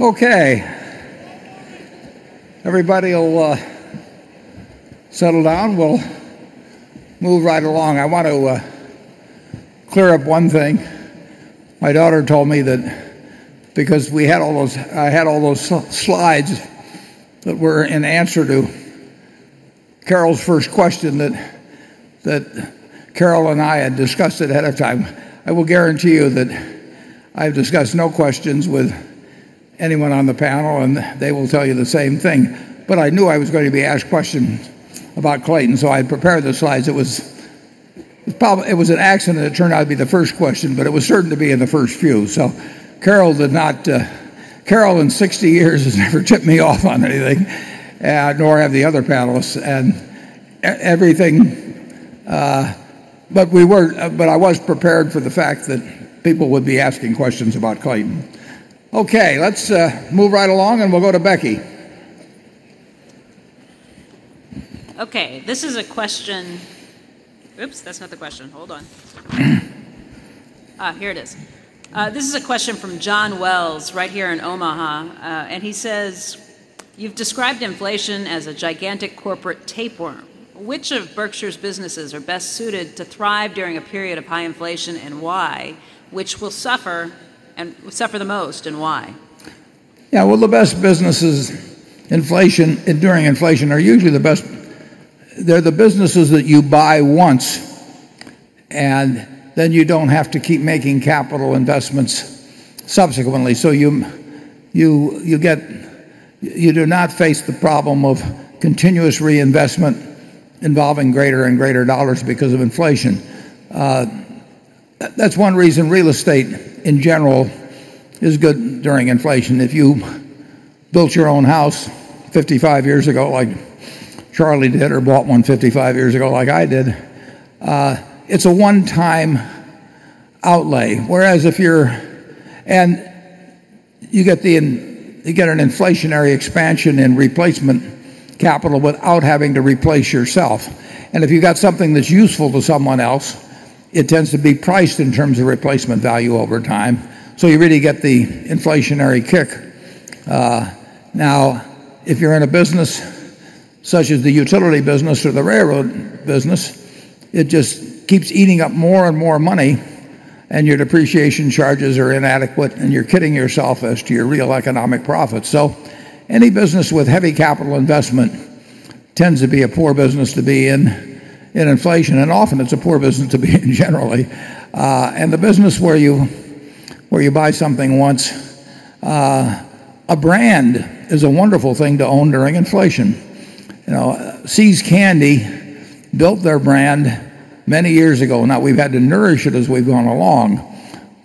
Okay. Everybody will settle down. We'll move right along. I want to clear up one thing. My daughter told me that because I had all those slides that were in answer to Carol's first question, that Carol and I had discussed it ahead of time. I will guarantee you that I've discussed no questions with anyone on the panel, and they will tell you the same thing. I knew I was going to be asked questions about Clayton, so I prepared the slides. It was an accident it turned out to be the first question, but it was certain to be in the first few. Carol, in 60 years, has never tipped me off on anything, nor have the other panelists. I was prepared for the fact that people would be asking questions about Clayton. Okay. Let's move right along, and we'll go to Becky. Okay. Oops. That's not the question. Hold on. Here it is. This is a question from John Wells right here in Omaha, he says, "You've described inflation as a gigantic corporate tapeworm. Which of Berkshire's businesses are best suited to thrive during a period of high inflation, and why? Which will suffer the most, and why? Well, the best businesses during inflation are usually the businesses that you buy once, and then you don't have to keep making capital investments subsequently. You do not face the problem of continuous reinvestment involving greater and greater dollars because of inflation. That's one reason real estate, in general, is good during inflation. If you built your own house 55 years ago, like Charlie did, or bought one 55 years ago, like I did, it's a one-time outlay, and you get an inflationary expansion in replacement capital without having to replace yourself. If you've got something that's useful to someone else, it tends to be priced in terms of replacement value over time, so you really get the inflationary kick. Now, if you're in a business such as the utility business or the railroad business, it just keeps eating up more and more money, and your depreciation charges are inadequate, and you're kidding yourself as to your real economic profits. Any business with heavy capital investment tends to be a poor business to be in in inflation, and often it's a poor business to be in generally. The business where you buy something once, a brand is a wonderful thing to own during inflation. See's Candies built their brand many years ago. Now, we've had to nourish it as we've gone along,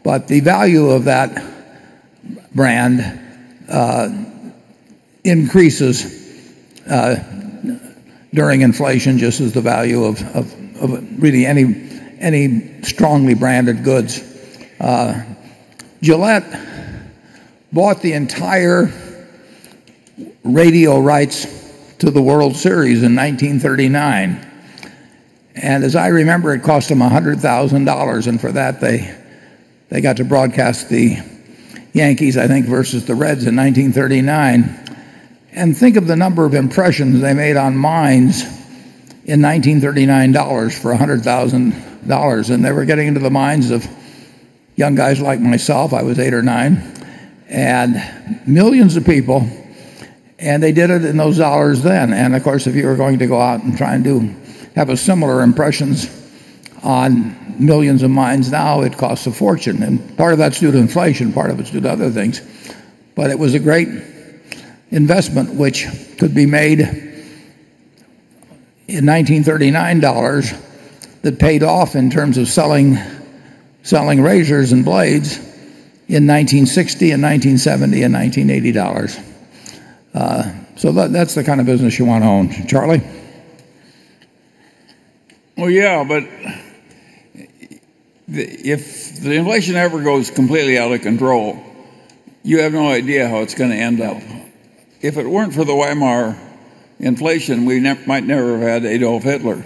but the value of that brand increases during inflation, just as the value of really any strongly branded goods. Gillette bought the entire radio rights to the World Series in 1939. As I remember, it cost them $100,000. For that, they got to broadcast the Yankees, I think, versus the Reds in 1939. Think of the number of impressions they made on minds in 1939 dollars for $100,000. They were getting into the minds of young guys like myself, I was eight or nine, and millions of people, and they did it in those dollars then. Of course, if you were going to go out and try and have similar impressions on millions of minds now, it'd cost a fortune. Part of that's due to inflation, part of it's due to other things. It was a great investment which could be made in 1939 dollars that paid off in terms of selling razors and blades in 1960 and 1970 and 1980 dollars. That's the kind of business you want to own. Charlie? Well, yeah, if the inflation ever goes completely out of control, you have no idea how it's going to end up. If it weren't for the Weimar inflation, we might never have had Adolf Hitler.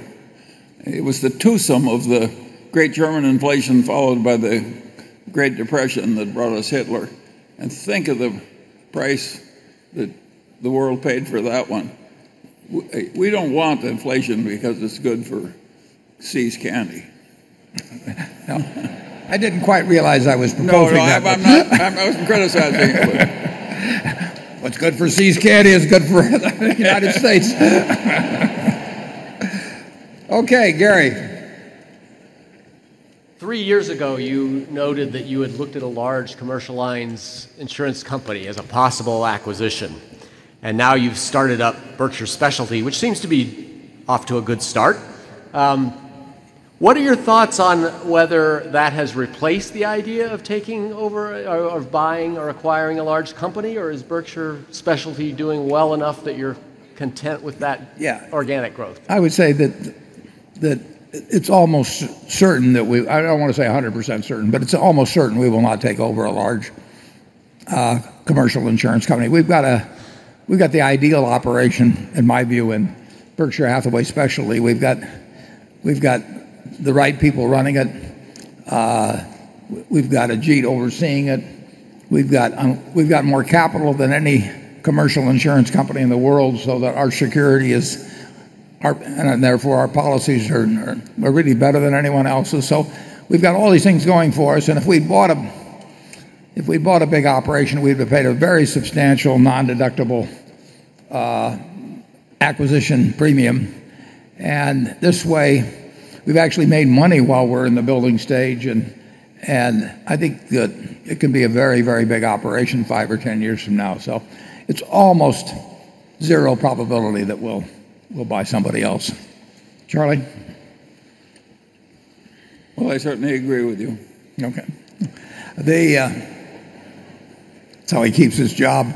It was the twosome of the great German inflation, followed by the Great Depression, that brought us Hitler. Think of the price that the world paid for that one. We don't want inflation because it's good for See's Candies. I didn't quite realize I was proposing that. No. I wasn't criticizing you. What's good for See's Candies is good for the United States. Okay. Gary. Three years ago, you noted that you had looked at a large commercial lines insurance company as a possible acquisition, and now you've started up Berkshire Specialty, which seems to be off to a good start. What are your thoughts on whether that has replaced the idea of taking over or of buying or acquiring a large company, or is Berkshire Specialty doing well enough that you're content with that organic growth? I would say that it's almost certain, I don't want to say 100% certain, but it's almost certain we will not take over a large commercial insurance company. We've got the ideal operation, in my view, in Berkshire Hathaway Specialty. We've got the right people running it. We've got Ajit overseeing it. We've got more capital than any commercial insurance company in the world, so that our security and therefore our policies are really better than anyone else's. We've got all these things going for us, and if we bought a big operation, we'd have paid a very substantial non-deductible acquisition premium. This way, we've actually made money while we're in the building stage, and I think that it can be a very, very big operation five or 10 years from now. It's almost zero probability that we'll buy somebody else. Charlie? Well, I certainly agree with you. Okay. That's how he keeps his job.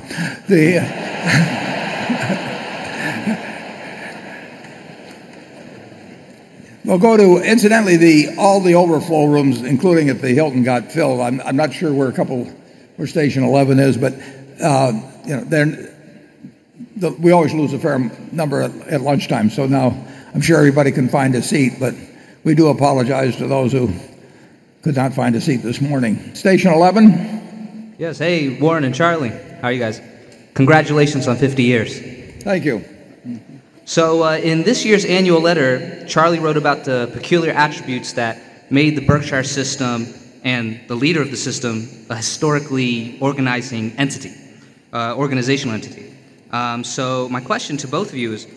We'll go to, incidentally, all the overflow rooms, including at the Hilton, got filled. I'm not sure where station 11 is, but we always lose a fair number at lunchtime. Now I'm sure everybody can find a seat, but we do apologize to those who could not find a seat this morning. Station 11? Yes. Hey, Warren and Charlie. How are you guys? Congratulations on 50 years. Thank you. In this year's annual letter, Charlie wrote about the peculiar attributes that made the Berkshire system and the leader of the system a historically organizational entity. My question to both of you is,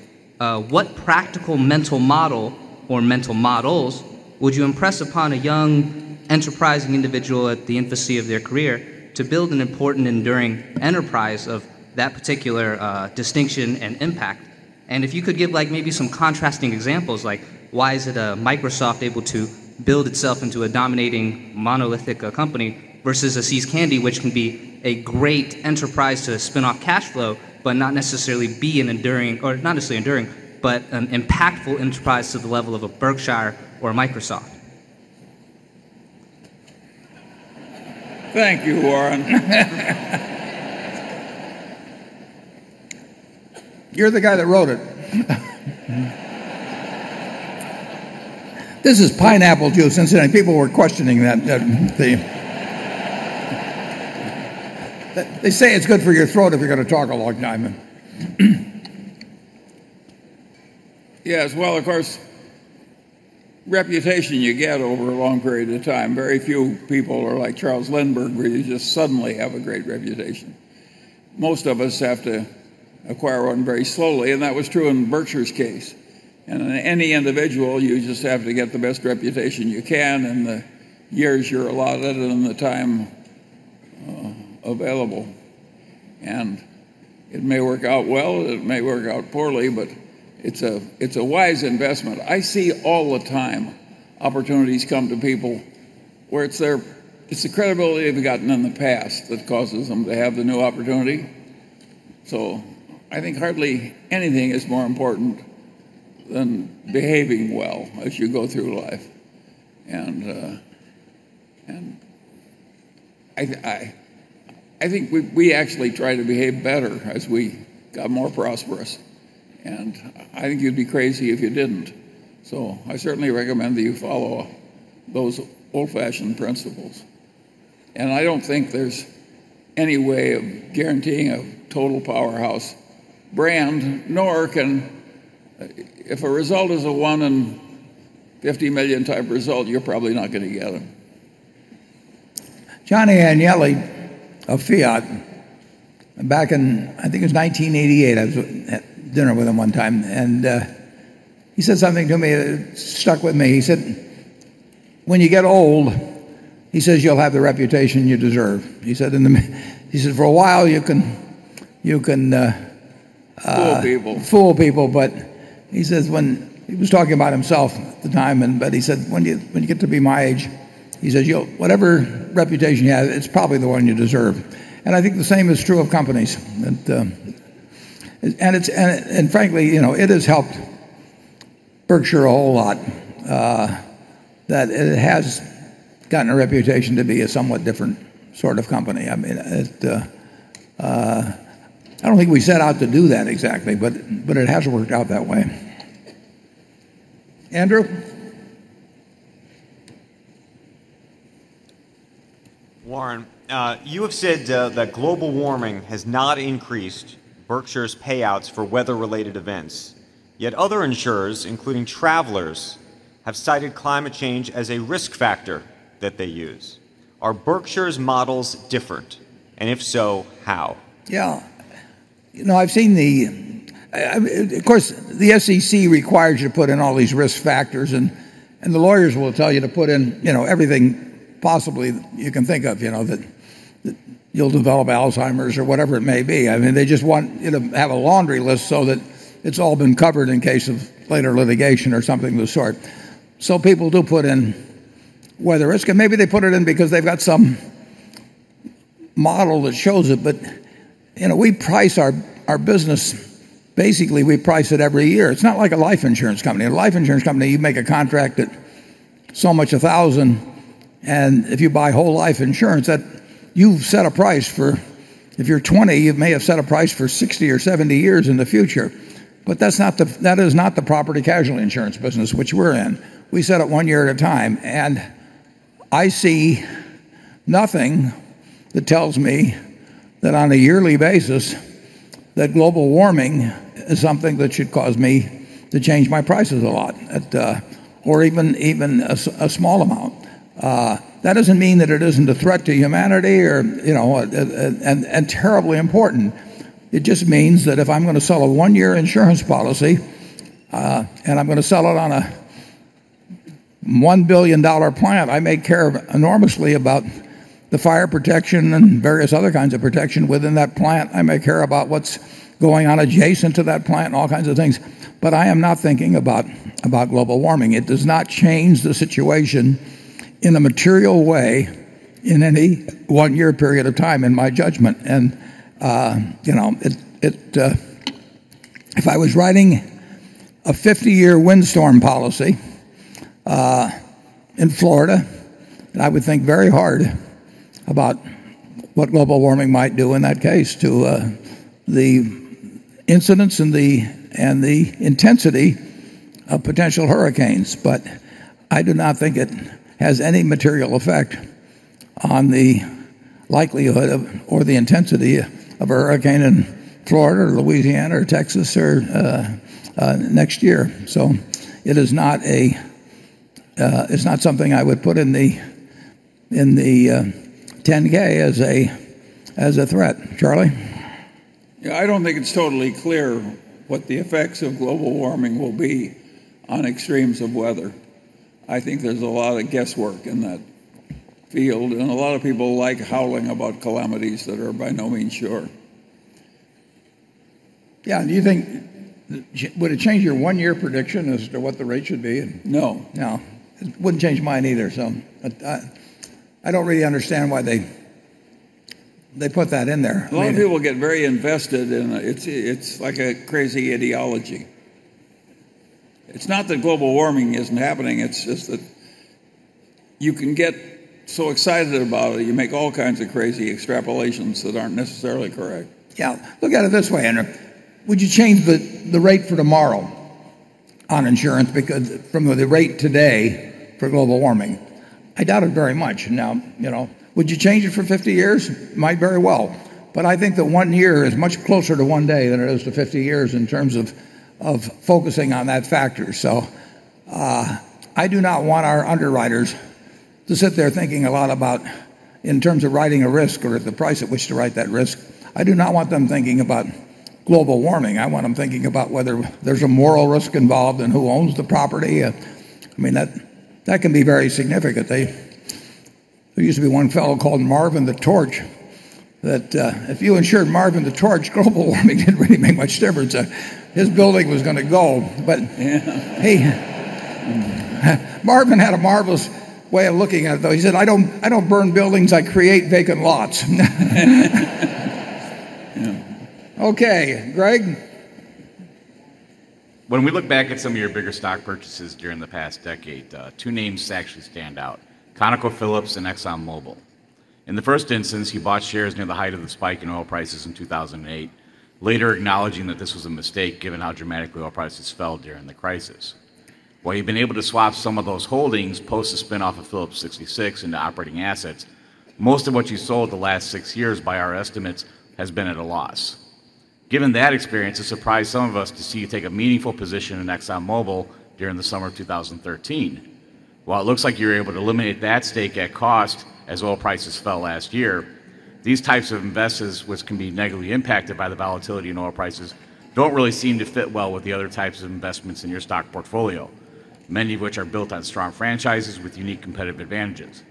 what practical mental model or mental models would you impress upon a young, enterprising individual at the infancy of their career to build an important, enduring enterprise of that particular distinction and impact? If you could give maybe some contrasting examples, like why is it Microsoft able to build itself into a dominating, monolithic company versus a See's Candies, which can be a great enterprise to spin-off cash flow, but not necessarily be an enduring, or not necessarily enduring, but an impactful enterprise to the level of a Berkshire or a Microsoft. Thank you, Warren. You're the guy that wrote it. This is pineapple juice, incidentally. People were questioning that. They say it's good for your throat if you're going to talk a long time. Yes. Of course, reputation you get over a long period of time. Very few people are like Charles Lindbergh, where you just suddenly have a great reputation. Most of us have to acquire one very slowly, and that was true in Berkshire's case. Any individual, you just have to get the best reputation you can in the years you're allotted and the time available. It may work out well, it may work out poorly, but it's a wise investment. I see all the time opportunities come to people where it's the credibility they've gotten in the past that causes them to have the new opportunity. I think hardly anything is more important than behaving well as you go through life. I think we actually try to behave better as we got more prosperous, and I think you'd be crazy if you didn't. I certainly recommend that you follow those old-fashioned principles. I don't think there's any way of guaranteeing a total powerhouse brand, nor can I if a result is a one in 50 million type result, you're probably not going to get them. Gianni Agnelli of Fiat, back in, I think it was 1988, I was at dinner with him one time. He said something to me that stuck with me. He said, "When you get old," he says, "you'll have the reputation you deserve." He said, "For a while, you can- Fool people. Fool people," he says he was talking about himself at the time, but he said, "When you get to be my age," he says, "whatever reputation you have, it's probably the one you deserve." I think the same is true of companies. Frankly, it has helped Berkshire a whole lot, that it has gotten a reputation to be a somewhat different sort of company. I don't think we set out to do that exactly, but it has worked out that way. Andrew? Warren, you have said that global warming has not increased Berkshire's payouts for weather-related events. Other insurers, including Travelers, have cited climate change as a risk factor that they use. Are Berkshire's models different, and if so, how? Yeah. Of course, the SEC requires you to put in all these risk factors, and the lawyers will tell you to put in everything possibly you can think of, that you'll develop Alzheimer's or whatever it may be. They just want you to have a laundry list so that it's all been covered in case of later litigation or something of the sort. People do put in weather risk, and maybe they put it in because they've got some model that shows it. We price our business, basically, we price it every year. It's not like a life insurance company. A life insurance company, you make a contract that so much 1,000. If you buy whole life insurance, you've set a price for, if you're 20, you may have set a price for 60 or 70 years in the future. That is not the property casualty insurance business, which we're in. We set it one year at a time, I see nothing that tells me that on a yearly basis, that global warming is something that should cause me to change my prices a lot, or even a small amount. That doesn't mean that it isn't a threat to humanity and terribly important. It just means that if I'm going to sell a one-year insurance policy, and I'm going to sell it on a $1 billion plant, I may care enormously about the fire protection and various other kinds of protection within that plant. I may care about what's going on adjacent to that plant and all kinds of things, but I am not thinking about global warming. It does not change the situation in a material way in any one-year period of time, in my judgment. If I was writing a 50-year windstorm policy in Florida, I would think very hard about what global warming might do in that case to the incidents and the intensity of potential hurricanes. I do not think it has any material effect on the likelihood or the intensity of a hurricane in Florida or Louisiana or Texas next year. It's not something I would put in the 10-K as a threat. Charlie? Yeah, I don't think it's totally clear what the effects of global warming will be on extremes of weather. I think there's a lot of guesswork in that field, and a lot of people like howling about calamities that are by no means sure. Yeah. Would it change your one-year prediction as to what the rate should be? No. No. It wouldn't change mine either, so I don't really understand why they put that in there. A lot of people get very invested, and it's like a crazy ideology. It's not that global warming isn't happening, it's just that you can get so excited about it, you make all kinds of crazy extrapolations that aren't necessarily correct. Yeah. Look at it this way, Andrew. Would you change the rate for tomorrow on insurance from the rate today for global warming? I doubt it very much. Now, would you change it for 50 years? Might very well, but I think that one year is much closer to one day than it is to 50 years in terms of focusing on that factor. I do not want our underwriters to sit there thinking a lot about in terms of writing a risk or the price at which to write that risk. I do not want them thinking about global warming. I want them thinking about whether there's a moral risk involved and who owns the property. That can be very significant. There used to be one fellow called Marvin the Torch, that if you insured Marvin the Torch, global warming didn't really make much difference. His building was going to go. Yeah. Marvin had a marvelous way of looking at it, though. He said, "I don't burn buildings. I create vacant lots." Okay. Greg? When we look back at some of your bigger stock purchases during the past decade, two names actually stand out, ConocoPhillips and ExxonMobil. In the first instance, you bought shares near the height of the spike in oil prices in 2008, later acknowledging that this was a mistake given how dramatically oil prices fell during the crisis. While you've been able to swap some of those holdings post the spin-off of Phillips 66 into operating assets, most of what you sold the last six years, by our estimates, has been at a loss. Given that experience, it surprised some of us to see you take a meaningful position in ExxonMobil during the summer of 2013. While it looks like you were able to eliminate that stake at cost as oil prices fell last year, these types of investments, which can be negatively impacted by the volatility in oil prices, don't really seem to fit well with the other types of investments in your stock portfolio, many of which are built on strong franchises with unique competitive advantages.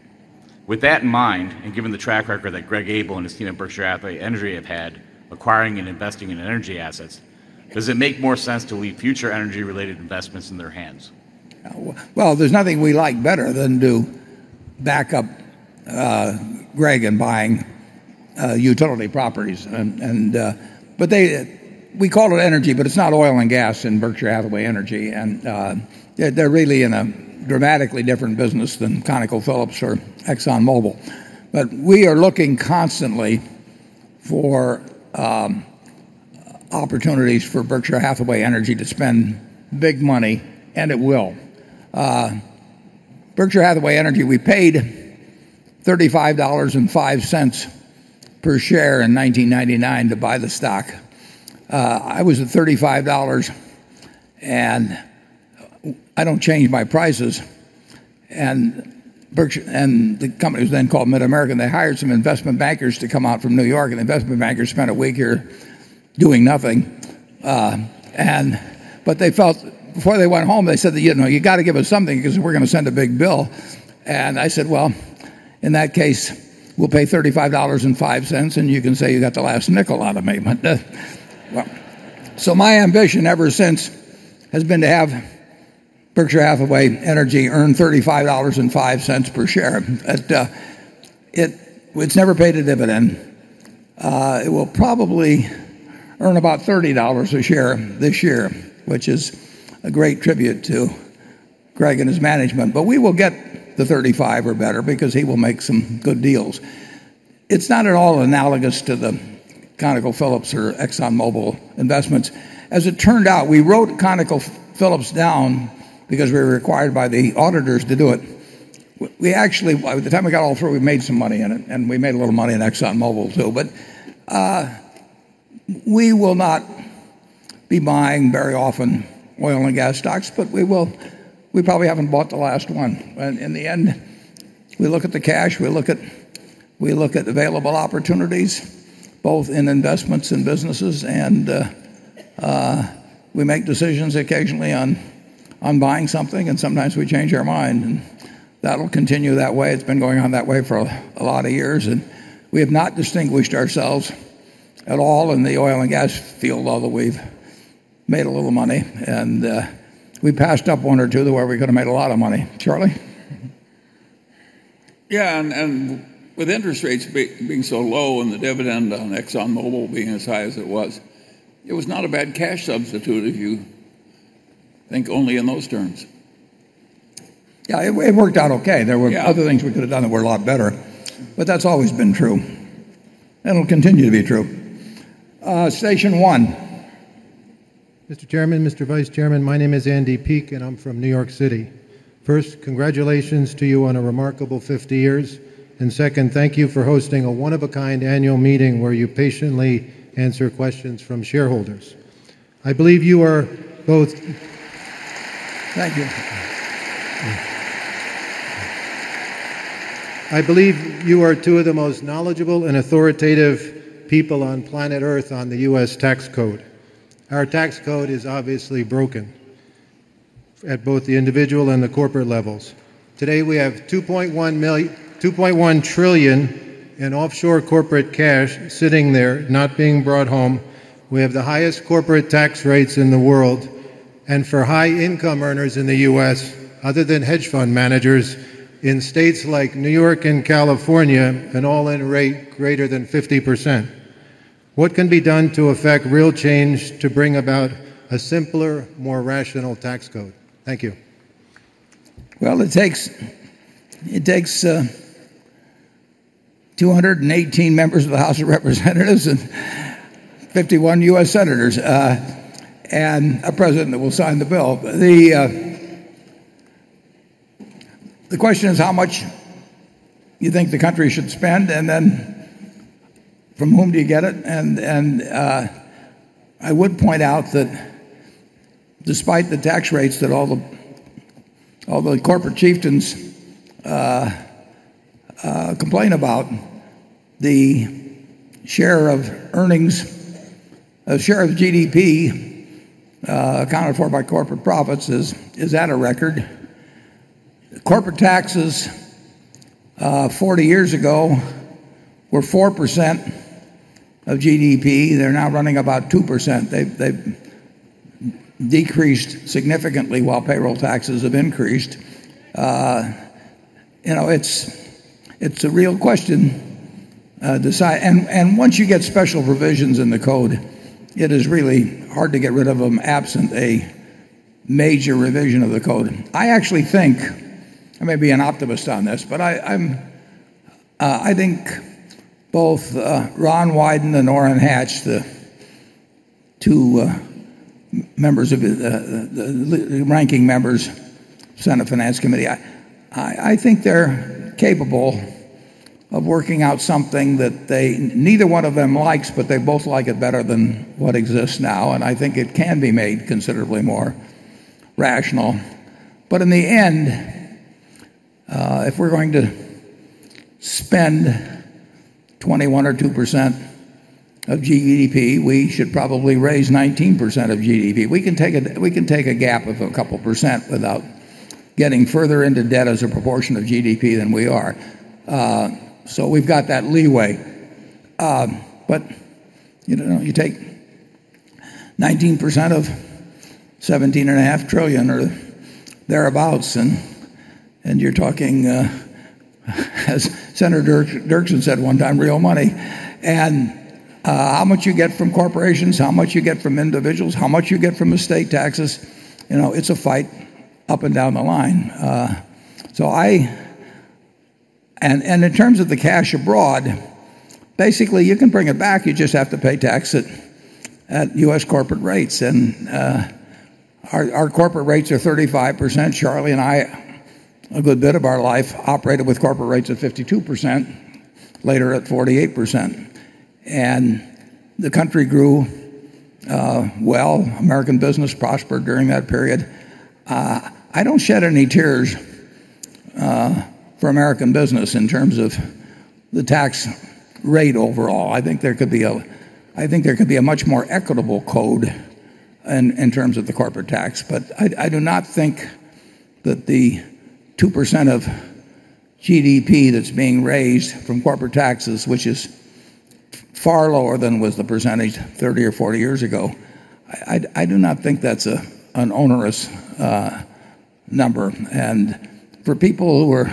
With that in mind, and given the track record that Greg Abel and his team at Berkshire Hathaway Energy have had acquiring and investing in energy assets, does it make more sense to leave future energy-related investments in their hands? Well, there's nothing we like better than to back up Greg in buying utility properties. We call it energy, but it's not oil and gas in Berkshire Hathaway Energy. They're really in a dramatically different business than ConocoPhillips or ExxonMobil. We are looking constantly for opportunities for Berkshire Hathaway Energy to spend big money, and it will. Berkshire Hathaway Energy, we paid $35.05 per share in 1999 to buy the stock. I was at $35, and I don't change my prices. The company was then called MidAmerican. They hired some investment bankers to come out from New York, and the investment bankers spent a week here doing nothing. Before they went home, they said that, "You got to give us something because we're going to send a big bill." I said, "Well, in that case, we'll pay $35.05, and you can say you got the last nickel out of me." Well, my ambition ever since has been to have Berkshire Hathaway Energy earn $35.05 per share. It's never paid a dividend. It will probably earn about $30 a share this year, which is a great tribute to Greg and his management. We will get the $35 or better because he will make some good deals. It's not at all analogous to the ConocoPhillips or ExxonMobil investments. As it turned out, we wrote ConocoPhillips down because we were required by the auditors to do it. By the time we got all through, we made some money in it, and we made a little money in ExxonMobil, too. We will not be buying very often oil and gas stocks. We probably haven't bought the last one. In the end, we look at the cash, we look at available opportunities, both in investments and businesses, and we make decisions occasionally on buying something, and sometimes we change our mind. That'll continue that way. It's been going on that way for a lot of years, and we have not distinguished ourselves at all in the oil and gas field, although we've made a little money. We passed up one or two where we could have made a lot of money. Charlie? Yeah, and with interest rates being so low and the dividend on ExxonMobil being as high as it was, it was not a bad cash substitute if you think only in those terms. Yeah, it worked out okay. Yeah. There were other things we could have done that were a lot better, but that's always been true, and it'll continue to be true. Station one. Mr. Chairman, Mr. Vice Chairman, my name is Andy Peak, and I'm from New York City. First, congratulations to you on a remarkable 50 years, and second, thank you for hosting a one-of-a-kind annual meeting where you patiently answer questions from shareholders. I believe you are both. Thank you. I believe you are two of the most knowledgeable and authoritative people on planet Earth on the U.S. tax code. Our tax code is obviously broken at both the individual and the corporate levels. Today, we have $2.1 trillion in offshore corporate cash sitting there, not being brought home. We have the highest corporate tax rates in the world. For high income earners in the U.S., other than hedge fund managers in states like New York and California, an all-in rate greater than 50%. What can be done to affect real change to bring about a simpler, more rational tax code? Thank you. Well, it takes 218 members of the House of Representatives and 51 U.S. senators, and a president that will sign the bill. The question is how much you think the country should spend, and then from whom do you get it? I would point out that despite the tax rates that all the corporate chieftains complain about, the share of GDP accounted for by corporate profits is at a record. Corporate taxes 40 years ago were 4% of GDP. They are now running about 2%. They have decreased significantly while payroll taxes have increased. It is a real question. Once you get special provisions in the code, it is really hard to get rid of them absent a major revision of the code. I actually think, I may be an optimist on this, but I think both Ron Wyden and Orrin Hatch, the two ranking members, Senate Finance Committee, I think they are capable of working out something that neither one of them likes, but they both like it better than what exists now. I think it can be made considerably more rational. In the end, if we are going to spend 21% or 22% of GDP, we should probably raise 19% of GDP. We can take a gap of a couple percent without getting further into debt as a proportion of GDP than we are. We have got that leeway. You take 19% of $17.5 trillion or thereabouts, and you are talking as Senator Dirksen said one time, real money. How much you get from corporations, how much you get from individuals, how much you get from estate taxes, it's a fight up and down the line. In terms of the cash abroad, basically you can bring it back, you just have to pay tax at U.S. corporate rates. Our corporate rates are 35%. Charlie and I, a good bit of our life, operated with corporate rates at 52%, later at 48%. The country grew well. American business prospered during that period. I don't shed any tears for American business in terms of the tax rate overall. I think there could be a much more equitable code in terms of the corporate tax. I do not think that the 2% of GDP that's being raised from corporate taxes, which is far lower than was the percentage 30 or 40 years ago, I do not think that's an onerous number. For people who are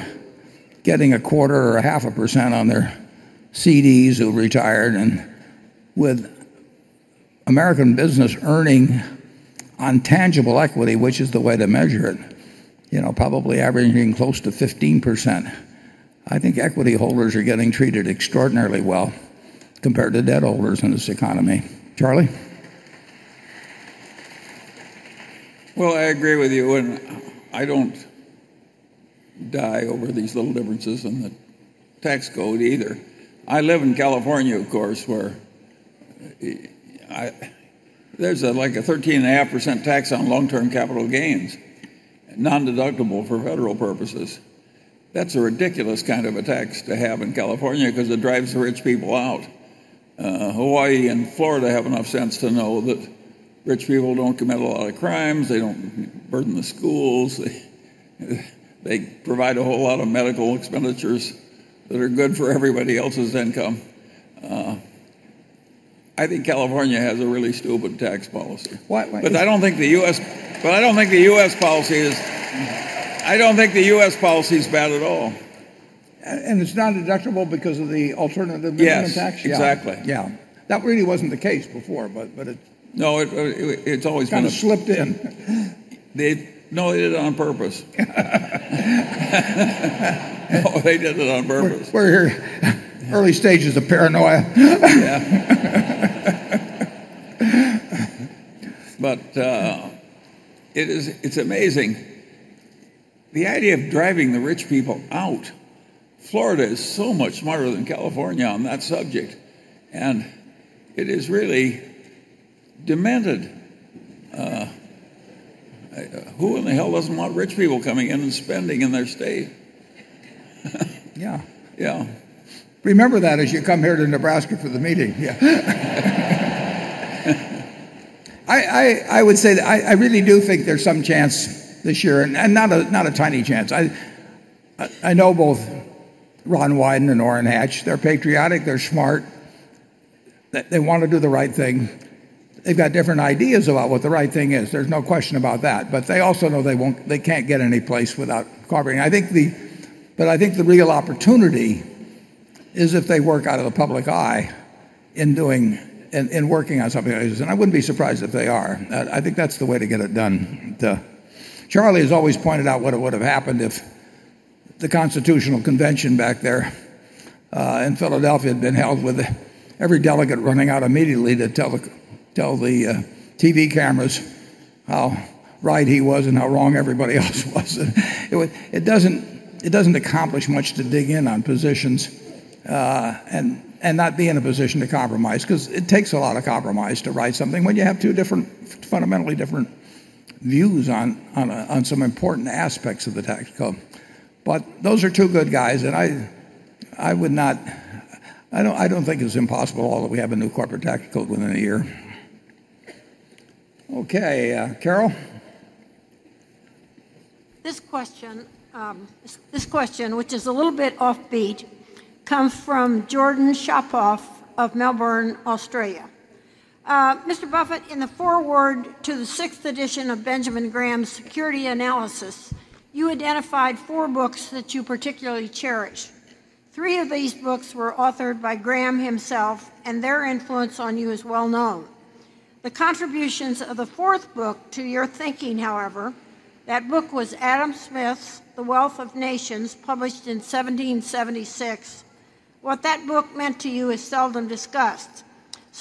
getting a quarter or a half a percent on their CDs who retired, and with American business earning on tangible equity, which is the way to measure it, probably averaging close to 15%, I think equity holders are getting treated extraordinarily well compared to debt holders in this economy. Charlie? Well, I agree with you, I don't die over these little differences in the tax code either. I live in California, of course, where there's a 13.5% tax on long-term capital gains, nondeductible for federal purposes. That's a ridiculous kind of a tax to have in California because it drives the rich people out. Hawaii and Florida have enough sense to know that rich people don't commit a lot of crimes. They don't burden the schools. They provide a whole lot of medical expenditures that are good for everybody else's income. I think California has a really stupid tax policy. Why? I don't think the U.S. policy is bad at all. It's nondeductible because of the Alternative Minimum Tax? Yes, exactly. Yeah. That really wasn't the case before. No, it's always been. Kind of slipped in No, they did it on purpose. No, they did it on purpose. We're in the early stages of paranoia. Yeah. It's amazing, the idea of driving the rich people out. Florida is so much smarter than California on that subject, it is really demented. Who in the hell doesn't want rich people coming in and spending in their state? Yeah. Yeah. Remember that as you come here to Nebraska for the meeting. Yeah. I would say that I really do think there's some chance this year, and not a tiny chance. I know both Ron Wyden and Orrin Hatch. They're patriotic, they're smart. They want to do the right thing. They've got different ideas about what the right thing is. There's no question about that. They also know they can't get any place without cooperating. I think the real opportunity is if they work out of the public eye in working on something like this, and I wouldn't be surprised if they are. I think that's the way to get it done. Charlie has always pointed out what would have happened if the constitutional convention back there in Philadelphia had been held with every delegate running out immediately to tell the TV cameras how right he was and how wrong everybody else was. It doesn't accomplish much to dig in on positions, and not be in a position to compromise because it takes a lot of compromise to write something when you have two fundamentally different views on some important aspects of the tax code. Those are two good guys, and I don't think it's impossible at all that we have a new corporate tax code within a year. Okay, Carol? This question, which is a little bit offbeat, comes from Jordan Shapoff of Melbourne, Australia. "Mr. Buffett, in the foreword to the sixth edition of Benjamin Graham's 'Security Analysis,' you identified four books that you particularly cherish. Three of these books were authored by Graham himself, and their influence on you is well-known. The contributions of the fourth book to your thinking, however, that book was Adam Smith's 'The Wealth of Nations,' published in 1776.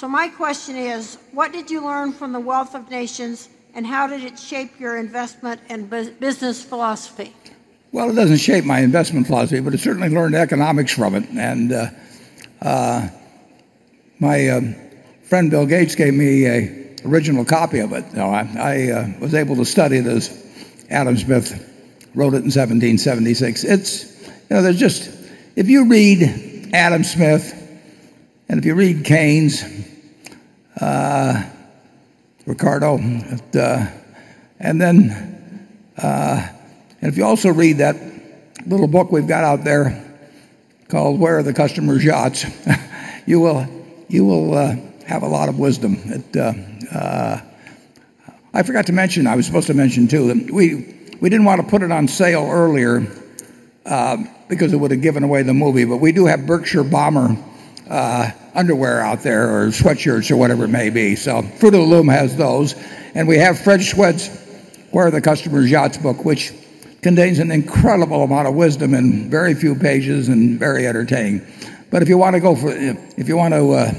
My question is, what did you learn from 'The Wealth of Nations,' and how did it shape your investment and business philosophy? Well, it doesn't shape my investment philosophy, but I certainly learned economics from it. My friend Bill Gates gave me an original copy of it. I was able to study this. Adam Smith wrote it in 1776. If you read Adam Smith and if you read Keynes, Ricardo, and if you also read that little book we've got out there called "Where Are the Customers' Yachts?" You will have a lot of wisdom. I forgot to mention, I was supposed to mention, too, we didn't want to put it on sale earlier because it would have given away the movie, but we do have Berkshire Bomber underwear out there, or sweatshirts or whatever it may be. Fruit of the Loom has those, and we have Fred's Sweats "Where Are the Customers' Yachts?" book, which contains an incredible amount of wisdom in very few pages and very entertaining. If you want to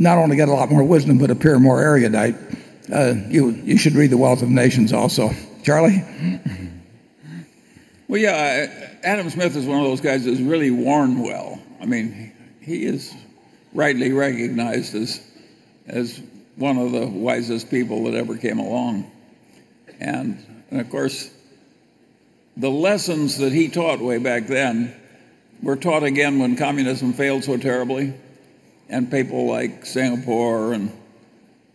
not only get a lot more wisdom but appear more erudite, you should read "The Wealth of Nations" also. Charlie? Well, yeah, Adam Smith is one of those guys that has really worn well. He is rightly recognized as one of the wisest people that ever came along. Of course, the lessons that he taught way back then were taught again when communism failed so terribly, and people like Singapore and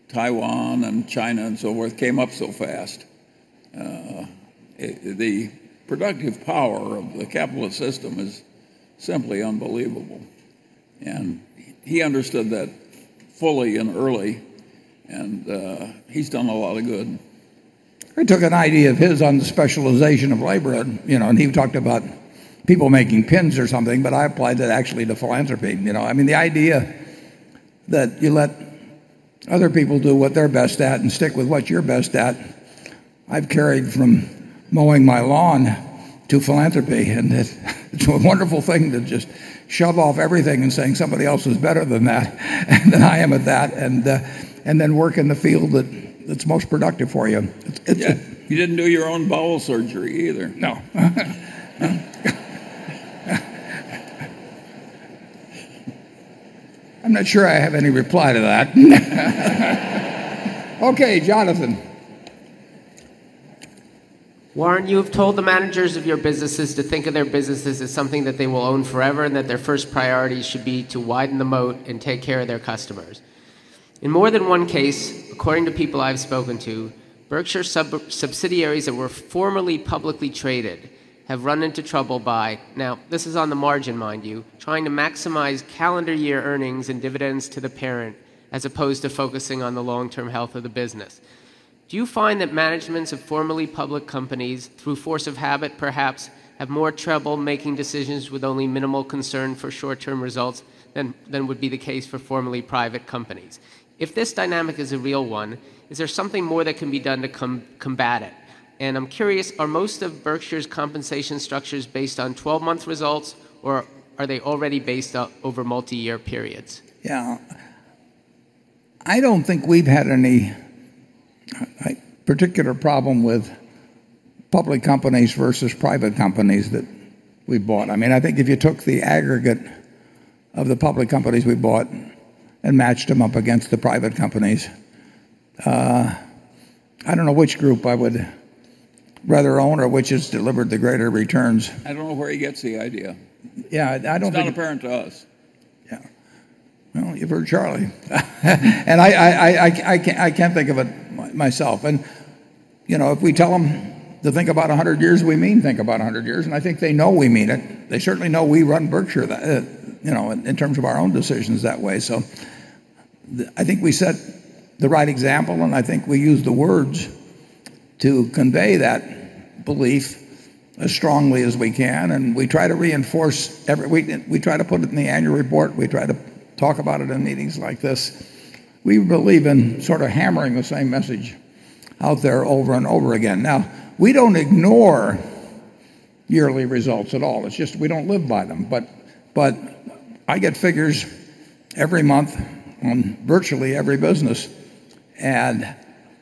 Taiwan and China and so forth came up so fast. The productive power of the capitalist system is simply unbelievable. He understood that fully and early, and he's done a lot of good. I took an idea of his on the specialization of labor, and he talked about people making pins or something, but I applied that actually to philanthropy. The idea that you let other people do what they're best at and stick with what you're best at, I've carried from mowing my lawn to philanthropy. It's a wonderful thing to just shove off everything and saying, "Somebody else is better than that, and I am at that," and then work in the field that's most productive for you. Yeah. You didn't do your own bowel surgery either. No. I'm not sure I have any reply to that. Okay, Jonathan. Warren, you have told the managers of your businesses to think of their businesses as something that they will own forever, their first priority should be to widen the moat and take care of their customers. In more than one case, according to people I've spoken to, Berkshire subsidiaries that were formerly publicly traded have run into trouble by, now, this is on the margin, mind you, trying to maximize calendar year earnings and dividends to the parent as opposed to focusing on the long-term health of the business. Do you find that managements of formerly public companies, through force of habit perhaps, have more trouble making decisions with only minimal concern for short-term results than would be the case for formerly private companies? If this dynamic is a real one, is there something more that can be done to combat it? I'm curious, are most of Berkshire's compensation structures based on 12-month results, or are they already based over multi-year periods? Yeah. I don't think we've had any particular problem with public companies versus private companies that we've bought. I think if you took the aggregate of the public companies we've bought and matched them up against the private companies, I don't know which group I would rather own or which has delivered the greater returns. I don't know where he gets the idea. Yeah. I don't think. It's not apparent to us. Yeah. Well, you've heard Charlie. I can't think of it myself. If we tell them to think about 100 years, we mean think about 100 years, and I think they know we mean it. They certainly know we run Berkshire, in terms of our own decisions that way. I think we set the right example, and I think we use the words to convey that belief as strongly as we can, and we try to reinforce. We try to put it in the annual report. We try to talk about it in meetings like this. We believe in sort of hammering the same message out there over and over again. We don't ignore yearly results at all, it's just we don't live by them. I get figures every month on virtually every business, and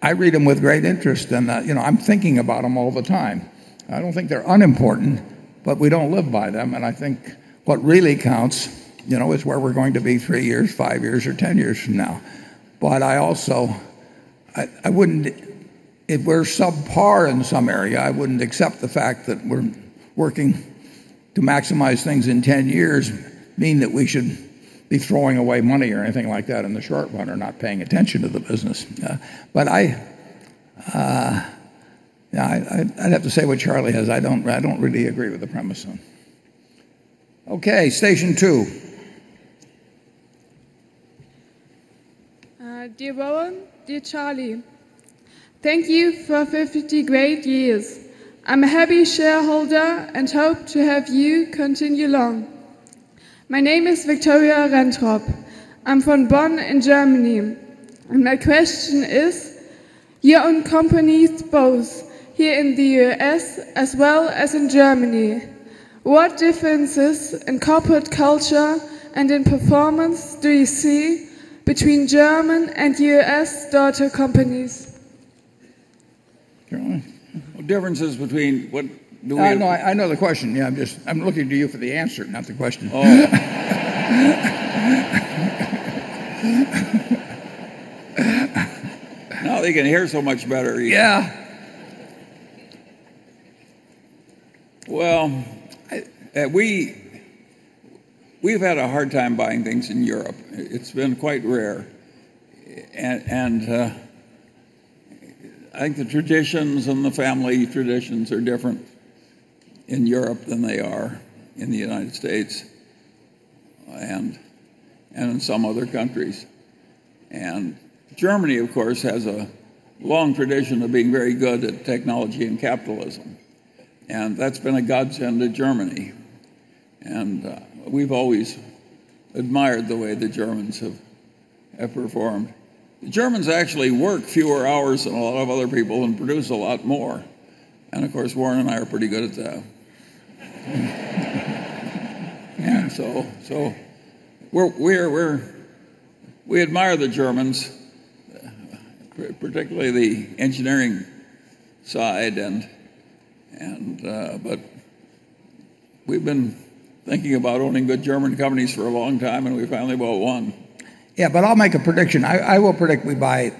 I read them with great interest, and I'm thinking about them all the time. I don't think they're unimportant, but we don't live by them, and I think what really counts is where we're going to be three years, five years, or 10 years from now. Also, if we're subpar in some area, I wouldn't accept the fact that we're working to maximize things in 10 years mean that we should be throwing away money or anything like that in the short run, or not paying attention to the business. I'd have to say what Charlie has. I don't really agree with the premise on it. Okay, station 2. Dear Warren, dear Charlie, thank you for 50 great years. I'm a happy shareholder and hope to have you continue long. My name is Victoria Rentrop. I'm from Bonn in Germany, and my question is: You own companies both here in the U.S. as well as in Germany. What differences in corporate culture and in performance do you see between German and U.S. daughter companies? Charlie? Differences between what do we- I know the question, yeah. I'm looking to you for the answer, not the question. Oh. Now they can hear so much better. Yeah. Well, we've had a hard time buying things in Europe. It's been quite rare. I think the traditions and the family traditions are different in Europe than they are in the U.S. and in some other countries. Germany, of course, has a long tradition of being very good at technology and capitalism, and that's been a godsend to Germany. We've always admired the way the Germans have performed. The Germans actually work fewer hours than a lot of other people and produce a lot more. Of course, Warren and I are pretty good at that. Yeah. We admire the Germans, particularly the engineering side, but we've been thinking about owning good German companies for a long time, and we finally bought one. Yeah, I'll make a prediction. I will predict we buy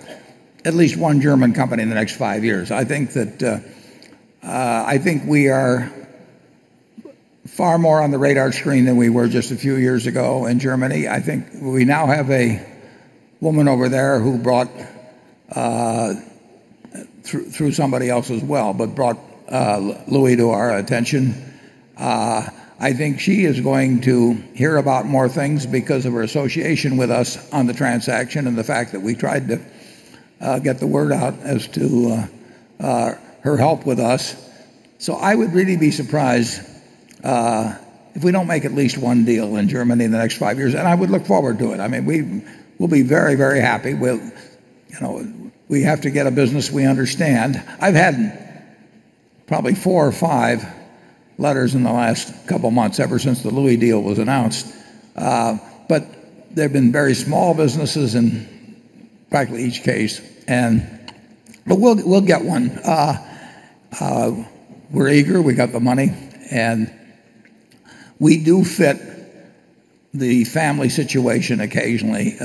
at least one German company in the next five years. I think we are far more on the radar screen than we were just a few years ago in Germany. I think we now have a woman over there who brought through somebody else as well, but brought Louis to our attention. I think she is going to hear about more things because of her association with us on the transaction and the fact that we tried to get the word out as to her help with us. I would really be surprised if we don't make at least one deal in Germany in the next five years, and I would look forward to it. We'll be very, very happy. We have to get a business we understand. I've had probably four or five letters in the last couple of months, ever since the Louis deal was announced. They've been very small businesses in practically each case, but we'll get one. We're eager, we got the money, and we do fit the family situation occasionally.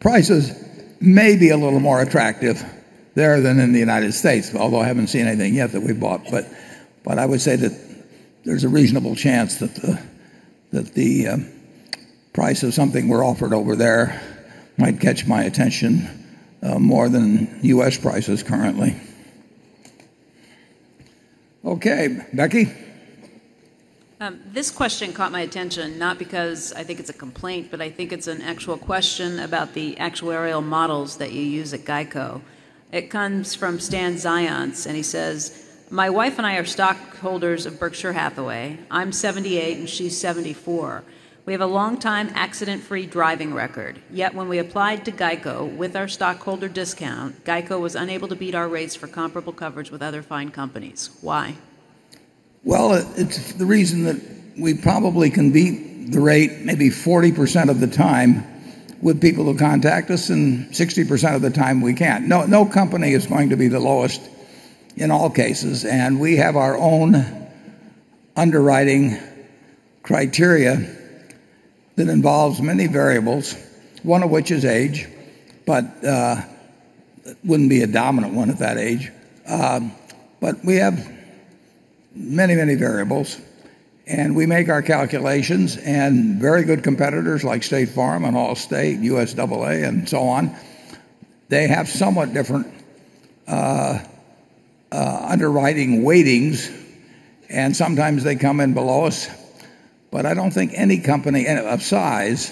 Prices may be a little more attractive there than in the U.S., although I haven't seen anything yet that we've bought. I would say that there's a reasonable chance that the price of something we're offered over there might catch my attention more than U.S. prices currently. Okay, Becky? This question caught my attention, not because I think it's a complaint, but I think it's an actual question about the actuarial models that you use at GEICO. It comes from Stan Zion, and he says, "My wife and I are stockholders of Berkshire Hathaway. I'm 78, and she's 74. We have a long time accident-free driving record, yet when we applied to GEICO with our stockholder discount, GEICO was unable to beat our rates for comparable coverage with other fine companies. Why? Well, it's the reason that we probably can beat the rate maybe 40% of the time with people who contact us, 60% of the time we can't. No company is going to be the lowest in all cases. We have our own underwriting criteria that involves many variables, one of which is age, but it wouldn't be a dominant one at that age. We have many, many variables. We make our calculations, and very good competitors like State Farm and Allstate, USAA, and so on, they have somewhat different underwriting weightings. Sometimes they come in below us. I don't think any company of size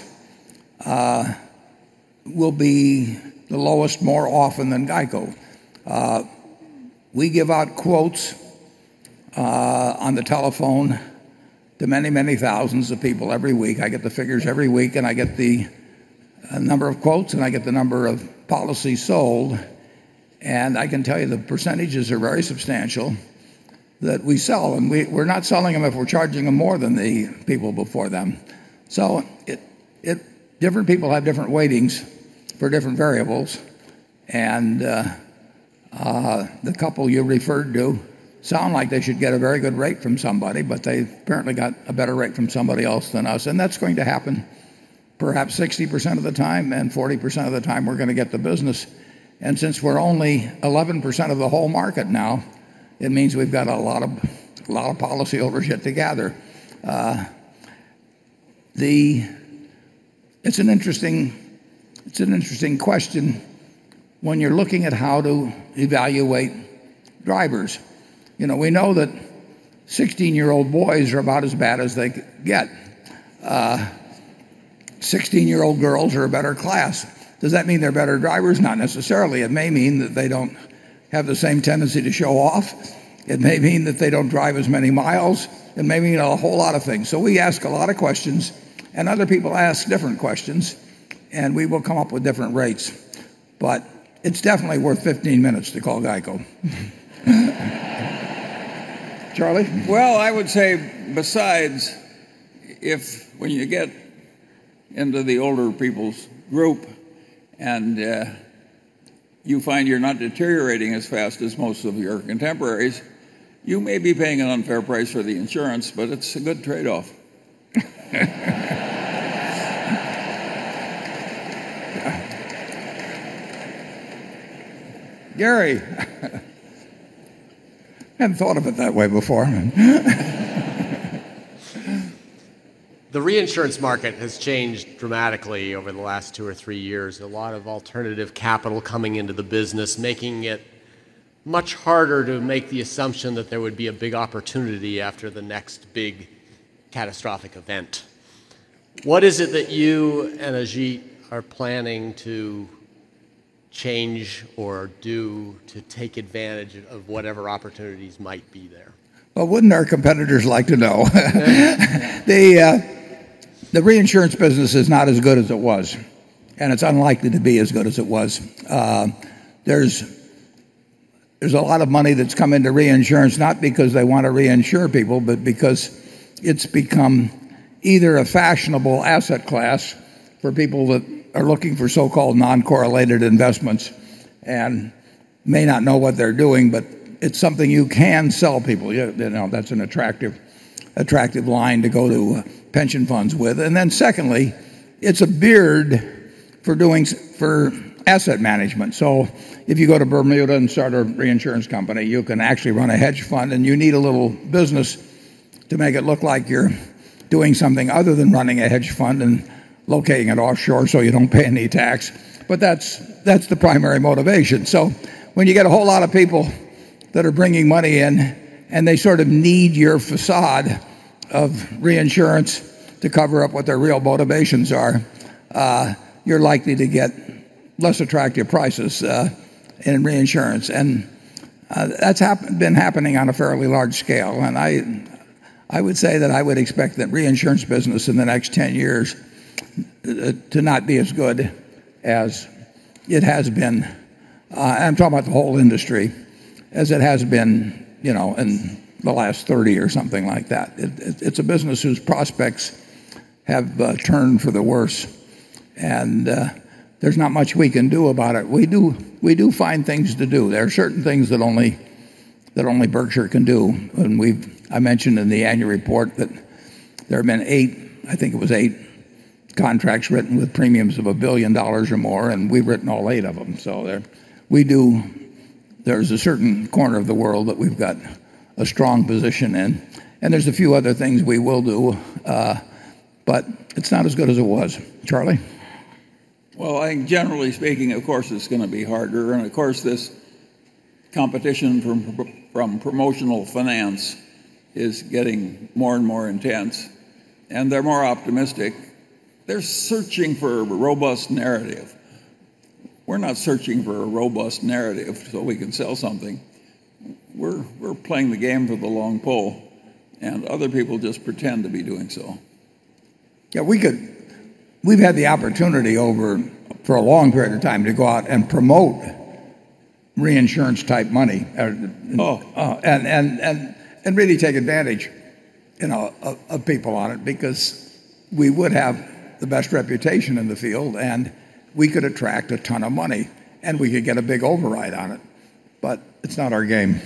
will be the lowest more often than GEICO. We give out quotes on the telephone to many, many thousands of people every week. I get the figures every week. I get the number of quotes. I get the number of policies sold. I can tell you the percentages are very substantial that we sell. We're not selling them if we're charging them more than the people before them. Different people have different weightings for different variables, and the couple you referred to sound like they should get a very good rate from somebody, but they apparently got a better rate from somebody else than us. That's going to happen perhaps 60% of the time. 40% of the time we're going to get the business. Since we're only 11% of the whole market now, it means we've got a lot of policy over yet to gather. It's an interesting question when you're looking at how to evaluate drivers. We know that 16-year-old boys are about as bad as they could get. Sixteen-year-old girls are a better class. Does that mean they're better drivers? Not necessarily. It may mean that they don't have the same tendency to show off. It may mean that they don't drive as many miles. It may mean a whole lot of things. We ask a lot of questions. Other people ask different questions. We will come up with different rates. It's definitely worth 15 minutes to call GEICO. Charlie? Well, I would say besides, if when you get into the older people's group and you find you're not deteriorating as fast as most of your contemporaries, you may be paying an unfair price for the insurance, but it's a good trade-off. Gary? Hadn't thought of it that way before. The reinsurance market has changed dramatically over the last two or three years. A lot of alternative capital coming into the business, making it much harder to make the assumption that there would be a big opportunity after the next big catastrophic event. What is it that you and Ajit are planning to change or do to take advantage of whatever opportunities might be there? Well, wouldn't our competitors like to know? The reinsurance business is not as good as it was. It's unlikely to be as good as it was. There's a lot of money that's come into reinsurance, not because they want to reinsure people, but because it's become either a fashionable asset class for people that are looking for so-called non-correlated investments and may not know what they're doing, but it's something you can sell people. That's an attractive line to go to pension funds with. Secondly It's a beard for asset management. If you go to Bermuda and start a reinsurance company, you can actually run a hedge fund, and you need a little business to make it look like you're doing something other than running a hedge fund and locating it offshore so you don't pay any tax. That's the primary motivation. When you get a whole lot of people that are bringing money in and they sort of need your facade of reinsurance to cover up what their real motivations are, you're likely to get less attractive prices in reinsurance. That's been happening on a fairly large scale. I would say that I would expect that reinsurance business in the next 10 years to not be as good as it has been, I'm talking about the whole industry, as it has been in the last 30 or something like that. It's a business whose prospects have turned for the worse, and there's not much we can do about it. We do find things to do. There are certain things that only Berkshire can do, I mentioned in the annual report that there have been eight, I think it was eight, contracts written with premiums of $1 billion or more, and we've written all eight of them. There's a certain corner of the world that we've got a strong position in, and there's a few other things we will do, but it's not as good as it was. Charlie? Well, I think generally speaking, of course, it's going to be harder. Of course, this competition from promotional finance is getting more and more intense, and they're more optimistic. They're searching for a robust narrative. We're not searching for a robust narrative so we can sell something. We're playing the game for the long pull, and other people just pretend to be doing so. Yeah, we've had the opportunity over, for a long period of time, to go out and promote reinsurance type money. Oh Really take advantage of people on it because we would have the best reputation in the field, and we could attract a ton of money, and we could get a big override on it. It's not our game.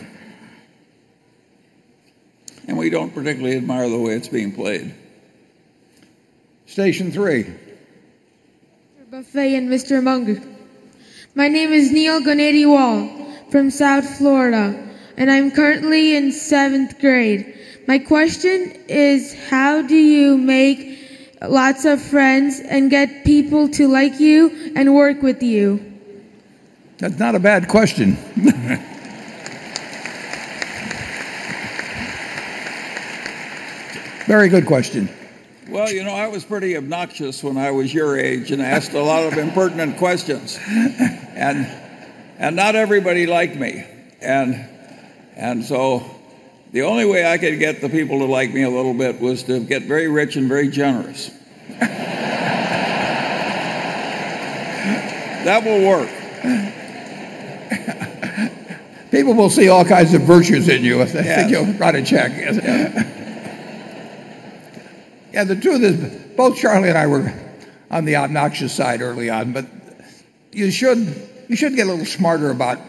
We don't particularly admire the way it's being played. Station three. Mr. Buffett and Mr. Munger. My name is Neil Gnediwall from South Florida, and I'm currently in grade 7. My question is, how do you make lots of friends and get people to like you and work with you? That's not a bad question. Very good question. Well, I was pretty obnoxious when I was your age and asked a lot of impertinent questions. Not everybody liked me. The only way I could get the people to like me a little bit was to get very rich and very generous. That will work. People will see all kinds of virtues in you if they think you'll write a check. Yeah. Yeah, the truth is, both Charlie and I were on the obnoxious side early on, you should get a little smarter about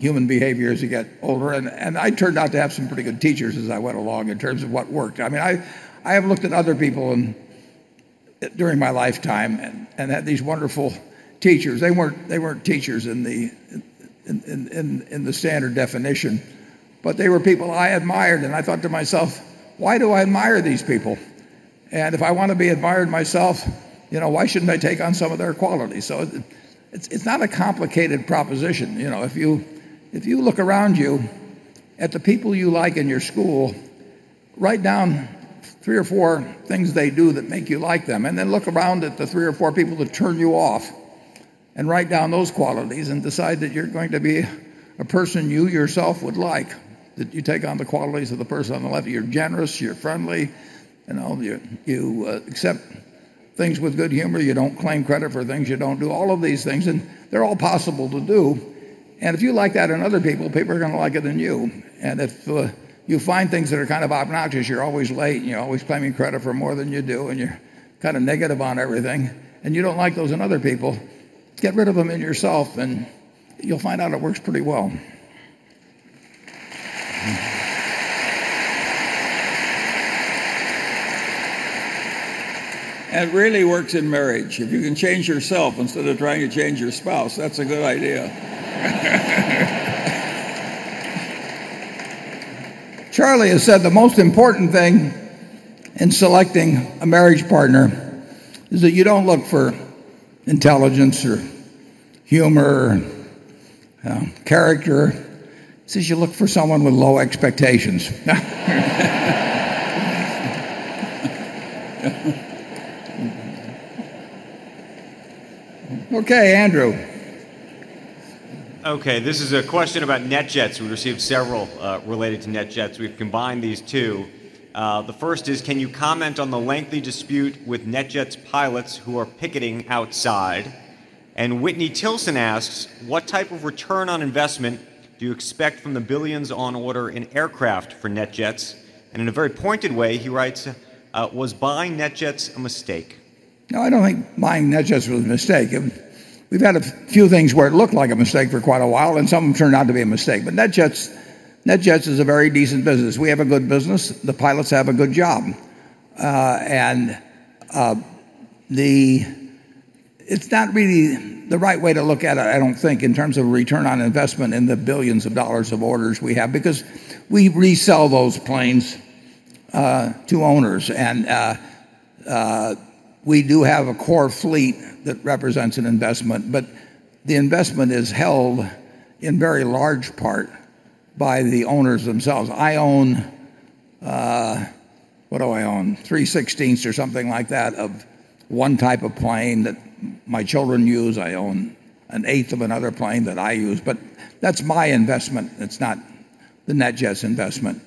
human behavior as you get older, I turned out to have some pretty good teachers as I went along in terms of what worked. I have looked at other people during my lifetime and had these wonderful teachers. They weren't teachers in the standard definition, but they were people I admired, and I thought to myself, "Why do I admire these people? If I want to be admired myself, why shouldn't I take on some of their qualities?" It's not a complicated proposition. If you look around you at the people you like in your school, write down three or four things they do that make you like them, then look around at the three or four people that turn you off, write down those qualities and decide that you're going to be a person you yourself would like. That you take on the qualities of the person on the left. You're generous, you're friendly, you accept things with good humor. You don't claim credit for things you don't do, all of these things, and they're all possible to do. If you like that in other people are going to like it in you. If you find things that are kind of obnoxious, you're always late, and you're always claiming credit for more than you do, and you're kind of negative on everything, and you don't like those in other people, get rid of them in yourself, and you'll find out it works pretty well. It really works in marriage. If you can change yourself instead of trying to change your spouse, that's a good idea. Charlie has said the most important thing in selecting a marriage partner is that you don't look for intelligence, or humor, or character. He says you look for someone with low expectations. Okay, Andrew. Okay, this is a question about NetJets. We've received several related to NetJets. We've combined these two. The first is, can you comment on the lengthy dispute with NetJets pilots who are picketing outside? Whitney Tilson asks, "What type of return on investment do you expect from the billions on order in aircraft for NetJets?" In a very pointed way, he writes, "Was buying NetJets a mistake? No, I don't think buying NetJets was a mistake. We've had a few things where it looked like a mistake for quite a while, and some of them turned out to be a mistake. NetJets is a very decent business. We have a good business. The pilots have a good job. It's not really the right way to look at it, I don't think, in terms of return on investment in the billions of dollars of orders we have, because we resell those planes to owners. We do have a core fleet that represents an investment, but the investment is held in very large part by the owners themselves. I own, what do I own? Three-sixteenths or something like that of one type 1 plane that my children use. I own an eighth of another plane that I use, but that's my investment. It's not the NetJets investment.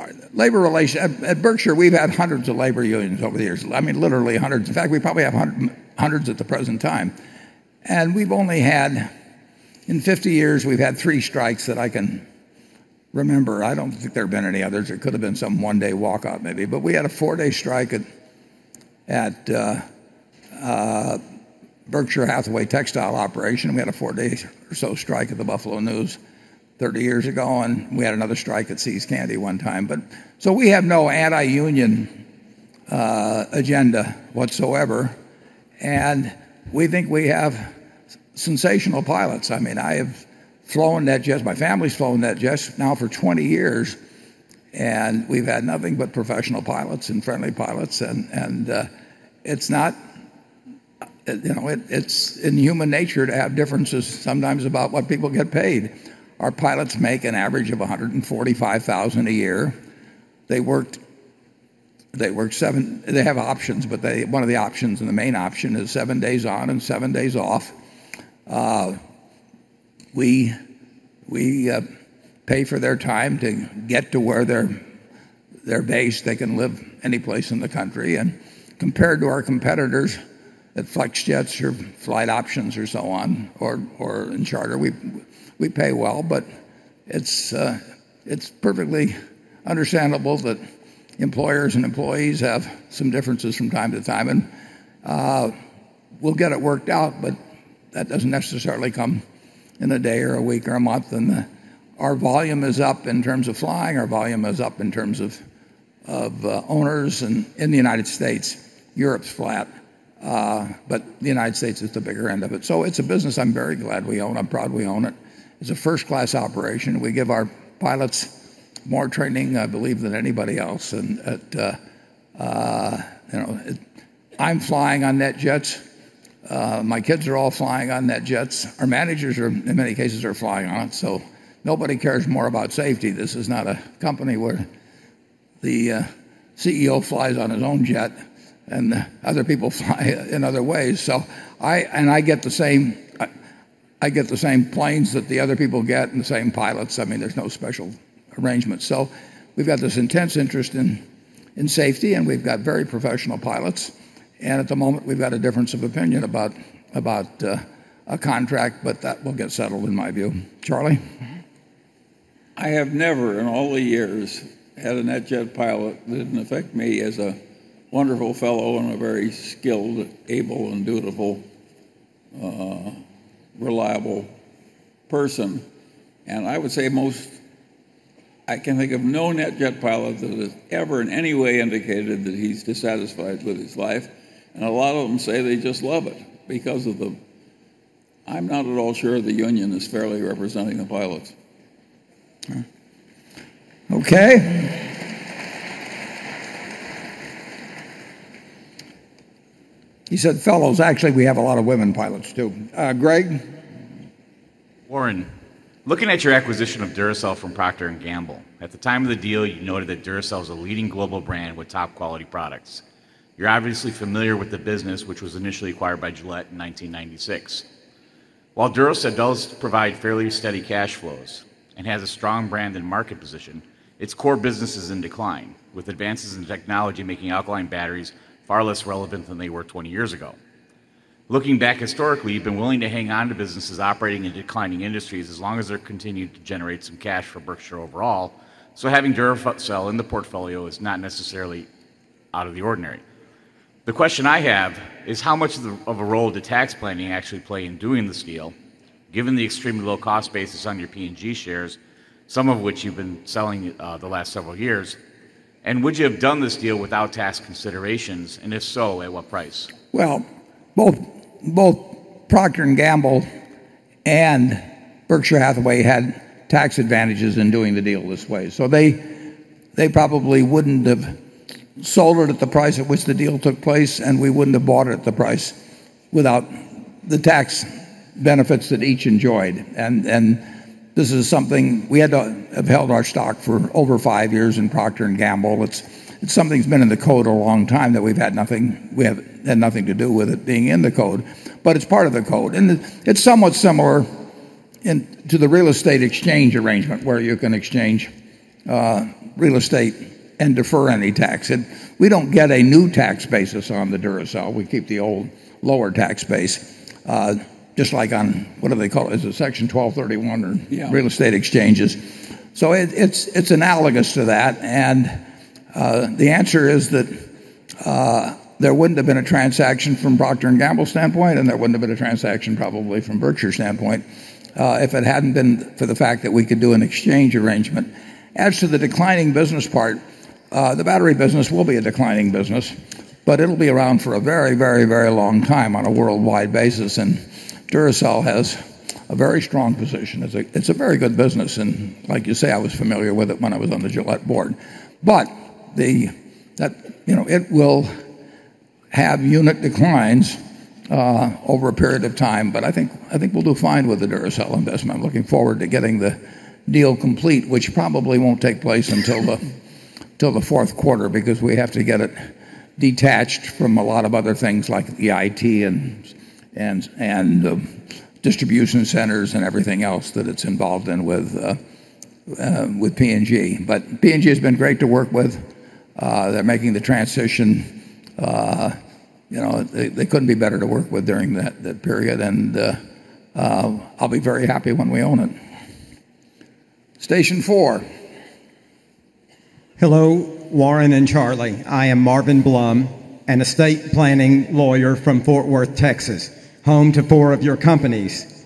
At Berkshire, we've had hundreds of labor unions over the years. Literally hundreds. In fact, we probably have hundreds at the present time. In 50 years, we've had three strikes that I can remember. I don't think there have been any others. There could have been some one-day walkout maybe, but we had a four-day strike at Berkshire Hathaway textile operation. We had a four-day or so strike at The Buffalo News 30 years ago, and we had another strike at See's Candies one time. We have no anti-union agenda whatsoever, and we think we have sensational pilots. I have flown NetJets, my family's flown NetJets now for 20 years, and we've had nothing but professional pilots and friendly pilots. It's in human nature to have differences sometimes about what people get paid. Our pilots make an average of $145,000 a year. They have options, one of the options and the main option is seven days on and seven days off. Compared to our competitors at Flexjet or Flight Options or so on, or in charter, we pay well. It's perfectly understandable that employers and employees have some differences from time to time. We'll get it worked out, but that doesn't necessarily come in a day or a week or a month. Our volume is up in terms of flying, our volume is up in terms of owners and in the United States. Europe's flat, but the United States is the bigger end of it. It's a business I'm very glad we own. I'm proud we own it. It's a first-class operation. We give our pilots more training, I believe, than anybody else. I'm flying on NetJets. My kids are all flying on NetJets. Our managers, in many cases, are flying on it, nobody cares more about safety. This is not a company where the CEO flies on his own jet and other people fly in other ways. I get the same planes that the other people get and the same pilots. There's no special arrangement. We've got this intense interest in safety, and we've got very professional pilots. At the moment, we've got a difference of opinion about a contract, but that will get settled in my view. Charlie? I have never in all the years had a NetJets pilot that didn't affect me as a wonderful fellow and a very skilled, able, and dutiful, reliable person. I would say I can think of no NetJets pilot that has ever in any way indicated that he's dissatisfied with his life. A lot of them say they just love it. I'm not at all sure the union is fairly representing the pilots. Okay. He said fellows. Actually, we have a lot of women pilots, too. Greg? Warren, looking at your acquisition of Duracell from Procter & Gamble, at the time of the deal, you noted that Duracell is a leading global brand with top-quality products. You're obviously familiar with the business, which was initially acquired by Gillette in 1996. While Duracell does provide fairly steady cash flows and has a strong brand and market position, its core business is in decline, with advances in technology making alkaline batteries far less relevant than they were 20 years ago. Looking back historically, you've been willing to hang on to businesses operating in declining industries as long as they're continuing to generate some cash for Berkshire overall, having Duracell in the portfolio is not necessarily out of the ordinary. The question I have is how much of a role did tax planning actually play in doing this deal, given the extremely low cost basis on your P&G shares, some of which you've been selling the last several years? Would you have done this deal without tax considerations, and if so, at what price? Both Procter & Gamble and Berkshire Hathaway had tax advantages in doing the deal this way. They probably wouldn't have sold it at the price at which the deal took place, and we wouldn't have bought it at the price without the tax benefits that each enjoyed. We had to have held our stock for over five years in Procter & Gamble. It's something that's been in the code a long time that we've had nothing to do with it being in the code, but it's part of the code, and it's somewhat similar to the real estate exchange arrangement where you can exchange real estate and defer any tax. We don't get a new tax basis on the Duracell. We keep the old lower tax base, just like on, what do they call it? Is it Section 1231 or- Yeah real estate exchanges? It's analogous to that, and the answer is that There wouldn't have been a transaction from Procter & Gamble's standpoint, and there wouldn't have been a transaction probably from Berkshire's standpoint if it hadn't been for the fact that we could do an exchange arrangement. As to the declining business part, the battery business will be a declining business, but it'll be around for a very long time on a worldwide basis, and Duracell has a very strong position. It's a very good business and like you say, I was familiar with it when I was on the Gillette board. It will have unit declines over a period of time, but I think we'll do fine with the Duracell investment. I'm looking forward to getting the deal complete, which probably won't take place until the fourth quarter because we have to get it detached from a lot of other things like the IT and the distribution centers and everything else that it's involved in with P&G. P&G has been great to work with. They're making the transition. They couldn't be better to work with during that period, and I'll be very happy when we own it. Station four. Hello, Warren and Charlie. I am Marvin Blum, an estate planning lawyer from Fort Worth, Texas, home to four of your companies.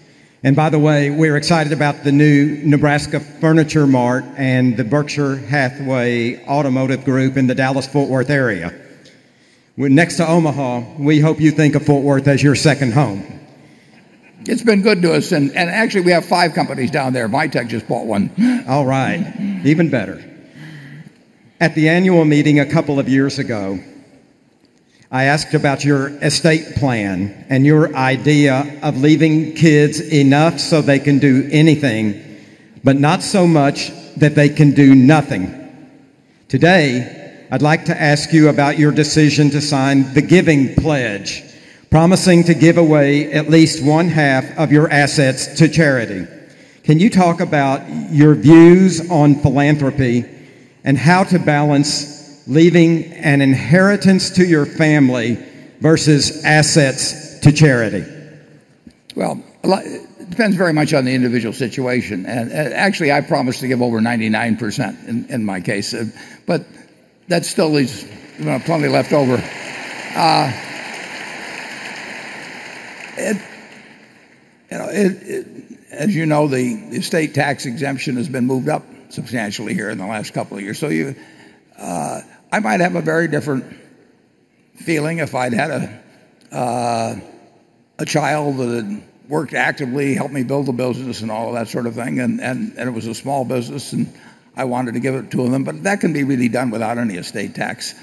By the way, we're excited about the new Nebraska Furniture Mart and the Berkshire Hathaway Automotive Group in the Dallas-Fort Worth area. We're next to Omaha. We hope you think of Fort Worth as your second home. It's been good to us. Actually, we have five companies down there. MiTek just bought one. All right. Even better. At the annual meeting a couple of years ago, I asked about your estate plan and your idea of leaving kids enough so they can do anything, but not so much that they can do nothing. Today, I'd like to ask you about your decision to sign the Giving Pledge, promising to give away at least one half of your assets to charity. Can you talk about your views on philanthropy and how to balance leaving an inheritance to your family versus assets to charity? Well, it depends very much on the individual situation. Actually, I promise to give over 99% in my case, but that still leaves plenty left over. As you know, the estate tax exemption has been moved up substantially here in the last couple of years. I might have a very different feeling if I'd had a child that had worked actively, helped me build a business and all of that sort of thing, and it was a small business, and I wanted to give it to them. That can be really done without any estate tax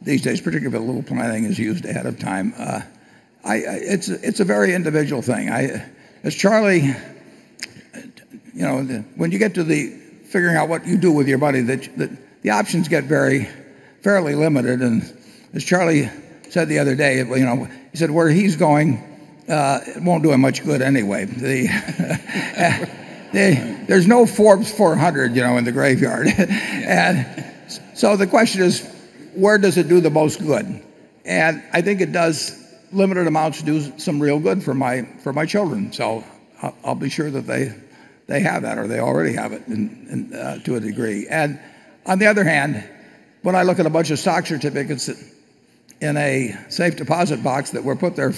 these days, particularly if a little planning is used ahead of time. It's a very individual thing. When you get to the figuring out what you do with your money, the options get fairly limited, as Charlie said the other day, he said where he's going, it won't do him much good anyway. There's no Forbes 400 in the graveyard. The question is, where does it do the most good? I think limited amounts do some real good for my children. I'll be sure that they have that, or they already have it to a degree. On the other hand, when I look at a bunch of stock certificates in a safe deposit box that were put there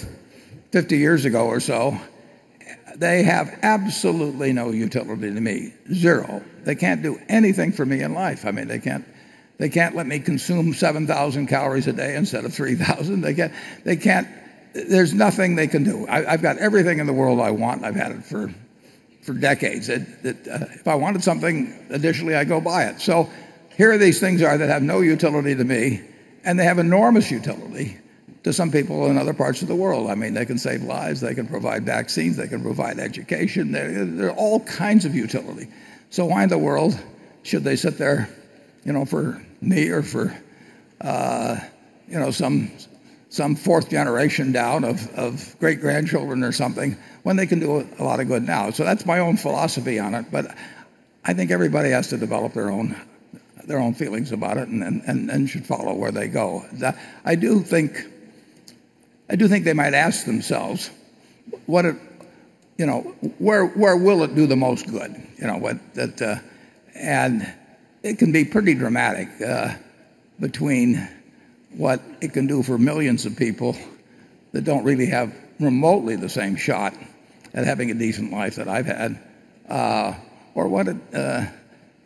50 years ago or so, they have absolutely no utility to me. Zero. They can't do anything for me in life. They can't let me consume 7,000 calories a day instead of 3,000. There's nothing they can do. I've got everything in the world I want. I've had it for decades. If I wanted something additionally, I go buy it. Here are these things that have no utility to me, and they have enormous utility to some people in other parts of the world. They can save lives, they can provide vaccines, they can provide education. There are all kinds of utility. Why in the world should they sit there for me or for some fourth generation down of great-grandchildren or something when they can do a lot of good now? That's my own philosophy on it, but I think everybody has to develop their own feelings about it and should follow where they go. I do think they might ask themselves, where will it do the most good? It can be pretty dramatic between what it can do for millions of people that don't really have remotely the same shot at having a decent life that I've had,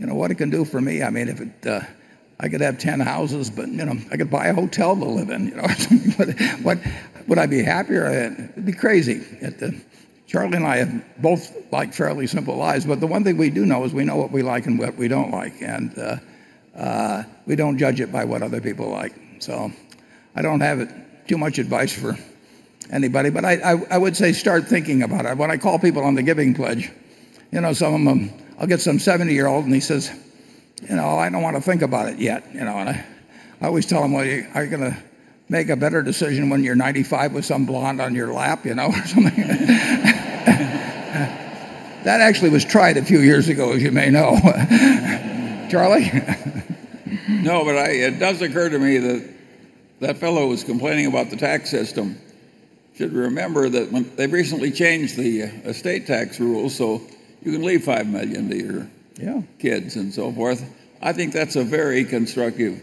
or what it can do for me. I could have 10 houses, but I could buy a hotel to live in or something. Would I be happier? It'd be crazy. Charlie and I both like fairly simple lives, but the one thing we do know is we know what we like and what we don't like, and we don't judge it by what other people like. I don't have too much advice for anybody, but I would say start thinking about it. When I call people on the giving pledge, I'll get some 70-year-old and he says, "I don't want to think about it yet." I always tell him, "Well, are you going to make a better decision when you're 95 with some blonde on your lap?" That actually was tried a few years ago, as you may know. Charlie? No, it does occur to me that that fellow was complaining about the tax system. Should remember that they recently changed the estate tax rules so you can leave $5 million to your- Yeah kids and so forth. I think that's a very constructive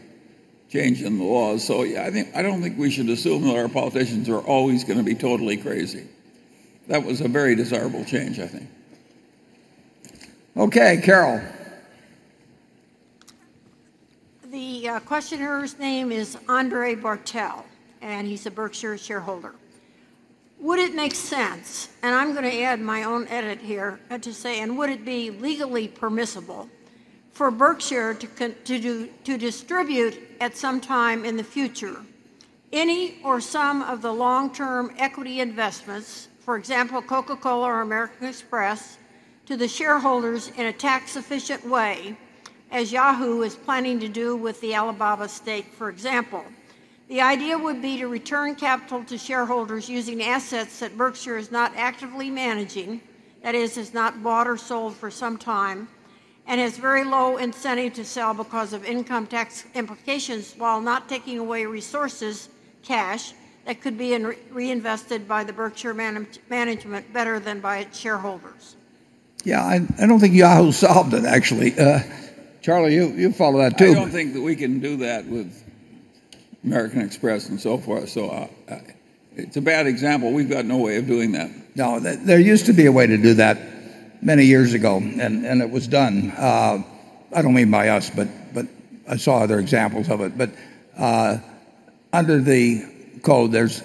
change in the law. I don't think we should assume that our politicians are always going to be totally crazy. That was a very desirable change, I think. Okay, Carol. The questioner's name is Andre Bartel, and he's a Berkshire shareholder. "Would it make sense," and I'm going to add my own edit here to say, would it be legally permissible for Berkshire to distribute at some time in the future any or some of the long-term equity investments, for example, Coca-Cola or American Express, to the shareholders in a tax-efficient way, as Yahoo is planning to do with the Alibaba stake, for example? The idea would be to return capital to shareholders using assets that Berkshire is not actively managing, that is, has not bought or sold for some time, and has very low incentive to sell because of income tax implications while not taking away resources, cash, that could be reinvested by the Berkshire management better than by its shareholders. Yeah, I don't think Yahoo solved it, actually. Charlie, you follow that too. I don't think that we can do that with American Express and so forth, it's a bad example. We've got no way of doing that. No, there used to be a way to do that many years ago, it was done. I don't mean by us, but I saw other examples of it. Under the code, there's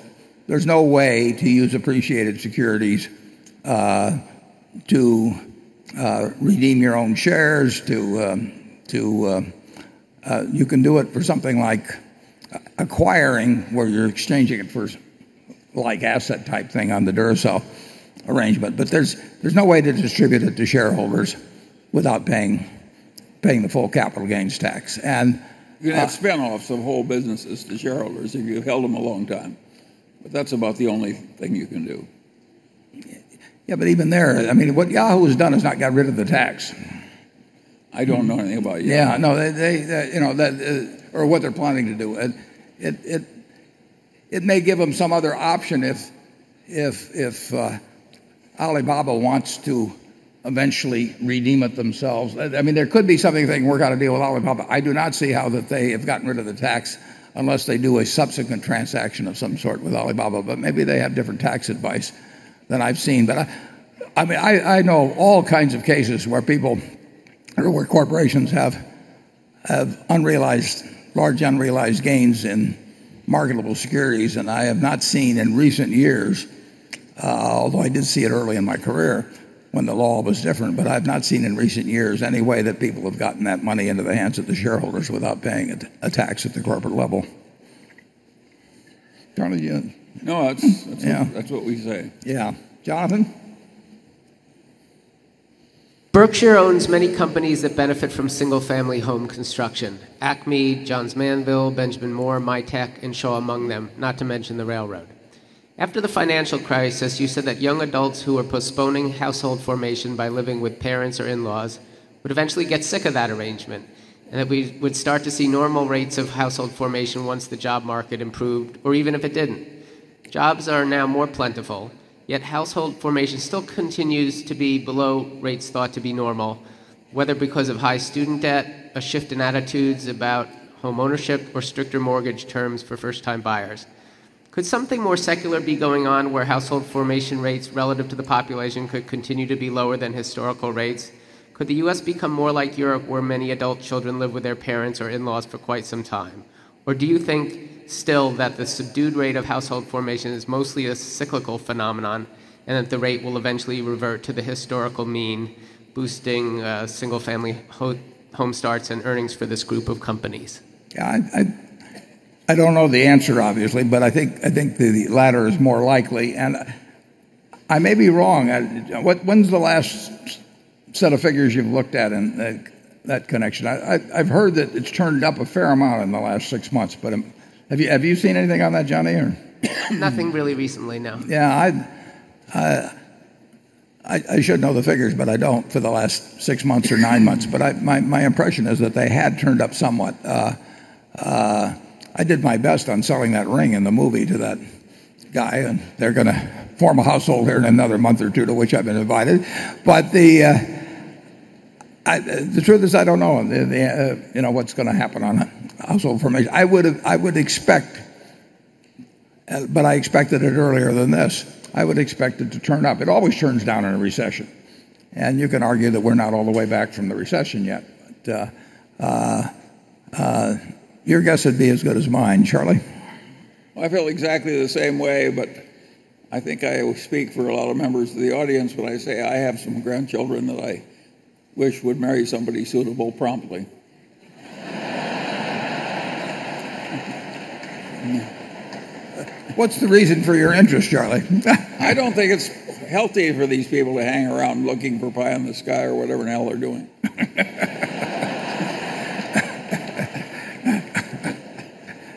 no way to use appreciated securities to redeem your own shares. You can do it for something like acquiring, where you're exchanging it for like asset type thing on the Duracell arrangement. There's no way to distribute it to shareholders without paying the full capital gains tax. You can have spinoffs of whole businesses to shareholders if you've held them a long time. That's about the only thing you can do. Yeah, even there, what Yahoo's done is not got rid of the tax. I don't know anything about Yahoo. What they're planning to do. It may give them some other option if Alibaba wants to eventually redeem it themselves. There could be something they can work out a deal with Alibaba. I do not see how that they have gotten rid of the tax unless they do a subsequent transaction of some sort with Alibaba, but maybe they have different tax advice than I've seen. I know all kinds of cases where corporations have large unrealized gains in marketable securities, and I have not seen in recent years, although I did see it early in my career when the law was different, but I've not seen in recent years any way that people have gotten that money into the hands of the shareholders without paying a tax at the corporate level. Charlie? No, that's what we say. Yeah. Jonathan? Berkshire owns many companies that benefit from single-family home construction. Acme, Johns Manville, Benjamin Moore, MiTek, and Shaw among them, not to mention the railroad. After the financial crisis, you said that young adults who were postponing household formation by living with parents or in-laws would eventually get sick of that arrangement, and that we would start to see normal rates of household formation once the job market improved, or even if it didn't. Jobs are now more plentiful, yet household formation still continues to be below rates thought to be normal, whether because of high student debt, a shift in attitudes about home ownership, or stricter mortgage terms for first-time buyers. Could something more secular be going on where household formation rates relative to the population could continue to be lower than historical rates? Could the U.S. become more like Europe, where many adult children live with their parents or in-laws for quite some time? Do you think still that the subdued rate of household formation is mostly a cyclical phenomenon, and that the rate will eventually revert to the historical mean, boosting single-family home starts and earnings for this group of companies? Yeah, I don't know the answer, obviously, but I think the latter is more likely, and I may be wrong. When's the last set of figures you've looked at in that connection? I've heard that it's turned up a fair amount in the last six months, but have you seen anything on that, Jonny? Nothing really recently, no. Yeah. I should know the figures, but I don't, for the last six months or nine months. My impression is that they had turned up somewhat. I did my best on selling that ring in the movie to that guy, and they're going to form a household here in another month or two, to which I've been invited. The truth is, I don't know what's going to happen on household formation. I would expect, but I expected it earlier than this, I would expect it to turn up. It always turns down in a recession, and you can argue that we're not all the way back from the recession yet. Your guess would be as good as mine, Charlie. Well, I feel exactly the same way, I think I speak for a lot of members of the audience when I say I have some grandchildren that I wish would marry somebody suitable promptly. What's the reason for your interest, Charlie? I don't think it's healthy for these people to hang around looking for pie in the sky or whatever in hell they're doing.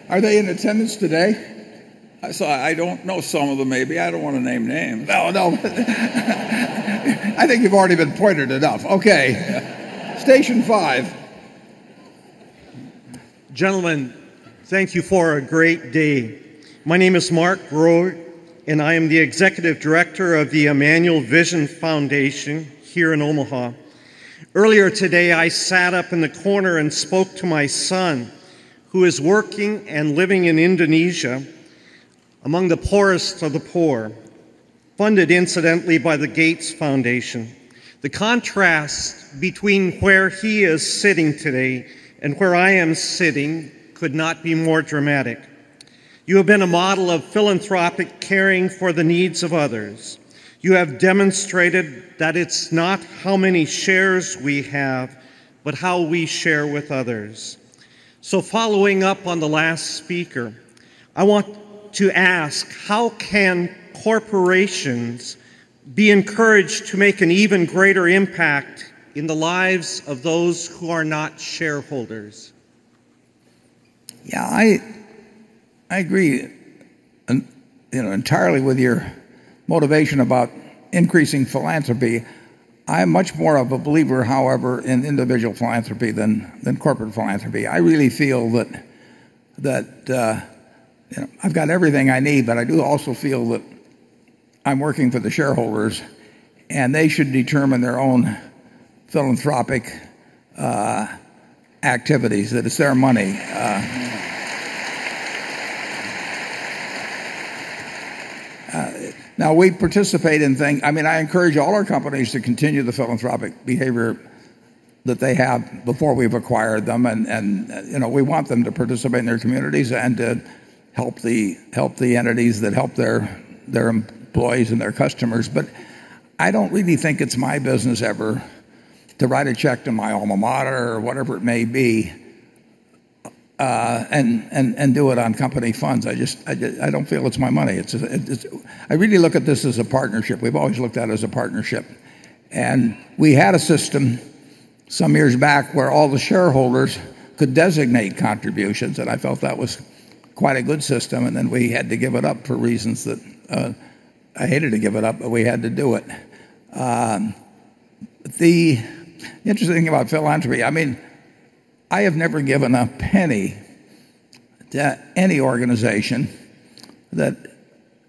Are they in attendance today? I don't know some of them maybe. I don't want to name names. No, no. I think you've already been pointed enough. Okay. Station five Gentlemen, thank you for a great day. My name is Mark Grorud, and I am the executive director of the Immanuel Vision Foundation here in Omaha. Earlier today, I sat up in the corner and spoke to my son, who is working and living in Indonesia among the poorest of the poor, funded incidentally by the Gates Foundation. The contrast between where he is sitting today and where I am sitting could not be more dramatic. You have been a model of philanthropic caring for the needs of others. You have demonstrated that it's not how many shares we have, but how we share with others. Following up on the last speaker, I want to ask, how can corporations be encouraged to make an even greater impact in the lives of those who are not shareholders? Yeah. I agree entirely with your motivation about increasing philanthropy. I am much more of a believer, however, in individual philanthropy than corporate philanthropy. I really feel that I've got everything I need, but I do also feel that I'm working for the shareholders, and they should determine their own philanthropic activities. It is their money. We participate in things. I encourage all our companies to continue the philanthropic behavior that they have before we've acquired them. We want them to participate in their communities and to help the entities that help their employees and their customers. I don't really think it's my business ever to write a check to my alma mater or whatever it may be, and do it on company funds. I don't feel it's my money. I really look at this as a partnership. We've always looked at it as a partnership. We had a system some years back where all the shareholders could designate contributions, and I felt that was quite a good system, and then we had to give it up for reasons that I hated to give it up, but we had to do it. The interesting thing about philanthropy, I have never given a penny to any organization that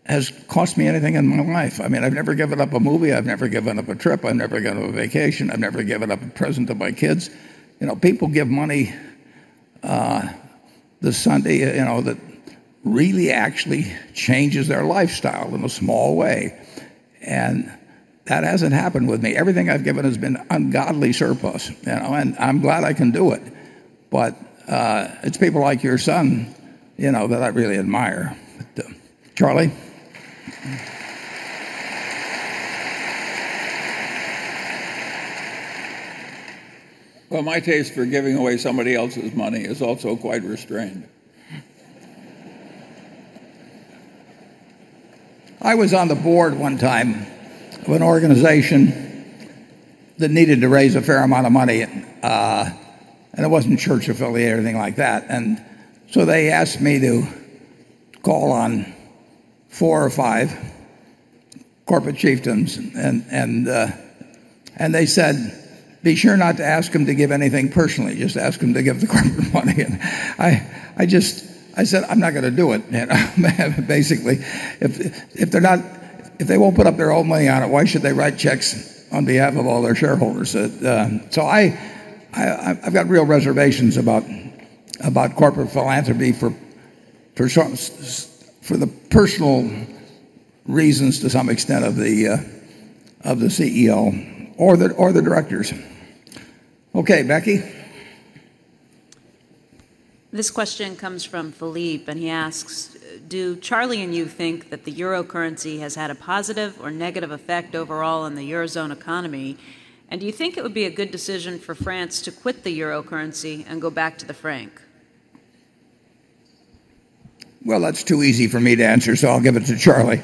has cost me anything in my life. I've never given up a movie, I've never given up a trip, I've never given up a vacation, I've never given up a present to my kids. People give money this Sunday that really actually changes their lifestyle in a small way, and that hasn't happened with me. Everything I've given has been ungodly surplus. I'm glad I can do it. It's people like your son that I really admire. Charlie? My taste for giving away somebody else's money is also quite restrained. I was on the board one time of an organization that needed to raise a fair amount of money, and it wasn't church-affiliated or anything like that. They asked me to call on four or five corporate chieftains, and they said, "Be sure not to ask them to give anything personally. Just ask them to give the corporate money." I said, "I'm not going to do it." Basically, if they won't put up their own money on it, why should they write checks on behalf of all their shareholders? I've got real reservations about corporate philanthropy for the personal reasons, to some extent, of the CEO or the directors. Okay, Becky. This question comes from Philippe. He asks, "Do Charlie and you think that the euro currency has had a positive or negative effect overall on the Eurozone economy? Do you think it would be a good decision for France to quit the euro currency and go back to the franc? Well, that's too easy for me to answer, so I'll give it to Charlie.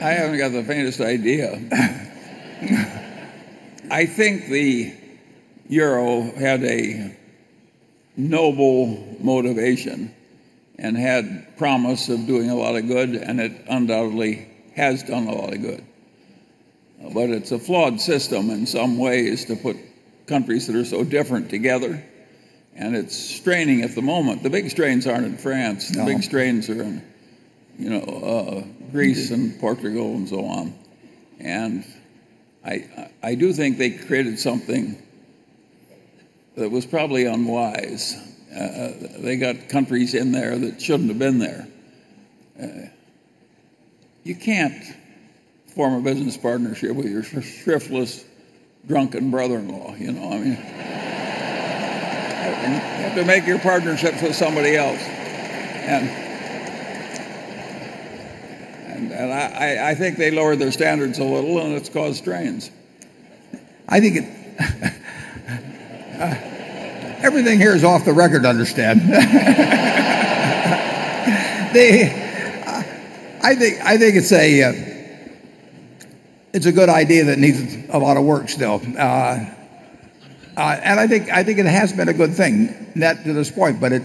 I haven't got the faintest idea. I think the euro had a noble motivation and had promise of doing a lot of good, and it undoubtedly has done a lot of good. It's a flawed system in some ways to put countries that are so different together, and it's straining at the moment. The big strains aren't in France. No. The big strains are in Greece and Portugal and so on. I do think they created something that was probably unwise. They got countries in there that shouldn't have been there. You can't form a business partnership with your shiftless, drunken brother-in-law. You have to make your partnerships with somebody else. I think they lowered their standards a little, and it's caused strains. Everything here is off the record, understand. I think it's a good idea that needs a lot of work still. I think it has been a good thing, net to this point, but It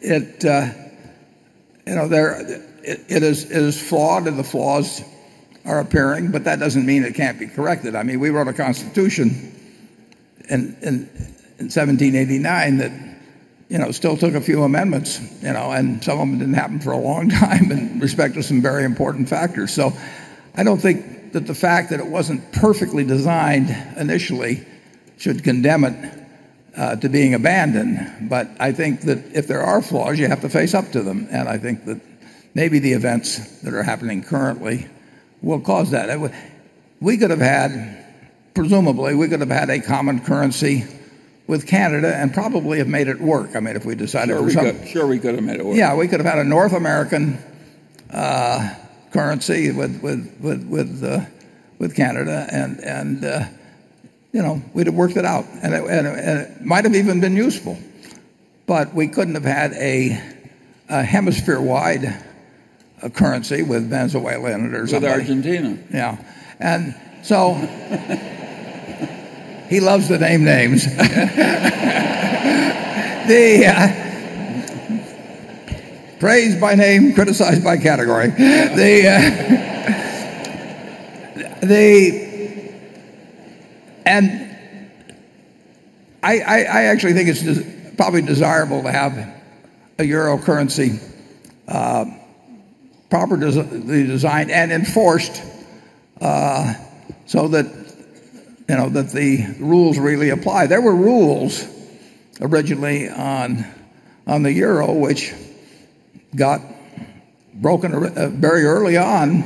is flawed and the flaws are appearing, but that doesn't mean it can't be corrected. We wrote a Constitution in 1789 that still took a few amendments, and some of them didn't happen for a long time in respect to some very important factors. I don't think that the fact that it wasn't perfectly designed initially should condemn it to being abandoned. I think that if there are flaws, you have to face up to them. I think that maybe the events that are happening currently will cause that. Presumably, we could have had a common currency with Canada and probably have made it work, if we decided or some- Sure, we could have made it work. Yeah. We could have had a North American currency with Canada, and we'd have worked it out, and it might have even been useful. We couldn't have had a hemisphere-wide currency with Venezuela or something. With Argentina. Yeah. He loves to name names. Praise by name, criticize by category. I actually think it's probably desirable to have a euro currency properly designed and enforced so that the rules really apply. There were rules originally on the euro, which got broken very early on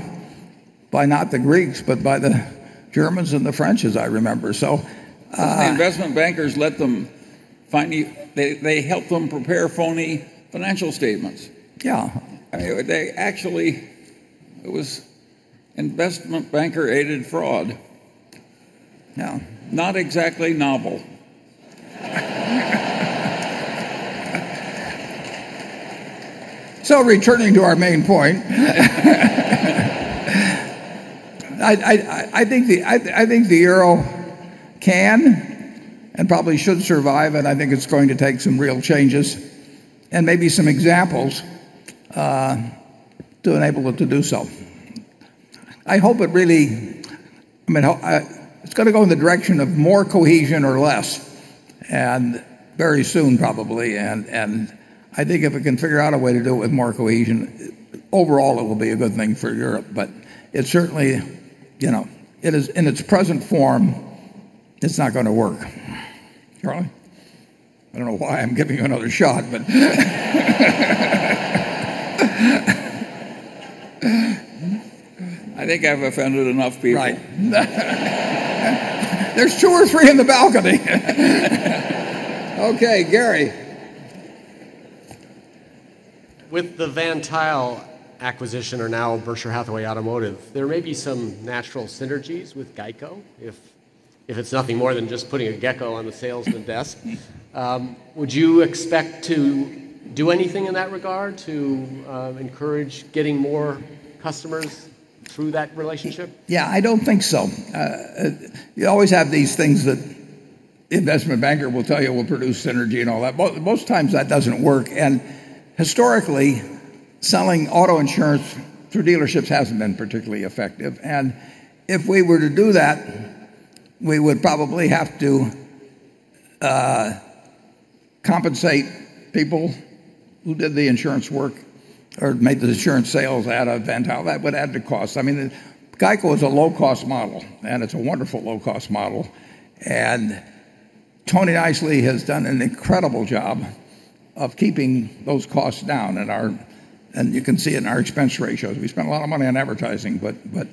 by not the Greeks, but by the Germans and the French, as I remember. The investment bankers, they helped them prepare phony financial statements. Yeah. Actually, it was investment banker-aided fraud. Yeah. Not exactly novel. Returning to our main point, I think the euro can and probably should survive, and I think it's going to take some real changes and maybe some examples to enable it to do so. It's going to go in the direction of more cohesion or less, and very soon probably. I think if it can figure out a way to do it with more cohesion, overall it will be a good thing for Europe. It certainly, in its present form, it's not going to work. Charlie? I don't know why I'm giving you another shot, but I think I've offended enough people. Right. There's two or three in the balcony. Okay, Gary. With the Van Tuyl acquisition, are now Berkshire Hathaway Automotive, there may be some natural synergies with GEICO, if it's nothing more than just putting a gecko on the salesman desk. Would you expect to do anything in that regard to encourage getting more customers through that relationship? Yeah, I don't think so. You always have these things that the investment banker will tell you will produce synergy and all that. Most times, that doesn't work. Historically, selling auto insurance through dealerships hasn't been particularly effective. If we were to do that, we would probably have to compensate people who did the insurance work or make the insurance sales out of Van Tuyl. That would add to cost. GEICO is a low-cost model, and it's a wonderful low-cost model. Tony Nicely has done an incredible job of keeping those costs down. You can see in our expense ratios, we spend a lot of money on advertising, but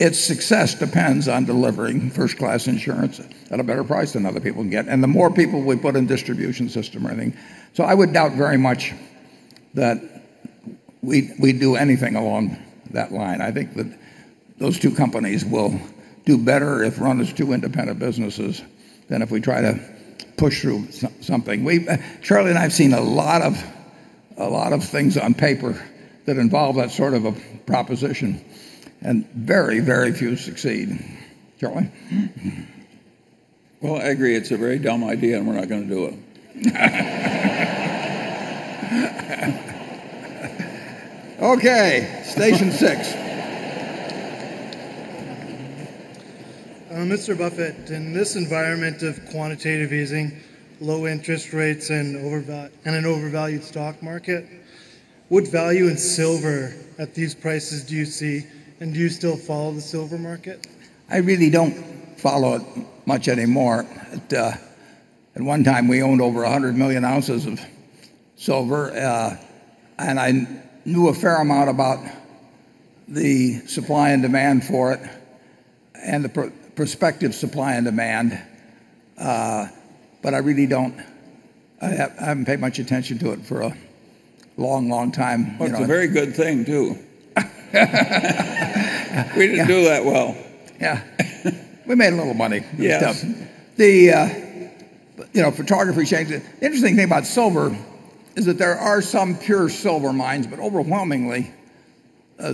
its success depends on delivering first-class insurance at a better price than other people can get, and the more people we put in the distribution system, I think. I would doubt very much that we'd do anything along that line. I think that those two companies will do better if run as two independent businesses than if we try to push through something. Charlie and I have seen a lot of things on paper that involve that sort of a proposition, and very few succeed. Charlie? Well, I agree it's a very dumb idea, and we're not going to do it. Okay, station six. Mr. Buffett, in this environment of quantitative easing, low interest rates, and an overvalued stock market, what value in silver at these prices do you see? Do you still follow the silver market? I really don't follow it much anymore. At one time, we owned over 100 million ounces of silver. I knew a fair amount about the supply and demand for it and the prospective supply and demand. I really haven't paid much attention to it for a long time. Well, it's a very good thing, too. Yeah. We didn't do that well. Yeah. We made a little money with the stuff. Yes. The photography checks it. The interesting thing about silver is that there are some pure silver mines, but overwhelmingly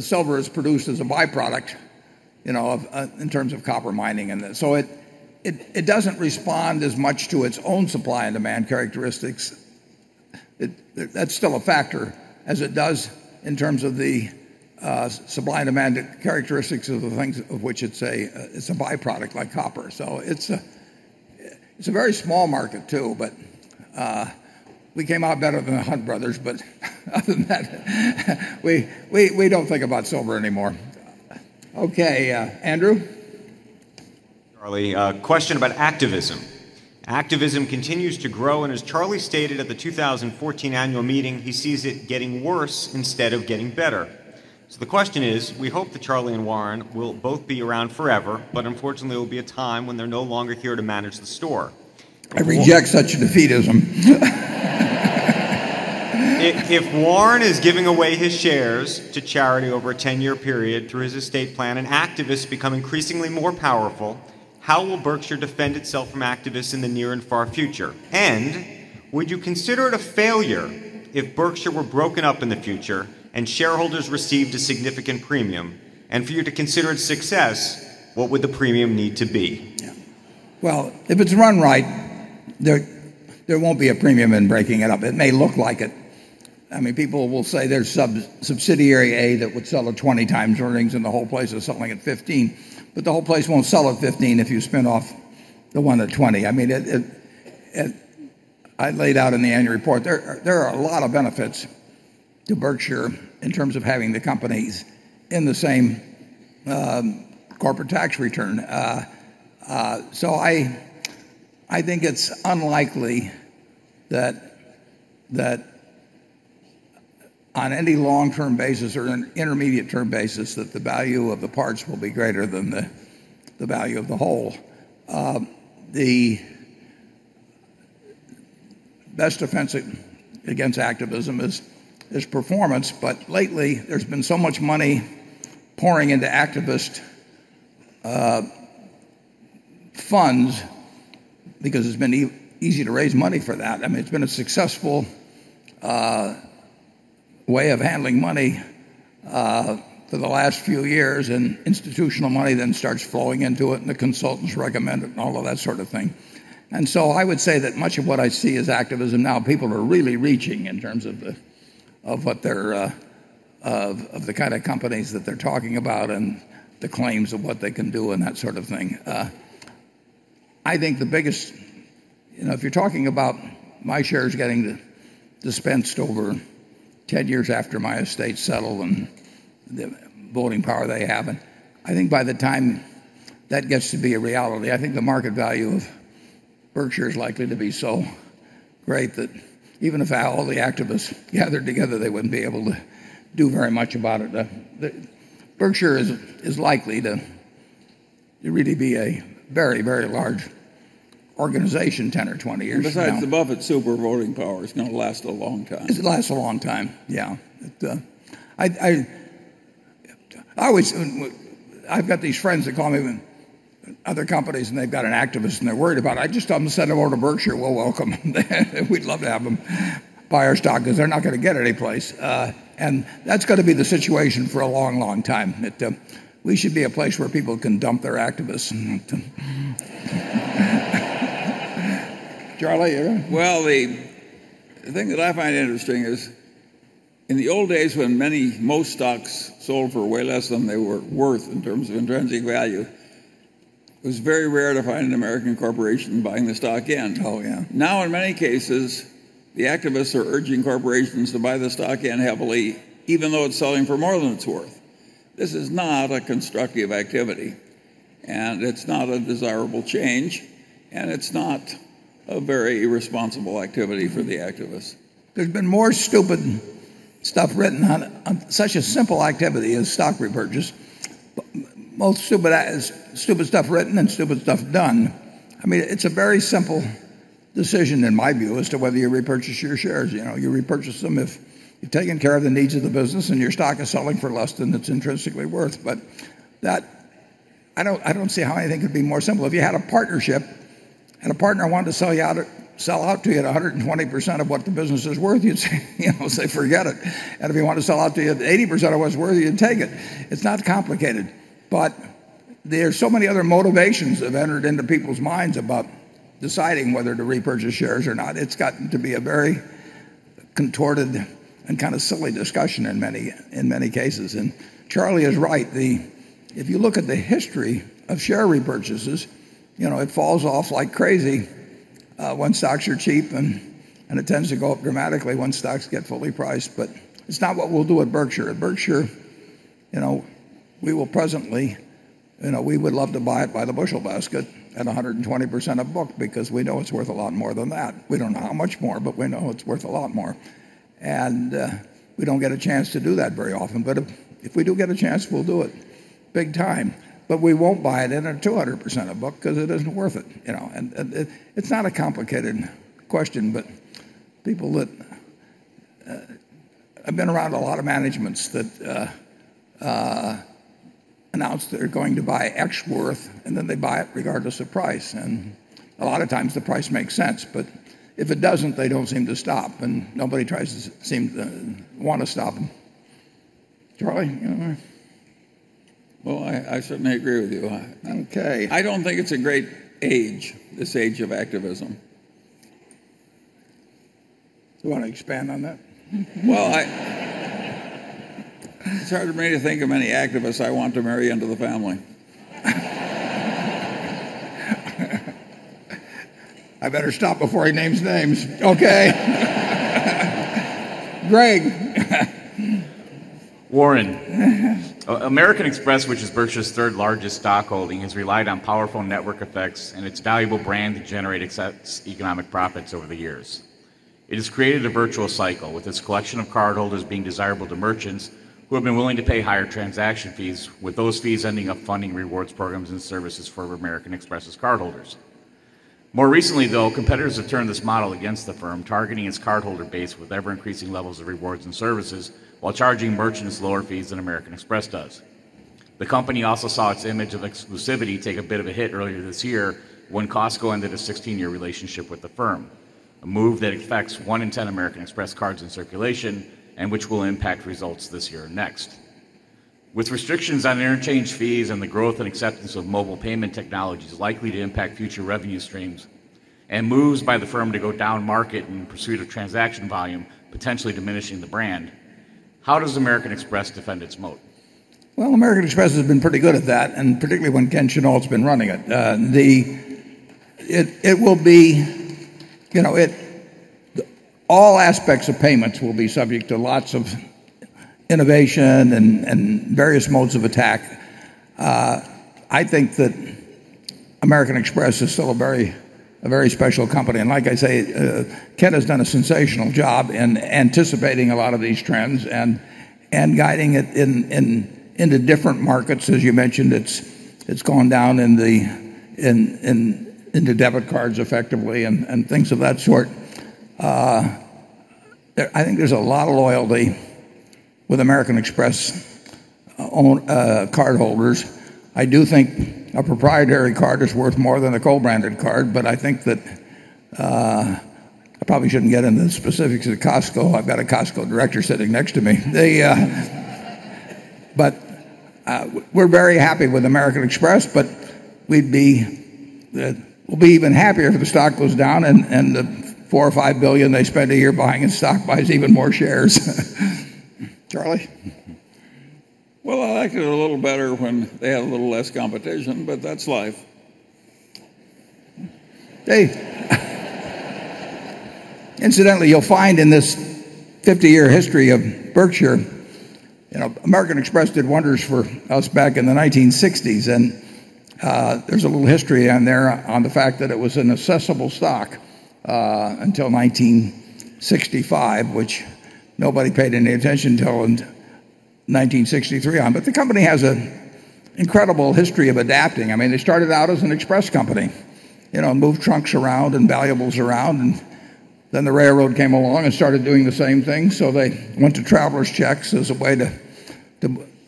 silver is produced as a byproduct in terms of copper mining. It doesn't respond as much to its own supply and demand characteristics, that's still a factor, as it does in terms of the supply and demand characteristics of the things of which it's a byproduct, like copper. It's a very small market too, but we came out better than the Hunt brothers. Other than that, we don't think about silver anymore. Okay, Andrew? Charlie, a question about activism. Activism continues to grow, as Charlie stated at the 2014 annual meeting, he sees it getting worse instead of getting better. The question is: We hope that Charlie and Warren will both be around forever, unfortunately, there will be a time when they're no longer here to manage the store. I reject such defeatism. If Warren is giving away his shares to charity over a 10-year period through his estate plan, activists become increasingly more powerful, how will Berkshire defend itself from activists in the near and far future? Would you consider it a failure if Berkshire were broken up in the future and shareholders received a significant premium? For you to consider it a success, what would the premium need to be? Yeah. Well, if it's run right, there won't be a premium in breaking it up. It may look like it. People will say there's subsidiary A that would sell at 20 times earnings, and the whole place is selling at 15. The whole place won't sell at 15 if you spin off the one at 20. I laid out in the annual report, there are a lot of benefits to Berkshire in terms of having the companies in the same corporate tax return. I think it's unlikely that on any long-term basis or an intermediate-term basis, that the value of the parts will be greater than the value of the whole. The best defense against activism is performance. Lately, there's been so much money pouring into activist funds because it's been easy to raise money for that. It's been a successful way of handling money for the last few years, and institutional money then starts flowing into it, and the consultants recommend it, and all of that sort of thing. I would say that much of what I see as activism now, people are really reaching in terms of the kind of companies that they're talking about and the claims of what they can do and that sort of thing. If you're talking about my shares getting dispensed over 10 years after my estate is settled and the voting power they have, I think by the time that gets to be a reality, I think the market value of Berkshire is likely to be so great that even if all the activists gathered together, they wouldn't be able to do very much about it. Berkshire is likely to really be a very, very large organization 10 or 20 years from now. Besides, the Buffett silver voting power is going to last a long time. It lasts a long time, yeah. I've got these friends that call me from other companies, they've got an activist and they're worried about it. I just tell them to send them over to Berkshire. We'll welcome them. We'd love to have them buy our stock because they're not going to get any place. That's going to be the situation for a long, long time. We should be a place where people can dump their activists. Charlie? The thing that I find interesting is in the old days when most stocks sold for way less than they were worth in terms of intrinsic value, it was very rare to find an American corporation buying the stock in. Oh, yeah. In many cases, the activists are urging corporations to buy the stock in heavily, even though it's selling for more than it's worth. This is not a constructive activity, it's not a desirable change, it's not a very responsible activity for the activists. There's been more stupid stuff written on such a simple activity as stock repurchase, both stupid stuff written and stupid stuff done. It's a very simple decision, in my view, as to whether you repurchase your shares. You repurchase them if you've taken care of the needs of the business and your stock is selling for less than it's intrinsically worth. I don't see how anything could be more simple. If you had a partnership and a partner wanted to sell out to you at 120% of what the business is worth, you'd say, "Forget it." If he wanted to sell out to you at 80% of what it's worth, you'd take it. It's not complicated. There are so many other motivations that have entered into people's minds about deciding whether to repurchase shares or not. It's gotten to be a very contorted and kind of silly discussion in many cases. Charlie is right. If you look at the history of share repurchases, it falls off like crazy when stocks are cheap, and it tends to go up dramatically when stocks get fully priced. It's not what we'll do at Berkshire. At Berkshire, we would love to buy it by the bushel basket at 120% of book because we know it's worth a lot more than that. We don't know how much more, but we know it's worth a lot more. We don't get a chance to do that very often. If we do get a chance, we'll do it big time. We won't buy it in at 200% of book because it isn't worth it. It's not a complicated question, but I've been around a lot of managements that announce they're going to buy X worth, and then they buy it regardless of price. A lot of times the price makes sense, but if it doesn't, they don't seem to stop, and nobody tries to want to stop them. Charlie, you want to? Well, I certainly agree with you. Okay. I don't think it's a great age, this age of activism. You want to expand on that? Well, it's hard for me to think of any activists I want to marry into the family. I better stop before he names names. Okay. Greg. Warren. American Express, which is Berkshire's third largest stock holding, has relied on powerful network effects and its valuable brand to generate economic profits over the years. It has created a virtual cycle, with its collection of cardholders being desirable to merchants who have been willing to pay higher transaction fees, with those fees ending up funding rewards programs and services for American Express' cardholders. More recently, though, competitors have turned this model against the firm, targeting its cardholder base with ever-increasing levels of rewards and services while charging merchants lower fees than American Express does. The company also saw its image of exclusivity take a bit of a hit earlier this year when Costco ended a 16-year relationship with the firm, a move that affects one in 10 American Express cards in circulation and which will impact results this year and next. With restrictions on interchange fees and the growth and acceptance of mobile payment technologies likely to impact future revenue streams, and moves by the firm to go down market in pursuit of transaction volume, potentially diminishing the brand, how does American Express defend its moat? Well, American Express has been pretty good at that, and particularly when Ken Chenault's been running it. All aspects of payments will be subject to lots of innovation and various modes of attack. I think that American Express is still a very special company, and like I say, Ken has done a sensational job in anticipating a lot of these trends and guiding it into different markets. As you mentioned, it's gone down into debit cards effectively and things of that sort. I think there's a lot of loyalty with American Express cardholders. I do think a proprietary card is worth more than a co-branded card, but I think that I probably shouldn't get into the specifics of Costco. I've got a Costco director sitting next to me. We're very happy with American Express, but we'll be even happier if the stock goes down and the $4 or $5 billion they spend a year buying in stock buys even more shares. Charlie? Well, I like it a little better when they have a little less competition, but that's life. Dave. Incidentally, you'll find in this 50-year history of Berkshire, American Express did wonders for us back in the 1960s, and there's a little history on there on the fact that it was an assessable stock until 1965, which nobody paid any attention to until in 1963 on. The company has an incredible history of adapting. They started out as an express company, moved trunks around and valuables around, and then the railroad came along and started doing the same thing. They went to traveler's checks as a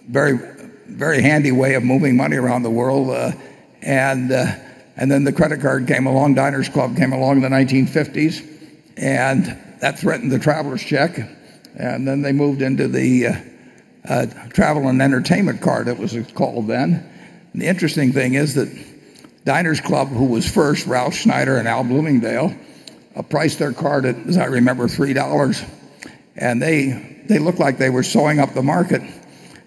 very handy way of moving money around the world. The credit card came along, Diners Club came along in the 1950s, and that threatened the traveler's check. They moved into the travel and entertainment card it was called then. The interesting thing is that Diners Club, who was first, Ralph Schneider and Al Bloomingdale, priced their card at, as I remember, $3. They looked like they were sewing up the market.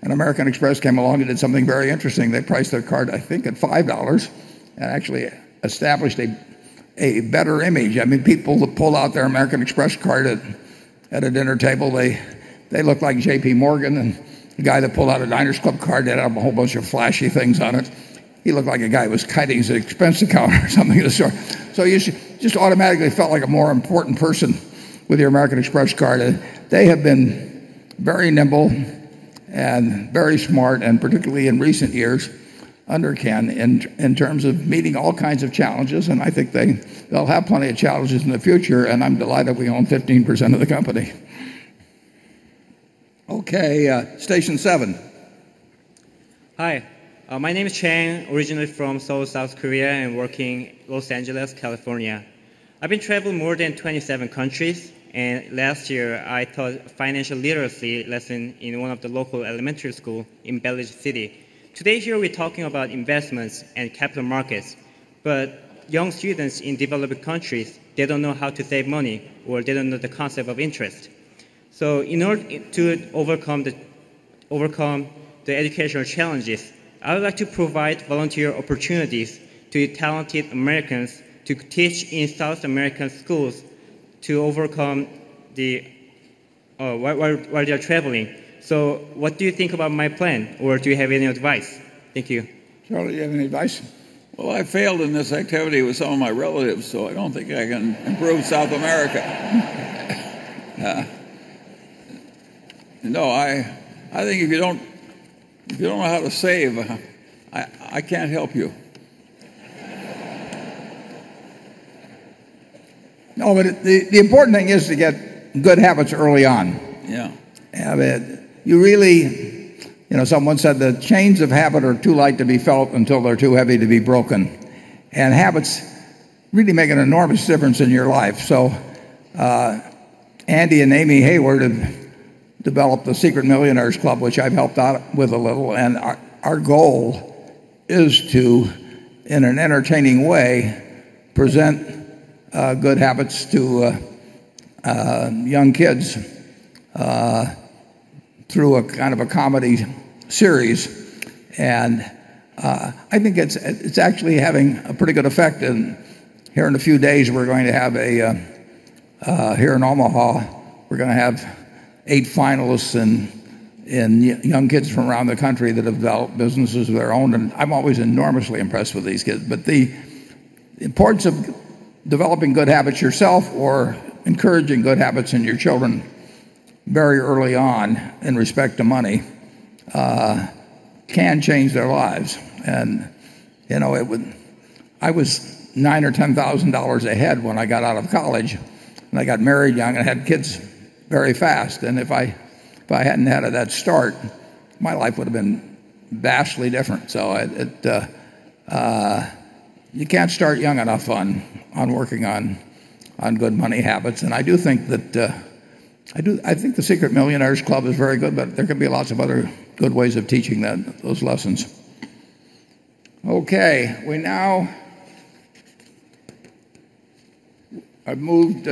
American Express came along and did something very interesting. They priced their card, I think, at $5, and actually established a better image. People who pull out their American Express card at a dinner table, they look like J.P. Morgan, and the guy that pulled out a Diners Club card that had a whole bunch of flashy things on it, he looked like a guy who was cutting his expense account or something of the sort. You just automatically felt like a more important person with your American Express card. They have been very nimble and very smart, and particularly in recent years, under Ken, in terms of meeting all kinds of challenges. I think they'll have plenty of challenges in the future, and I'm delighted we own 15% of the company. Okay, station seven. Hi, my name is Chang, originally from Seoul, South Korea, and working in Los Angeles, California. I've been traveling more than 27 countries, and last year I taught financial literacy lesson in one of the local elementary school in Bell City. Today, here, we're talking about investments and capital markets, but young students in developing countries, they don't know how to save money, or they don't know the concept of interest. So in order to overcome the educational challenges, I would like to provide volunteer opportunities to talented Americans to teach in South American schools while they are traveling. What do you think about my plan, or do you have any advice? Thank you. Charlie, you have any advice? Well, I failed in this activity with some of my relatives. I don't think I can improve South America. No, I think if you don't know how to save, I can't help you. No, the important thing is to get good habits early on. Yeah. Someone said the chains of habit are too light to be felt until they're too heavy to be broken. Habits really make an enormous difference in your life. Andy and Amy Heyward have developed the Secret Millionaires Club, which I've helped out with a little. Our goal is to, in an entertaining way, present good habits to young kids through a kind of a comedy series. I think it's actually having a pretty good effect. Here in a few days, here in Omaha, we're going to have eight finalists in young kids from around the country that have developed businesses of their own, and I'm always enormously impressed with these kids. The importance of developing good habits yourself or encouraging good habits in your children very early on in respect to money can change their lives. I was $9,000 or $10,000 ahead when I got out of college, and I got married young and had kids very fast. If I hadn't had that start, my life would have been vastly different. You can't start young enough on working on good money habits, and I think the Secret Millionaires Club is very good, but there can be lots of other good ways of teaching those lessons. Okay. I've moved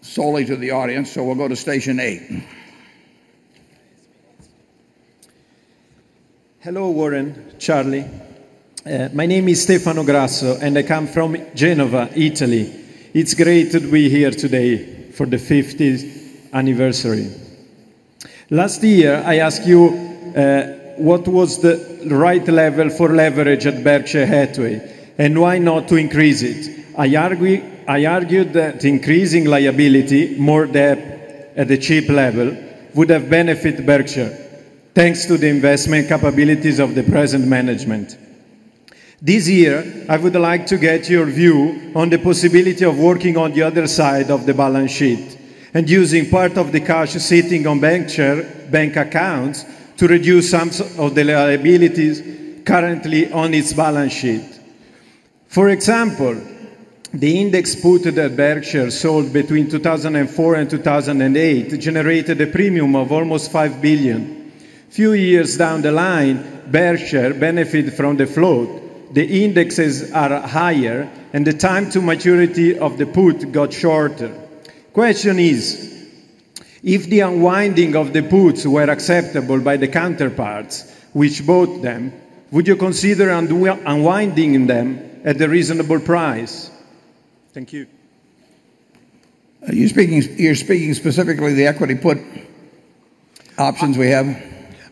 solely to the audience, so we'll go to station eight. Hello, Warren, Charlie. My name is Stefano Grasso, and I come from Genova, Italy. It's great to be here today for the 50th anniversary. Last year, I asked you what was the right level for leverage at Berkshire Hathaway, and why not to increase it. I argued that increasing liability, more debt at the cheap level, would have benefit Berkshire, thanks to the investment capabilities of the present management. This year, I would like to get your view on the possibility of working on the other side of the balance sheet and using part of the cash sitting on Berkshire bank accounts to reduce some of the liabilities currently on its balance sheet. For example, the index put that Berkshire sold between 2004 and 2008 generated a premium of almost $5 billion. Few years down the line, Berkshire benefit from the float. The indexes are higher, and the time to maturity of the put got shorter. Question is, if the unwinding of the puts were acceptable by the counterparts which bought them, would you consider unwinding them at a reasonable price? Thank you. You're speaking specifically to the equity put options we have?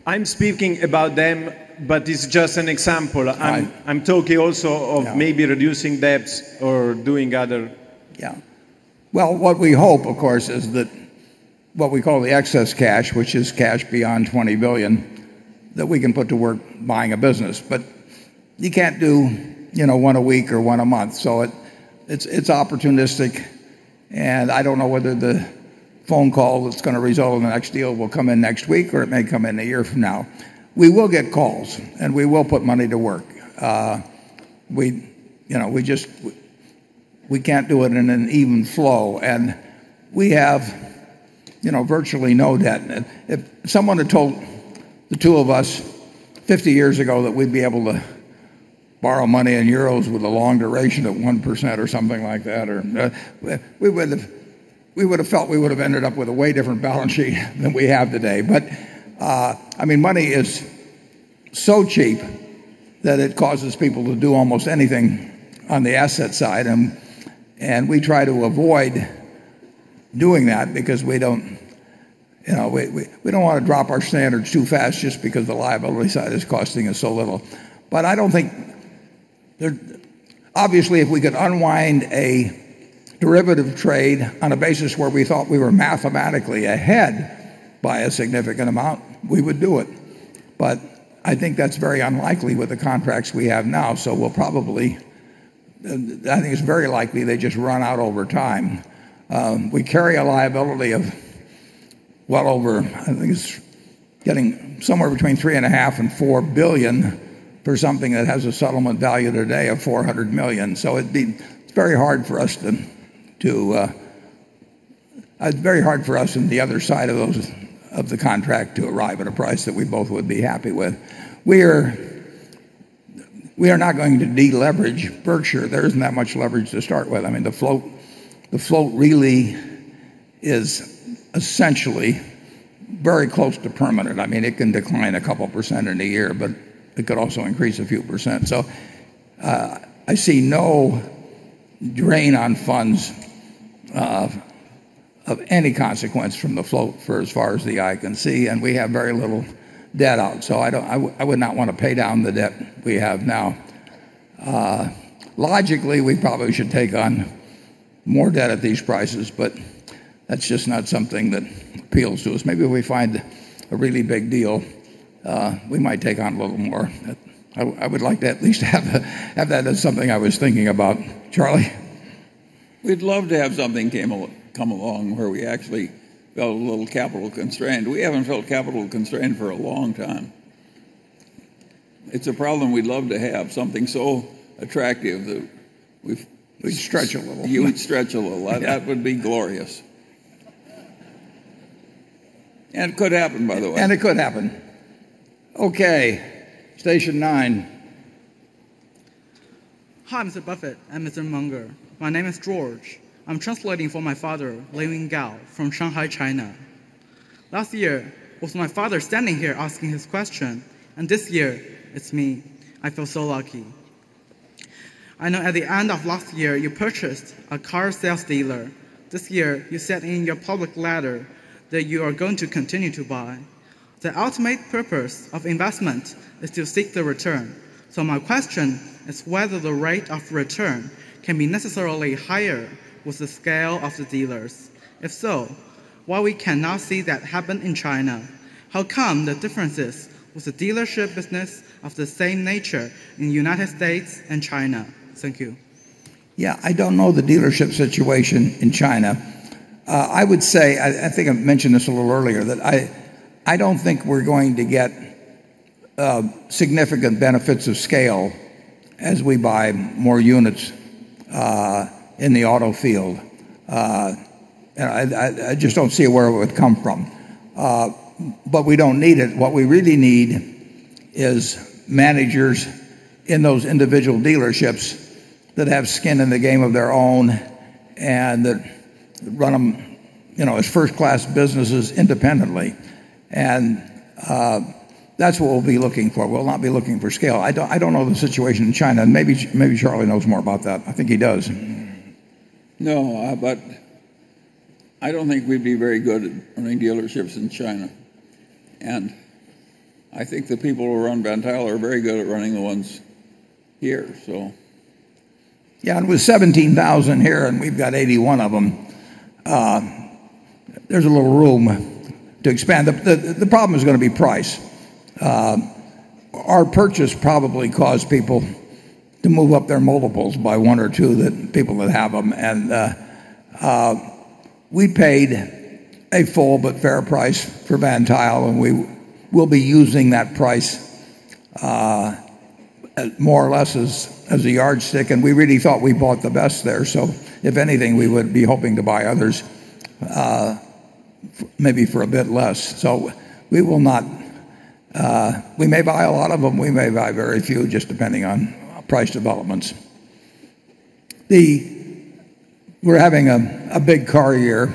I'm speaking about them, but it's just an example. Right. I'm talking also of maybe reducing debts or doing other- Yeah. Well, what we hope, of course, is that what we call the excess cash, which is cash beyond $20 billion, that we can put to work buying a business. You can't do one a week or one a month, so it's opportunistic, and I don't know whether the phone call that's going to result in the next deal will come in next week, or it may come in a year from now. We will get calls, and we will put money to work. We can't do it in an even flow. We have virtually no debt. If someone had told the two of us 50 years ago that we'd be able to borrow money in EUR with a long duration of 1% or something like that, we would have felt we would have ended up with a way different balance sheet than we have today. Money is so cheap that it causes people to do almost anything on the asset side, and we try to avoid doing that because we don't want to drop our standards too fast just because the liability side is costing us so little. Obviously, if we could unwind a derivative trade on a basis where we thought we were mathematically ahead by a significant amount, we would do it. I think that's very unlikely with the contracts we have now, I think it's very likely they just run out over time. We carry a liability of well over, I think it's getting somewhere between three and a half and $4 billion for something that has a settlement value today of $400 million. It'd be very hard for us on the other side of the contract to arrive at a price that we both would be happy with. We are not going to deleverage Berkshire. There isn't that much leverage to start with. The float really is essentially very close to permanent. It can decline a couple % in a year, but it could also increase a few %. I see no drain on funds of any consequence from the float for as far as the eye can see, and we have very little debt out. I would not want to pay down the debt we have now. Logically, we probably should take on more debt at these prices, that's just not something that appeals to us. Maybe if we find a really big deal, we might take on a little more. I would like to at least have that as something I was thinking about. Charlie? We'd love to have something come along where we actually felt a little capital constraint. We haven't felt capital constraint for a long time. It's a problem we'd love to have. We'd stretch a little. You would stretch a little. Yeah. That would be glorious. Could happen, by the way. It could happen. Okay, station nine. Hi, Mr. Buffett and Mr. Munger. My name is George. I'm translating for my father, Leving Gao, from Shanghai, China. Last year, it was my father standing here asking his question, and this year it's me. I feel so lucky. I know at the end of last year you purchased a car sales dealer. This year you said in your public letter that you are going to continue to buy. The ultimate purpose of investment is to seek the return. My question is whether the rate of return can be necessarily higher with the scale of the dealers. If so, why we cannot see that happen in China? How come the differences with the dealership business of the same nature in the U.S. and China? Thank you. Yeah, I don't know the dealership situation in China. I would say, I think I mentioned this a little earlier, that I don't think we're going to get significant benefits of scale as we buy more units in the auto field. I just don't see where it would come from. We don't need it. What we really need is managers in those individual dealerships that have skin in the game of their own, and that run them as first-class businesses independently. That's what we'll be looking for. We'll not be looking for scale. I don't know the situation in China. Maybe Charlie knows more about that. I think he does. No. I don't think we'd be very good at running dealerships in China. I think the people who run Van Tuyl are very good at running the ones here. With 17,000 here and we've got 81 of them, there's a little room to expand. The problem is going to be price. Our purchase probably caused people to move up their multiples by one or two, the people that have them. We paid a full but fair price for Van Tuyl, we will be using that price more or less as a yardstick, we really thought we bought the best there. If anything, we would be hoping to buy others maybe for a bit less. We may buy a lot of them, we may buy very few, just depending on price developments. We're having a big car year,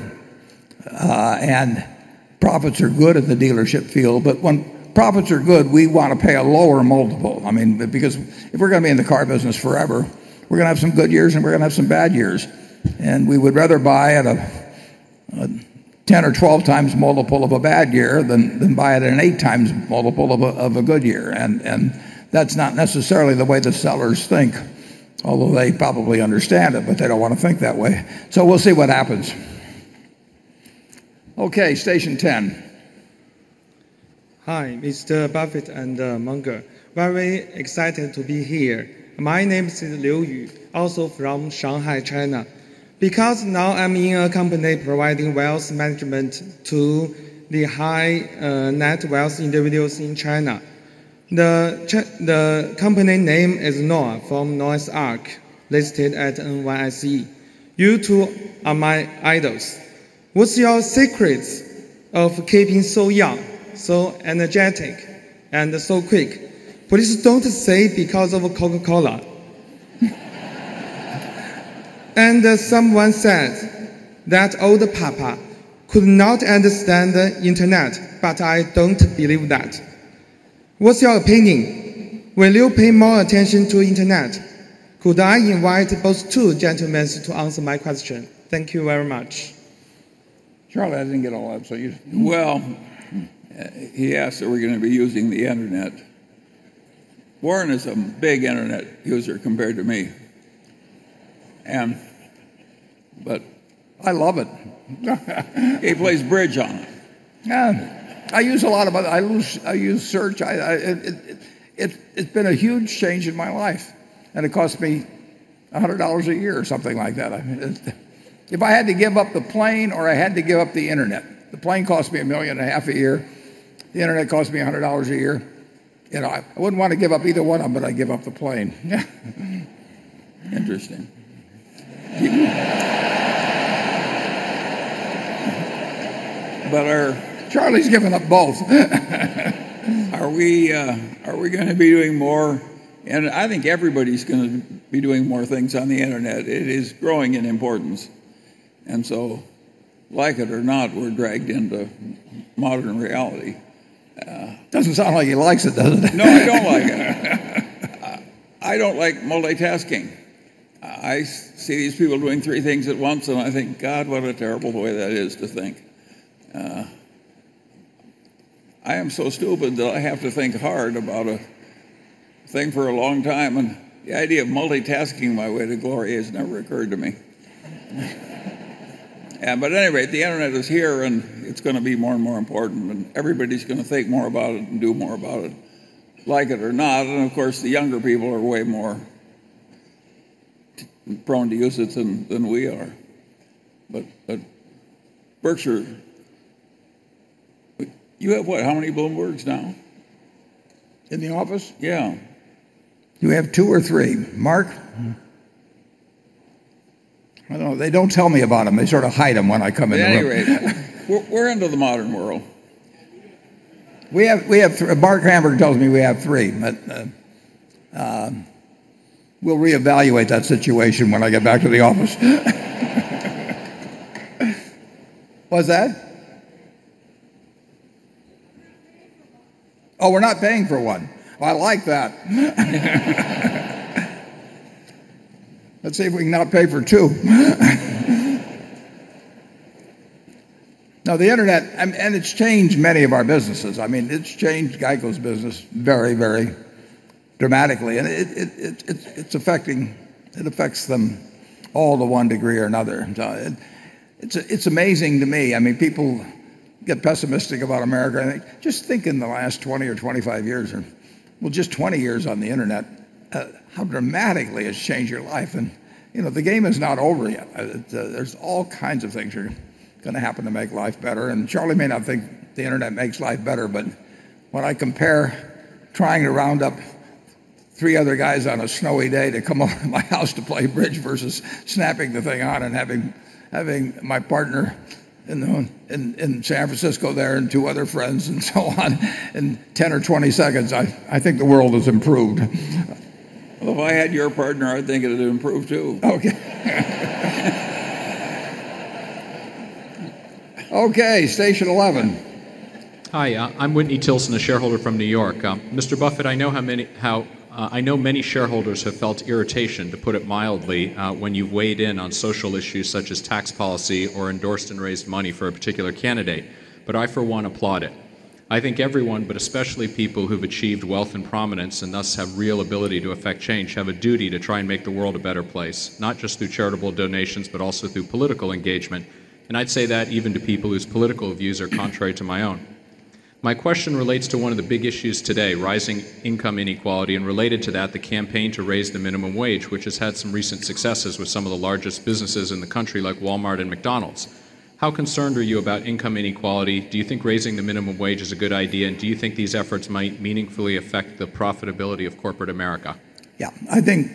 profits are good at the dealership field, when profits are good, we want to pay a lower multiple. If we're going to be in the car business forever, we're going to have some good years, we're going to have some bad years. We would rather buy at a 10 or 12 times multiple of a bad year than buy at an eight times multiple of a good year. That's not necessarily the way the sellers think, although they probably understand it, they don't want to think that way. We'll see what happens. Okay, station 10. Hi, Mr. Buffett and Munger. Very excited to be here. My name is Liu Yu, also from Shanghai, China. Now I'm in a company providing wealth management to the high net wealth individuals in China. The company name is Noah from Noah's Ark, listed at NYSE. You two are my idols. What's your secrets of keeping so young, so energetic, and so quick? Please don't say because of Coca-Cola. Someone said that old papa could not understand the Internet, I don't believe that. What's your opinion? Will you pay more attention to the Internet? Could I invite both two gentlemen to answer my question? Thank you very much. Charlie, I didn't get all that. He asked are we going to be using the internet. Warren is a big internet user compared to me. I love it. He plays bridge on it. Yeah. I use search. It's been a huge change in my life, and it costs me $100 a year or something like that. If I had to give up the plane or I had to give up the internet, the plane costs me a million and a half a year, the internet costs me $100 a year. I wouldn't want to give up either one of them, but I'd give up the plane. Interesting. Charlie's giving up both. Are we going to be doing more? I think everybody's going to be doing more things on the internet. It is growing in importance. So like it or not, we're dragged into modern reality. Doesn't sound like he likes it, does it? No, I don't like it. I don't like multitasking. I see these people doing three things at once and I think, "God, what a terrible way that is to think." I am so stupid that I have to think hard about a thing for a long time, and the idea of multitasking my way to glory has never occurred to me. Anyway, the internet is here, and it's going to be more and more important, and everybody's going to think more about it and do more about it, like it or not. Of course, the younger people are way more prone to use it than we are. Berkshire, you have what, how many Bloomberg's now? In the office? Yeah. You have two or three. Marc? I don't know. They don't tell me about them. They sort of hide them when I come in the room. At any rate, we're into the modern world. Marc Hamburg tells me we have three, but we'll reevaluate that situation when I get back to the office. What's that? Oh, we're not paying for one. Well, I like that. Let's see if we can not pay for two. Now, the internet, and it's changed many of our businesses. It's changed GEICO's business very, very dramatically, and it affects them all to one degree or another. It's amazing to me. People get pessimistic about America. Just think in the last 20 or 25 years, or, well, just 20 years on the internet, how dramatically it's changed your life, and the game is not over yet. There's all kinds of things that are going to happen to make life better. Charlie may not think the internet makes life better, but when I compare trying to round up three other guys on a snowy day to come over to my house to play bridge versus snapping the thing on and having my partner in San Francisco there and two other friends and so on in 10 or 20 seconds, I think the world has improved. Well, if I had your partner, I'd think it had improved, too. Okay. Okay, station 11. Hi, I'm Whitney Tilson, a shareholder from New York. Mr. Buffett, I know many shareholders have felt irritation, to put it mildly, when you've weighed in on social issues such as tax policy or endorsed and raised money for a particular candidate, but I, for one, applaud it. I think everyone, but especially people who've achieved wealth and prominence and thus have real ability to affect change, have a duty to try and make the world a better place, not just through charitable donations, but also through political engagement. I'd say that even to people whose political views are contrary to my own. My question relates to one of the big issues today, rising income inequality, and related to that, the campaign to raise the minimum wage, which has had some recent successes with some of the largest businesses in the country, like Walmart and McDonald's. How concerned are you about income inequality? Do you think raising the minimum wage is a good idea? Do you think these efforts might meaningfully affect the profitability of corporate America? Yeah. I think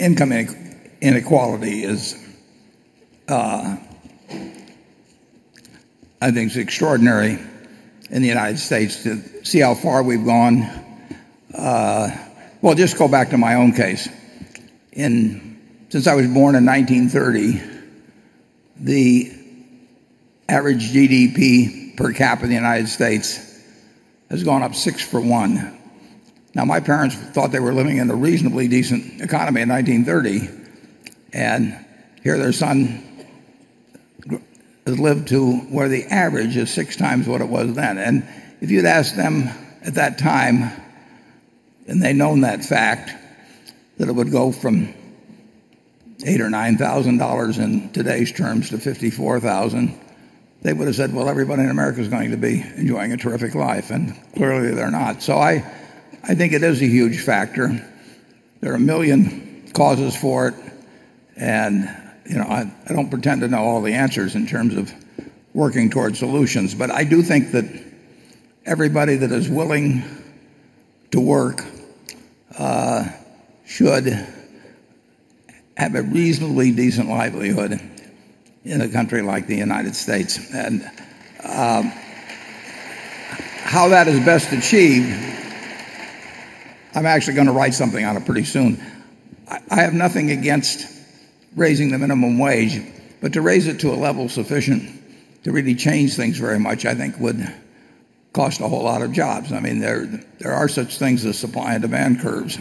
income inequality is extraordinary in the United States to see how far we've gone. Well, just go back to my own case. Since I was born in 1930, the average GDP per capita in the United States has gone up six for one. My parents thought they were living in a reasonably decent economy in 1930, and here their son has lived to where the average is six times what it was then. If you'd asked them at that time, and they'd known that fact, that it would go from $8,000 or $9,000 in today's terms to $54,000, they would've said, "Well, everybody in America is going to be enjoying a terrific life," and clearly they're not. I think it is a huge factor. There are a million causes for it, I don't pretend to know all the answers in terms of working towards solutions. I do think that everybody that is willing to work should have a reasonably decent livelihood in a country like the United States. How that is best achieved, I'm actually going to write something on it pretty soon. I have nothing against raising the minimum wage, but to raise it to a level sufficient to really change things very much, I think would cost a whole lot of jobs. There are such things as supply and demand curves,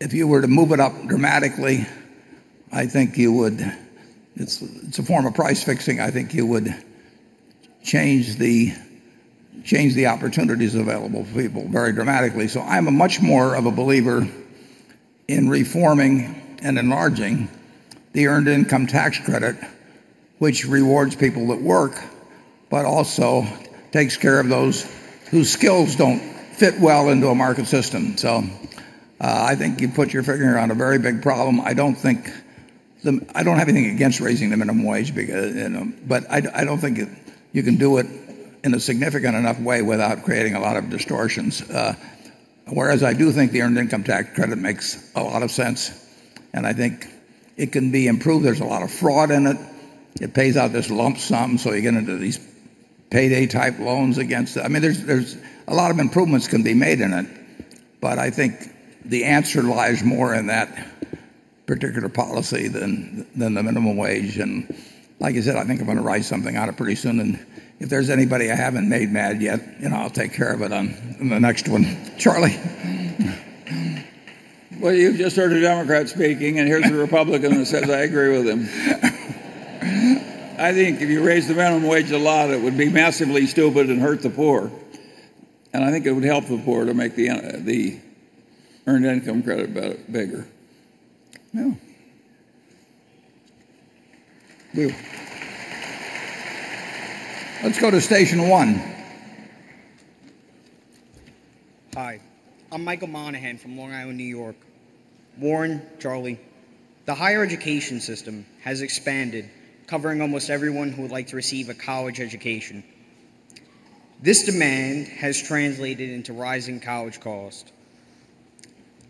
if you were to move it up dramatically, it's a form of price fixing. I think you would change the opportunities available for people very dramatically. I'm much more of a believer in reforming and enlarging the Earned Income Tax Credit, which rewards people that work, but also takes care of those whose skills don't fit well into a market system. I think you put your finger on a very big problem. I don't have anything against raising the minimum wage but I don't think you can do it in a significant enough way without creating a lot of distortions. Whereas I do think the Earned Income Tax Credit makes a lot of sense, I think it can be improved. There's a lot of fraud in it. It pays out this lump sum, you get into these payday-type loans against it. A lot of improvements can be made in it, but I think the answer lies more in that particular policy than the minimum wage. Like I said, I think I'm going to write something on it pretty soon. If there's anybody I haven't made mad yet, I'll take care of it on the next one. Charlie? Well, you just heard a Democrat speaking, and here's a Republican who says, "I agree with him." I think if you raise the minimum wage a lot, it would be massively stupid and hurt the poor. I think it would help the poor to make the Earned Income Credit bigger. Yeah. Let's go to station one. Hi, I'm Michael Monaghan from Long Island, New York. Warren, Charlie, the higher education system has expanded, covering almost everyone who would like to receive a college education. This demand has translated into rising college cost.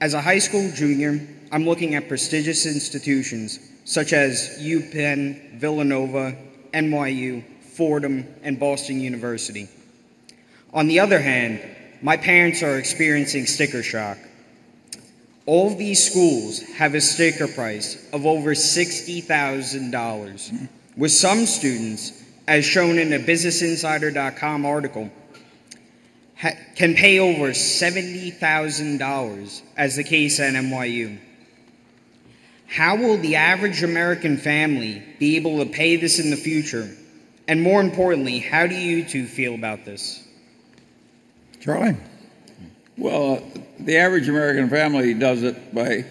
As a high school junior, I'm looking at prestigious institutions such as UPenn, Villanova, NYU, Fordham, and Boston University. On the other hand, my parents are experiencing sticker shock. All these schools have a sticker price of over $60,000, with some students, as shown in a businessinsider.com article, can pay over $70,000 as the case at NYU. How will the average American family be able to pay this in the future? More importantly, how do you two feel about this? Charlie? The average American family does it by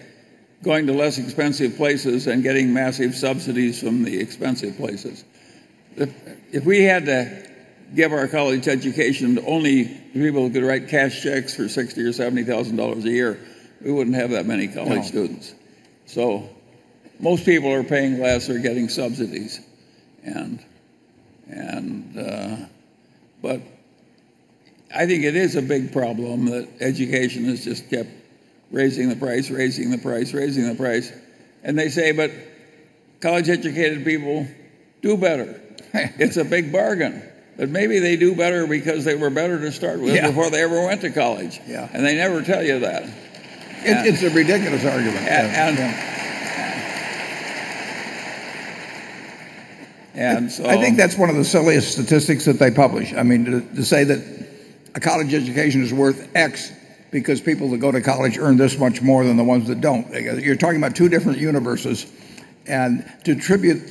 going to less expensive places and getting massive subsidies from the expensive places. If we had to give our college education to only the people who could write cash checks for $60,000 or $70,000 a year, we wouldn't have that many college students. No. Most people are paying less or getting subsidies. I think it is a big problem that education has just kept raising the price. They say, "College-educated people do better." "It's a big bargain." Maybe they do better because they were better to start with Yeah before they ever went to college. Yeah. They never tell you that. It's a ridiculous argument. And so- I think that's one of the silliest statistics that they publish. To say that a college education is worth X because people who go to college earn this much more than the ones that don't, you're talking about two different universes. To attribute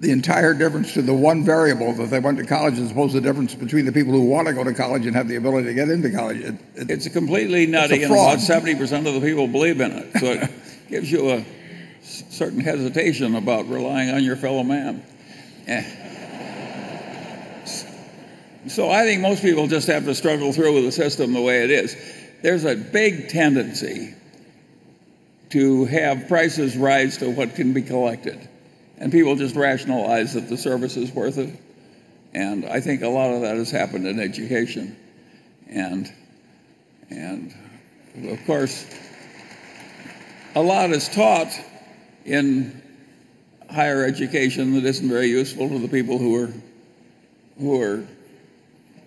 the entire difference to the one variable, that they went to college, as opposed to the difference between the people who want to go to college and have the ability to get into college. It's completely nutty. it's a fraud Yet 70% of the people believe in it. It gives you a certain hesitation about relying on your fellow man. I think most people just have to struggle through the system the way it is. There's a big tendency to have prices rise to what can be collected, people just rationalize that the service is worth it. I think a lot of that has happened in education. Of course a lot is taught in higher education that isn't very useful to the people who are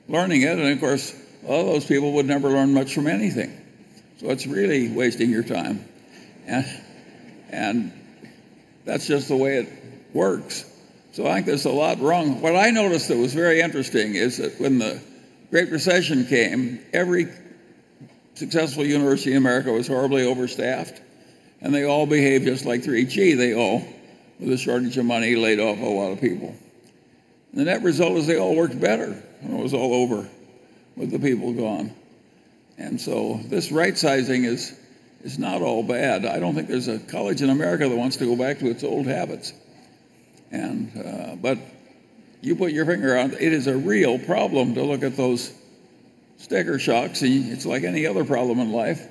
learning it. Of course, a lot of those people would never learn much from anything. It's really wasting your time. That's just the way it works. I think there's a lot wrong. What I noticed that was very interesting is that when the Great Recession came, every successful university in America was horribly overstaffed, they all behaved just like 3G. They all, with a shortage of money, laid off a lot of people. The net result was they all worked better when it was all over with the people gone. This right-sizing is not all bad. I don't think there's a college in America that wants to go back to its old habits. You put your finger on it. It is a real problem to look at those sticker shocks, it's like any other problem in life.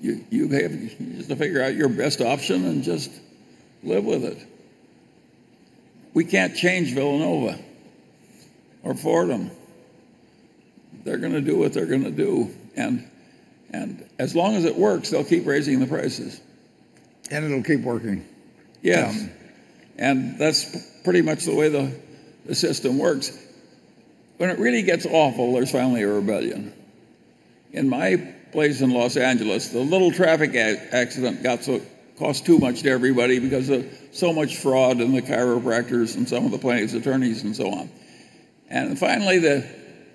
You have just to figure out your best option and just live with it. We can't change Villanova or Fordham. They're going to do what they're going to do, as long as it works, they'll keep raising the prices. It'll keep working. Yeah. That's pretty much the way the system works. When it really gets awful, there's finally a rebellion. In my place in L.A., the little traffic accident cost too much to everybody because of so much fraud in the chiropractors and some of the plaintiff's attorneys and so on. Finally, the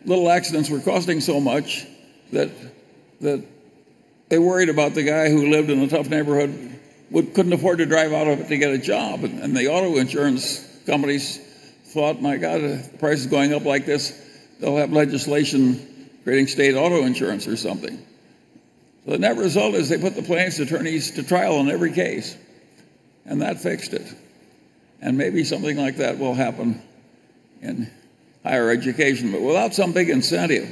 little accidents were costing so much that they worried about the guy who lived in a tough neighborhood couldn't afford to drive out to get a job. The auto insurance companies thought, "My God, if the price is going up like this, they'll have legislation creating state auto insurance or something." The net result is they put the plaintiff's attorneys to trial on every case, and that fixed it. Maybe something like that will happen in higher education. Without some big incentive,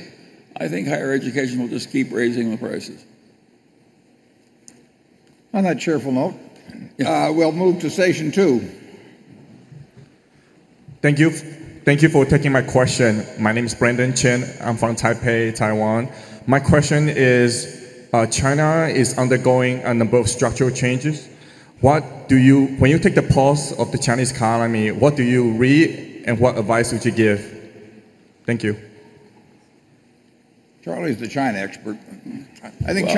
I think higher education will just keep raising the prices. On that cheerful note. Yeah. We'll move to station two. Thank you for taking my question. My name is Brandon Chin. I'm from Taipei, Taiwan. My question is, China is undergoing a number of structural changes. When you take the pulse of the Chinese economy, what do you read, and what advice would you give? Thank you. Charlie's the China expert. I think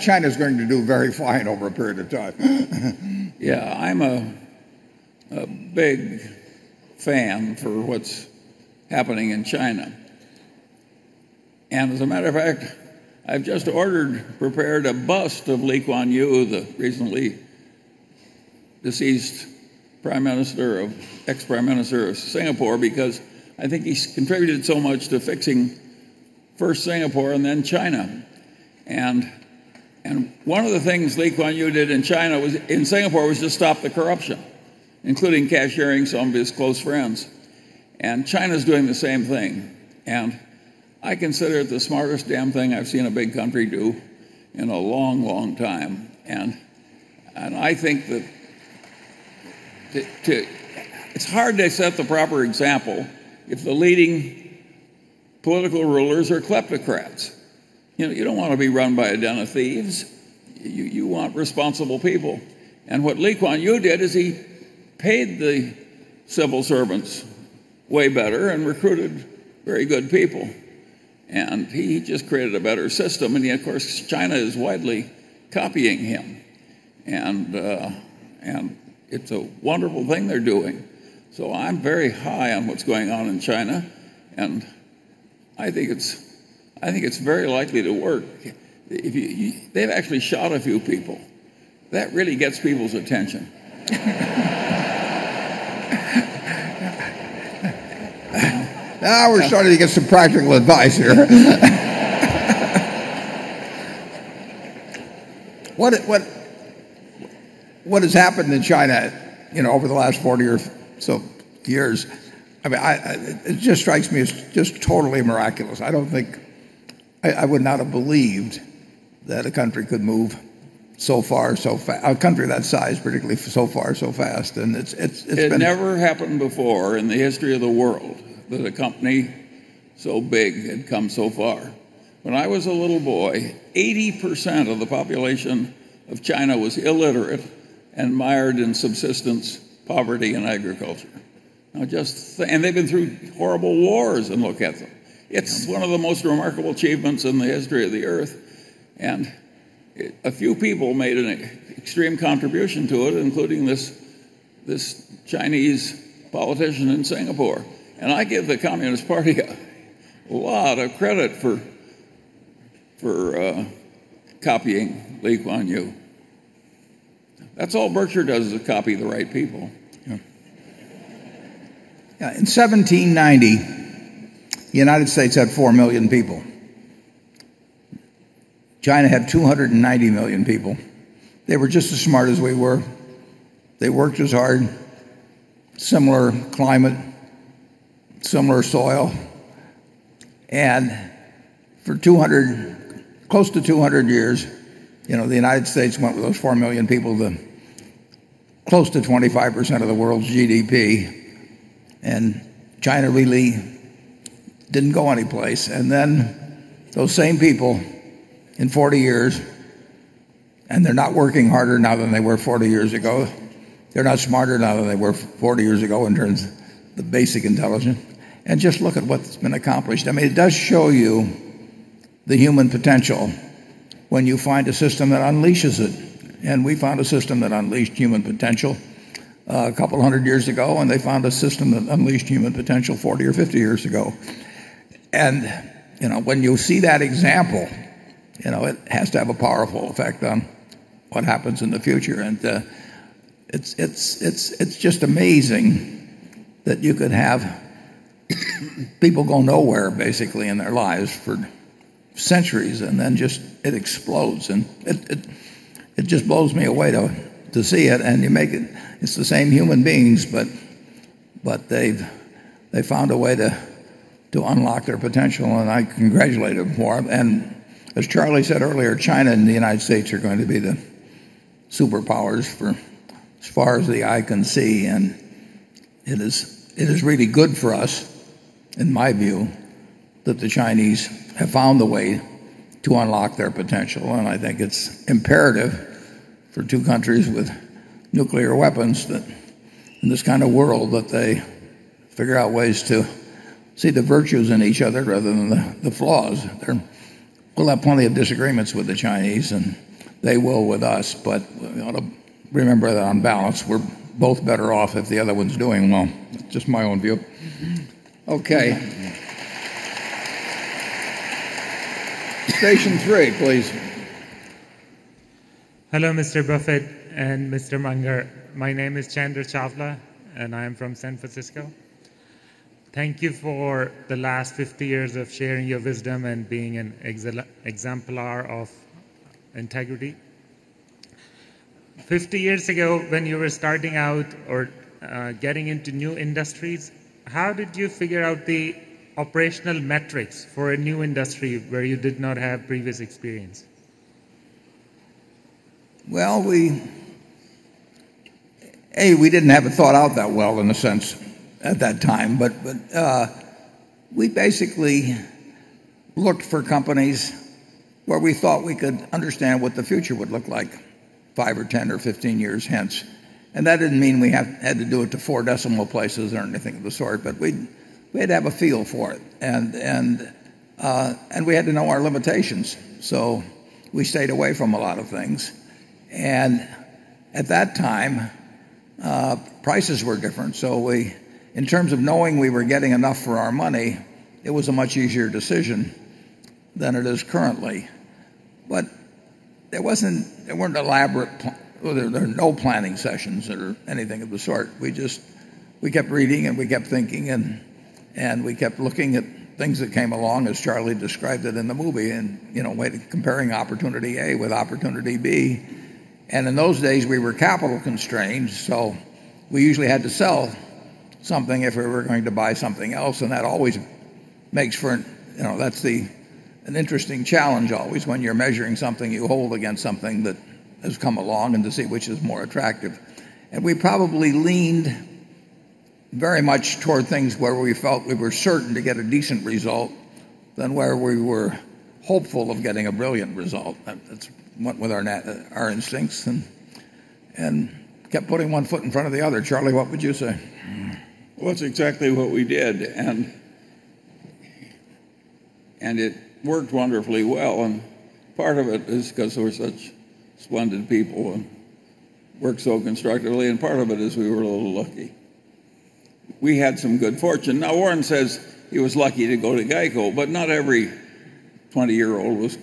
China's going to do very fine over a period of time. Yeah. I'm a big fan for what's happening in China. As a matter of fact, I've just ordered, prepared a bust of Lee Kuan Yew, the recently deceased ex-prime minister of Singapore, because I think he's contributed so much to fixing first Singapore and then China. One of the things Lee Kuan Yew did in Singapore was to stop the corruption, including cashiering some of his close friends. China's doing the same thing. I consider it the smartest damn thing I've seen a big country do in a long time. I think it's hard to set the proper example if the leading political rulers are kleptocrats. You don't want to be run by a den of thieves. You want responsible people. What Lee Kuan Yew did is he paid the civil servants way better and recruited very good people, and he just created a better system. Of course, China is widely copying him. It's a wonderful thing they're doing. I'm very high on what's going on in China, and I think it's very likely to work. They've actually shot a few people. That really gets people's attention. We're starting to get some practical advice here. What has happened in China over the last 40 or so years, it just strikes me as just totally miraculous. I would not have believed that a country could move so far so fast, a country that size particularly, so far so fast. It never happened before in the history of the world that a country so big had come so far. When I was a little boy, 80% of the population of China was illiterate and mired in subsistence poverty and agriculture. They've been through horrible wars, and look at them. It's one of the most remarkable achievements in the history of the Earth, a few people made an extreme contribution to it, including this Chinese politician in Singapore. I give the Communist Party a lot of credit for copying Lee Kuan Yew. That's all Berkshire does is copy the right people. Yeah. Yeah. In 1790, United States had four million people. China had 290 million people. They were just as smart as we were. They worked as hard, similar climate, similar soil. For close to 200 years, the United States went with those four million people to close to 25% of the world's GDP, and China really didn't go anyplace. Then those same people in 40 years, they're not working harder now than they were 40 years ago. They're not smarter now than they were 40 years ago in terms of the basic intelligence. Just look at what's been accomplished. It does show you the human potential when you find a system that unleashes it. We found a system that unleashed human potential a couple of hundred years ago, and they found a system that unleashed human potential 40 or 50 years ago. When you see that example, it has to have a powerful effect on what happens in the future. It's just amazing that you could have people go nowhere, basically, in their lives for centuries, then just it explodes. It just blows me away to see it. It's the same human beings, but they've found a way to unlock their potential, I congratulate them for it. As Charlie said earlier, China and the United States are going to be the superpowers for as far as the eye can see. It is really good for us, in my view, that the Chinese have found the way to unlock their potential. I think it's imperative for two countries with nuclear weapons, in this kind of world, that they figure out ways to see the virtues in each other rather than the flaws. We'll have plenty of disagreements with the Chinese, and they will with us, but we ought to remember that on balance, we're both better off if the other one's doing well. It's just my own view. Okay. Station three, please. Hello, Mr. Buffett and Mr. Munger. My name is Chandra Chavla, and I am from San Francisco. Thank you for the last 50 years of sharing your wisdom and being an exemplar of integrity. 50 years ago, when you were starting out or getting into new industries, how did you figure out the operational metrics for a new industry where you did not have previous experience? Well, A, we didn't have it thought out that well, in a sense, at that time. We basically looked for companies where we thought we could understand what the future would look like five or 10 or 15 years hence. That didn't mean we had to do it to four decimal places or anything of the sort, but we had to have a feel for it. We had to know our limitations, so we stayed away from a lot of things. At that time prices were different, so in terms of knowing we were getting enough for our money, it was a much easier decision than it is currently. There were no planning sessions or anything of the sort. We kept reading, we kept thinking, we kept looking at things that came along, as Charlie described it in the movie, and comparing opportunity A with opportunity B. In those days, we were capital constrained, so we usually had to sell something if we were going to buy something else, and that always makes for an interesting challenge always, when you're measuring something you hold against something that has come along and to see which is more attractive. We probably leaned very much toward things where we felt we were certain to get a decent result than where we were hopeful of getting a brilliant result. That went with our instincts, and kept putting one foot in front of the other. Charlie, what would you say? That's exactly what we did, it worked wonderfully well, part of it is because we're such splendid people and work so constructively, part of it is we were a little lucky. We had some good fortune. Warren says he was lucky to go to GEICO, but not every 20-year-old was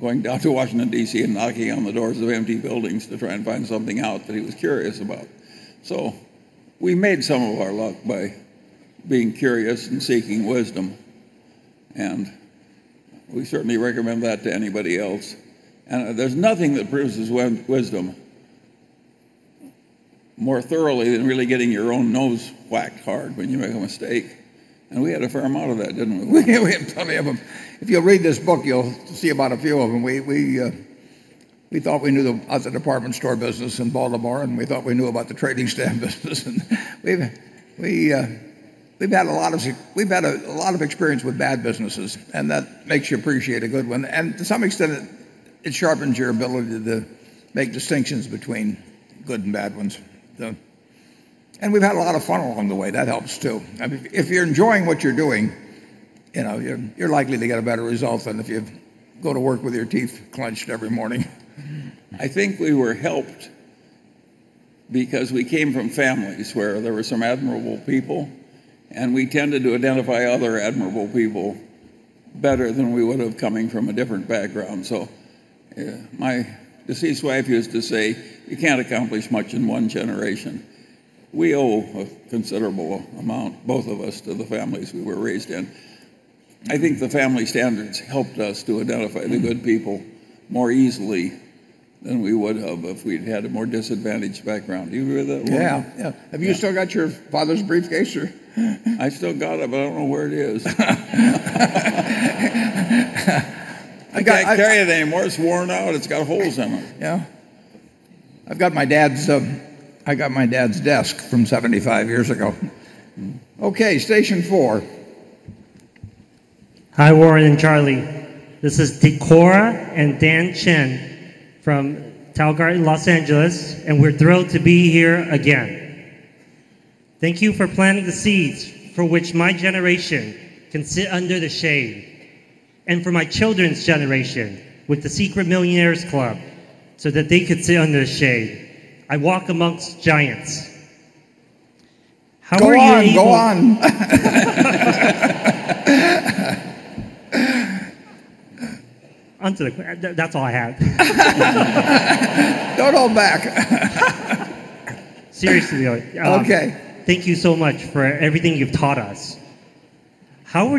going down to Washington, D.C. and knocking on the doors of empty buildings to try and find something out that he was curious about. We made some of our luck by being curious and seeking wisdom, we certainly recommend that to anybody else. There's nothing that proves wisdom more thoroughly than really getting your own nose whacked hard when you make a mistake, we had a fair amount of that, didn't we? We had plenty of them. If you read this book, you'll see about a few of them. We thought we knew the department store business in Baltimore, we thought we knew about the trading stamp business and we've had a lot of experience with bad businesses, that makes you appreciate a good one. To some extent, it sharpens your ability to make distinctions between good and bad ones. We've had a lot of fun along the way. That helps, too. If you're enjoying what you're doing, you're likely to get a better result than if you go to work with your teeth clenched every morning. I think we were helped because we came from families where there were some admirable people, we tended to identify other admirable people better than we would have coming from a different background. My deceased wife used to say, "You can't accomplish much in one generation." We owe a considerable amount, both of us, to the families we were raised in. I think the family standards helped us to identify the good people more easily than we would have if we'd had a more disadvantaged background. Do you agree with that, Warren? Yeah. Have you still got your father's briefcase, or? I still got it. I don't know where it is. I can't carry it anymore. It's worn out. It's got holes in it. Yeah. I've got my dad's desk from 75 years ago. Okay, station 4. Hi, Warren and Charlie. This is Decora and Dan Chin from Talguard, L.A. We're thrilled to be here again. Thank you for planting the seeds for which my generation can sit under the shade. For my children's generation with the Secret Millionaires Club so that they could sit under the shade. I walk amongst giants. How are you able. Go on. That's all I have. Don't hold back. Seriously- Okay Thank you so much for everything you've taught us. Thank you. How were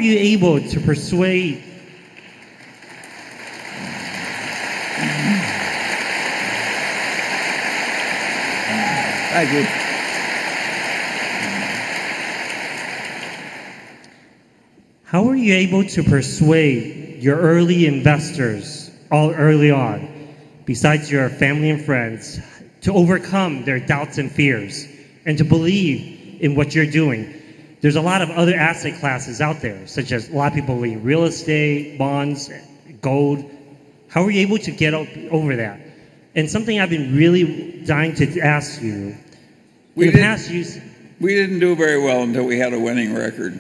you able to persuade your early investors all early on, besides your family and friends, to overcome their doubts and fears and to believe in what you're doing? There's a lot of other asset classes out there, such as a lot of people in real estate, bonds, gold. How were you able to get over that? Something I've been really dying to ask you. We didn't do very well until we had a winning record.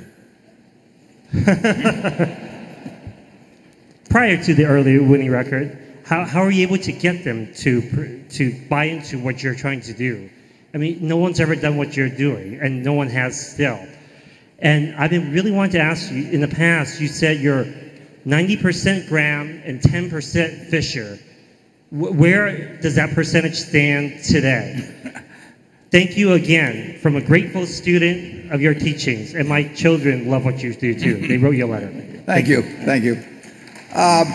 Prior to the early winning record, how were you able to get them to buy into what you're trying to do? No one's ever done what you're doing, and no one has still. I've been really wanting to ask you, in the past, you said you're 90% Graham and 10% Fisher. Where does that percentage stand today? Thank you again from a grateful student of your teachings, and my children love what you do, too. They wrote you a letter. Thank you. A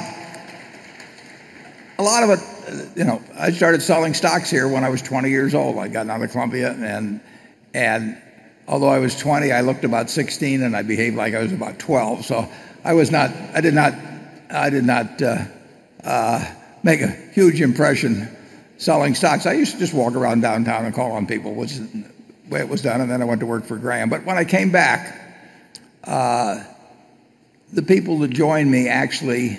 lot of it, I started selling stocks here when I was 20 years old. I'd gotten out of Columbia, and although I was 20, I looked about 16, and I behaved like I was about 12. I did not make a huge impression selling stocks. I used to just walk around downtown and call on people, was the way it was done, and then I went to work for Graham. When I came back, the people that joined me, actually,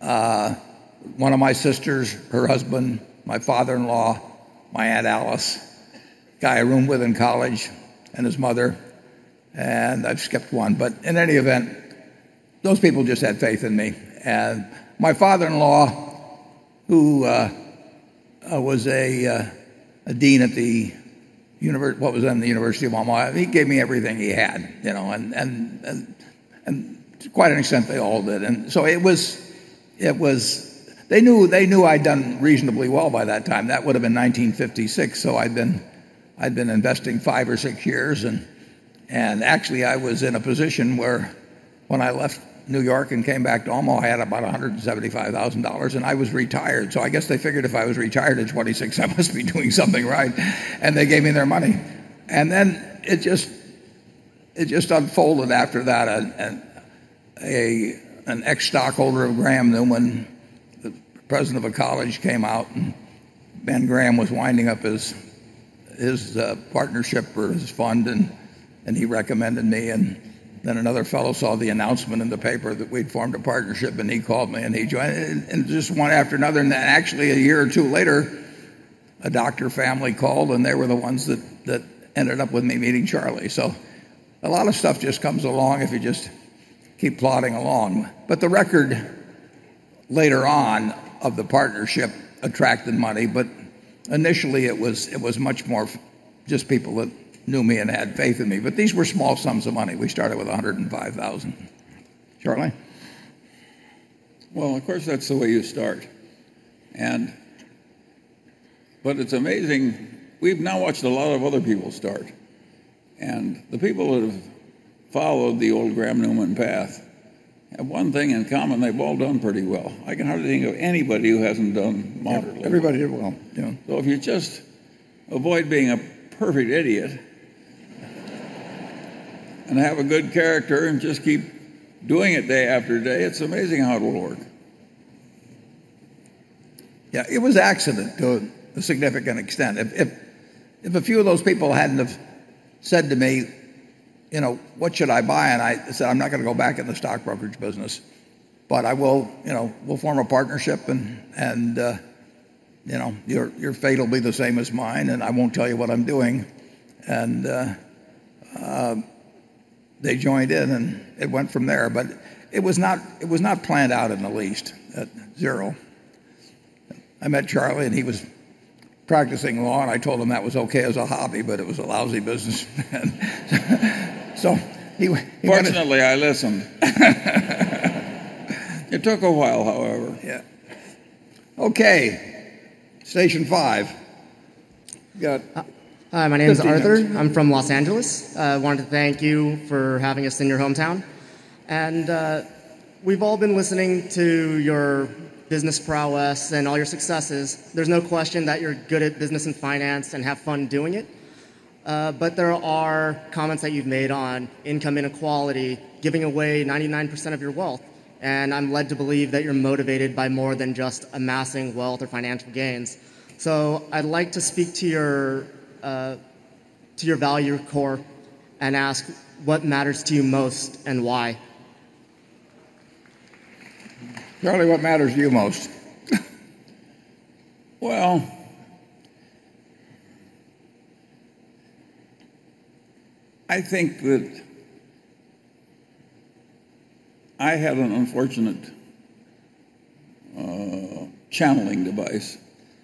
one of my sisters, her husband, my father-in-law, my aunt Alice, guy I roomed with in college, and his mother, and I just skipped one. Those people just had faith in me. My father-in-law, who was a dean at what was then the University of Omaha, he gave me everything he had. To quite an extent, they all did. They knew I'd done reasonably well by that time. That would've been 1956, so I'd been investing five or six years. Actually, I was in a position where when I left New York and came back to Omaha, I had about $175,000 and I was retired. I guess they figured if I was retired at 26, I must be doing something right, and they gave me their money. Then it just unfolded after that. An ex-stockholder of Graham-Newman, the president of a college, came out, and Ben Graham was winding up his partnership for his fund, and he recommended me. Then another fellow saw the announcement in the paper that we'd formed a partnership, and he called me, and he joined. Just one after another. Then actually a year or two later, a doctor family called, and they were the ones that ended up with me meeting Charlie. A lot of stuff just comes along if you just keep plodding along. The record later on of the partnership attracted money. Initially, it was much more just people that knew me and had faith in me. These were small sums of money. We started with $105,000. Charlie? Well, of course, that's the way you start. It's amazing, we've now watched a lot of other people start. The people that have followed the old Graham-Newman path have one thing in common, they've all done pretty well. I can hardly think of anybody who hasn't done moderately well. Yeah. Everybody did well. Yeah. If you just avoid being a perfect idiot and have a good character and just keep doing it day after day, it's amazing how it will work. Yeah. It was accident to a significant extent. If a few of those people hadn't have said to me, "What should I buy?" I said, "I'm not going to go back in the stock brokerage business, but we'll form a partnership, and your fate'll be the same as mine. I won't tell you what I'm doing." They joined in, and it went from there. It was not planned out in the least, at zero. I met Charlie, and he was practicing law, and I told him that was okay as a hobby, but it was a lousy business plan. He. Fortunately, I listened. It took a while, however. Yeah. Okay. Station five. Go ahead. Hi, my name is Arthur. I'm from Los Angeles. I wanted to thank you for having us in your hometown. We've all been listening to your business prowess and all your successes. There's no question that you're good at business and finance and have fun doing it. There are comments that you've made on income inequality, giving away 99% of your wealth, and I'm led to believe that you're motivated by more than just amassing wealth or financial gains. I'd like to speak to your value core and ask what matters to you most and why? Charlie, what matters to you most? Well, I think that I had an unfortunate channeling device.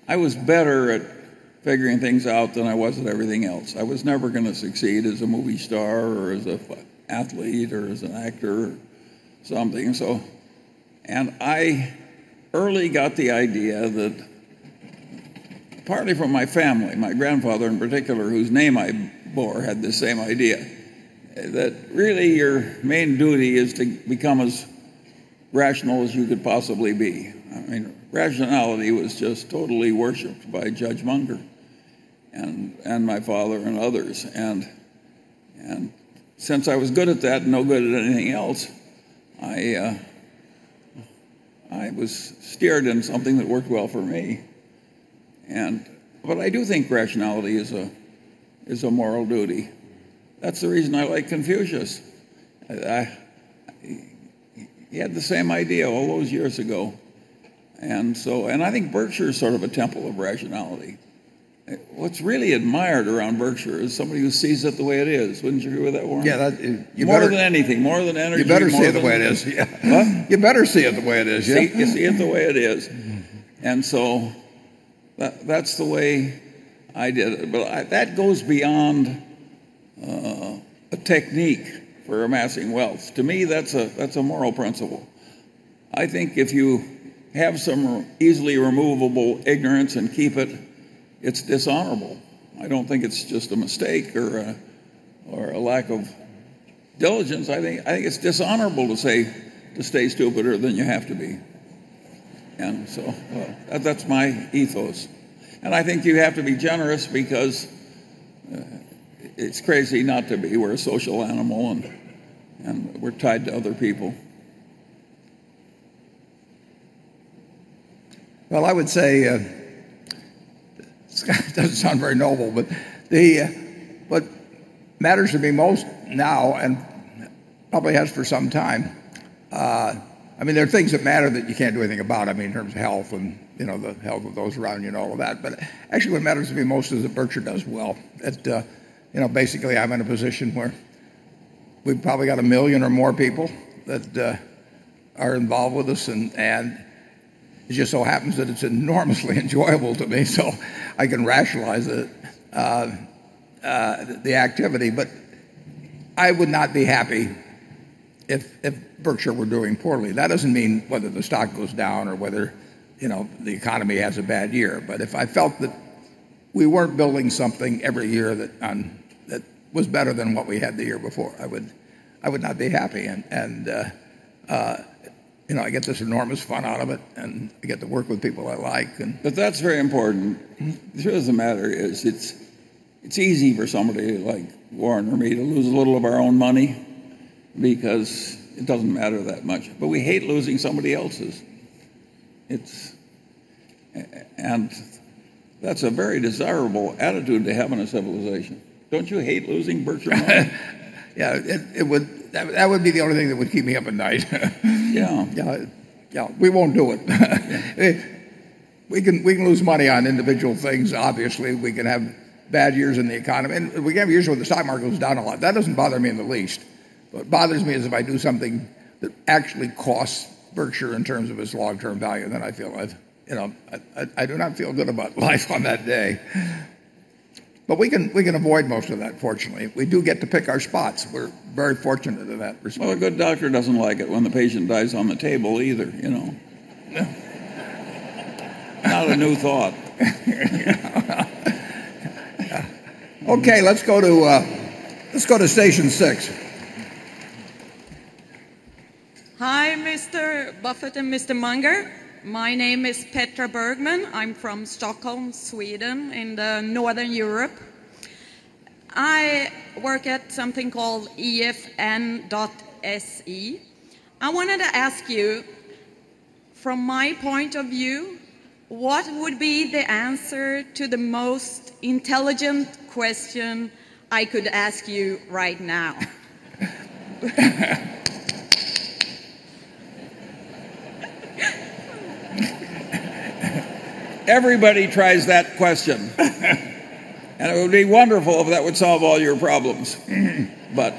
I was better at figuring things out than I was at everything else. I was never going to succeed as a movie star or as an athlete or as an actor, something. I early got the idea that, partly from my family, my grandfather in particular, whose name I bore, had the same idea, that really your main duty is to become as rational as you could possibly be. Rationality was just totally worshiped by Judge Munger and my father and others. Since I was good at that and no good at anything else, I was steered in something that worked well for me. I do think rationality is a moral duty. That's the reason I like Confucius. He had the same idea all those years ago. I think Berkshire is sort of a temple of rationality. What's really admired around Berkshire is somebody who sees it the way it is. Wouldn't you agree with that, Warren? Yeah. You better- More than anything, more than energy- You better see it the way it is. Yeah. Huh? You better see it the way it is. Yeah. See it the way it is. That's the way I did it. That goes beyond a technique for amassing wealth. To me, that's a moral principle. I think if you have some easily removable ignorance and keep it's dishonorable. I don't think it's just a mistake or a lack of diligence. I think it's dishonorable to stay stupider than you have to be. That's my ethos. I think you have to be generous because it's crazy not to be. We're a social animal, and we're tied to other people. Well, I would say, it doesn't sound very noble, but what matters to me most now, and probably has for some time. There are things that matter that you can't do anything about, in terms of health and the health of those around you and all of that. Actually, what matters to me most is that Berkshire does well. That basically I'm in a position where we've probably got 1 million or more people that are involved with us, and it just so happens that it's enormously enjoyable to me, so I can rationalize it, the activity. I would not be happy if Berkshire were doing poorly. That doesn't mean whether the stock goes down or whether the economy has a bad year. If I felt that we weren't building something every year that was better than what we had the year before, I would not be happy. I get such enormous fun out of it, and I get to work with people I like. That's very important. The truth of the matter is, it's easy for somebody like Warren or me to lose a little of our own money because it doesn't matter that much, but we hate losing somebody else's. That's a very desirable attitude to have in a civilization. Don't you hate losing Berkshire? Yeah, that would be the only thing that would keep me up at night. Yeah. Yeah. We won't do it. We can lose money on individual things, obviously. We can have bad years in the economy, and we have years when the stock market goes down a lot. That doesn't bother me in the least. What bothers me is if I do something that actually costs Berkshire in terms of its long-term value, then I do not feel good about life on that day. We can avoid most of that, fortunately. We do get to pick our spots. We're very fortunate in that respect. Well, a good doctor doesn't like it when the patient dies on the table either. Yeah. Not a new thought. Okay. Let's go to station six. Hi, Mr. Buffett and Mr. Munger. My name is Petra Bergman. I'm from Stockholm, Sweden, in the Northern Europe. I work at something called EFN. I wanted to ask you, from my point of view, what would be the answer to the most intelligent question I could ask you right now? Everybody tries that question. It would be wonderful if that would solve all your problems, but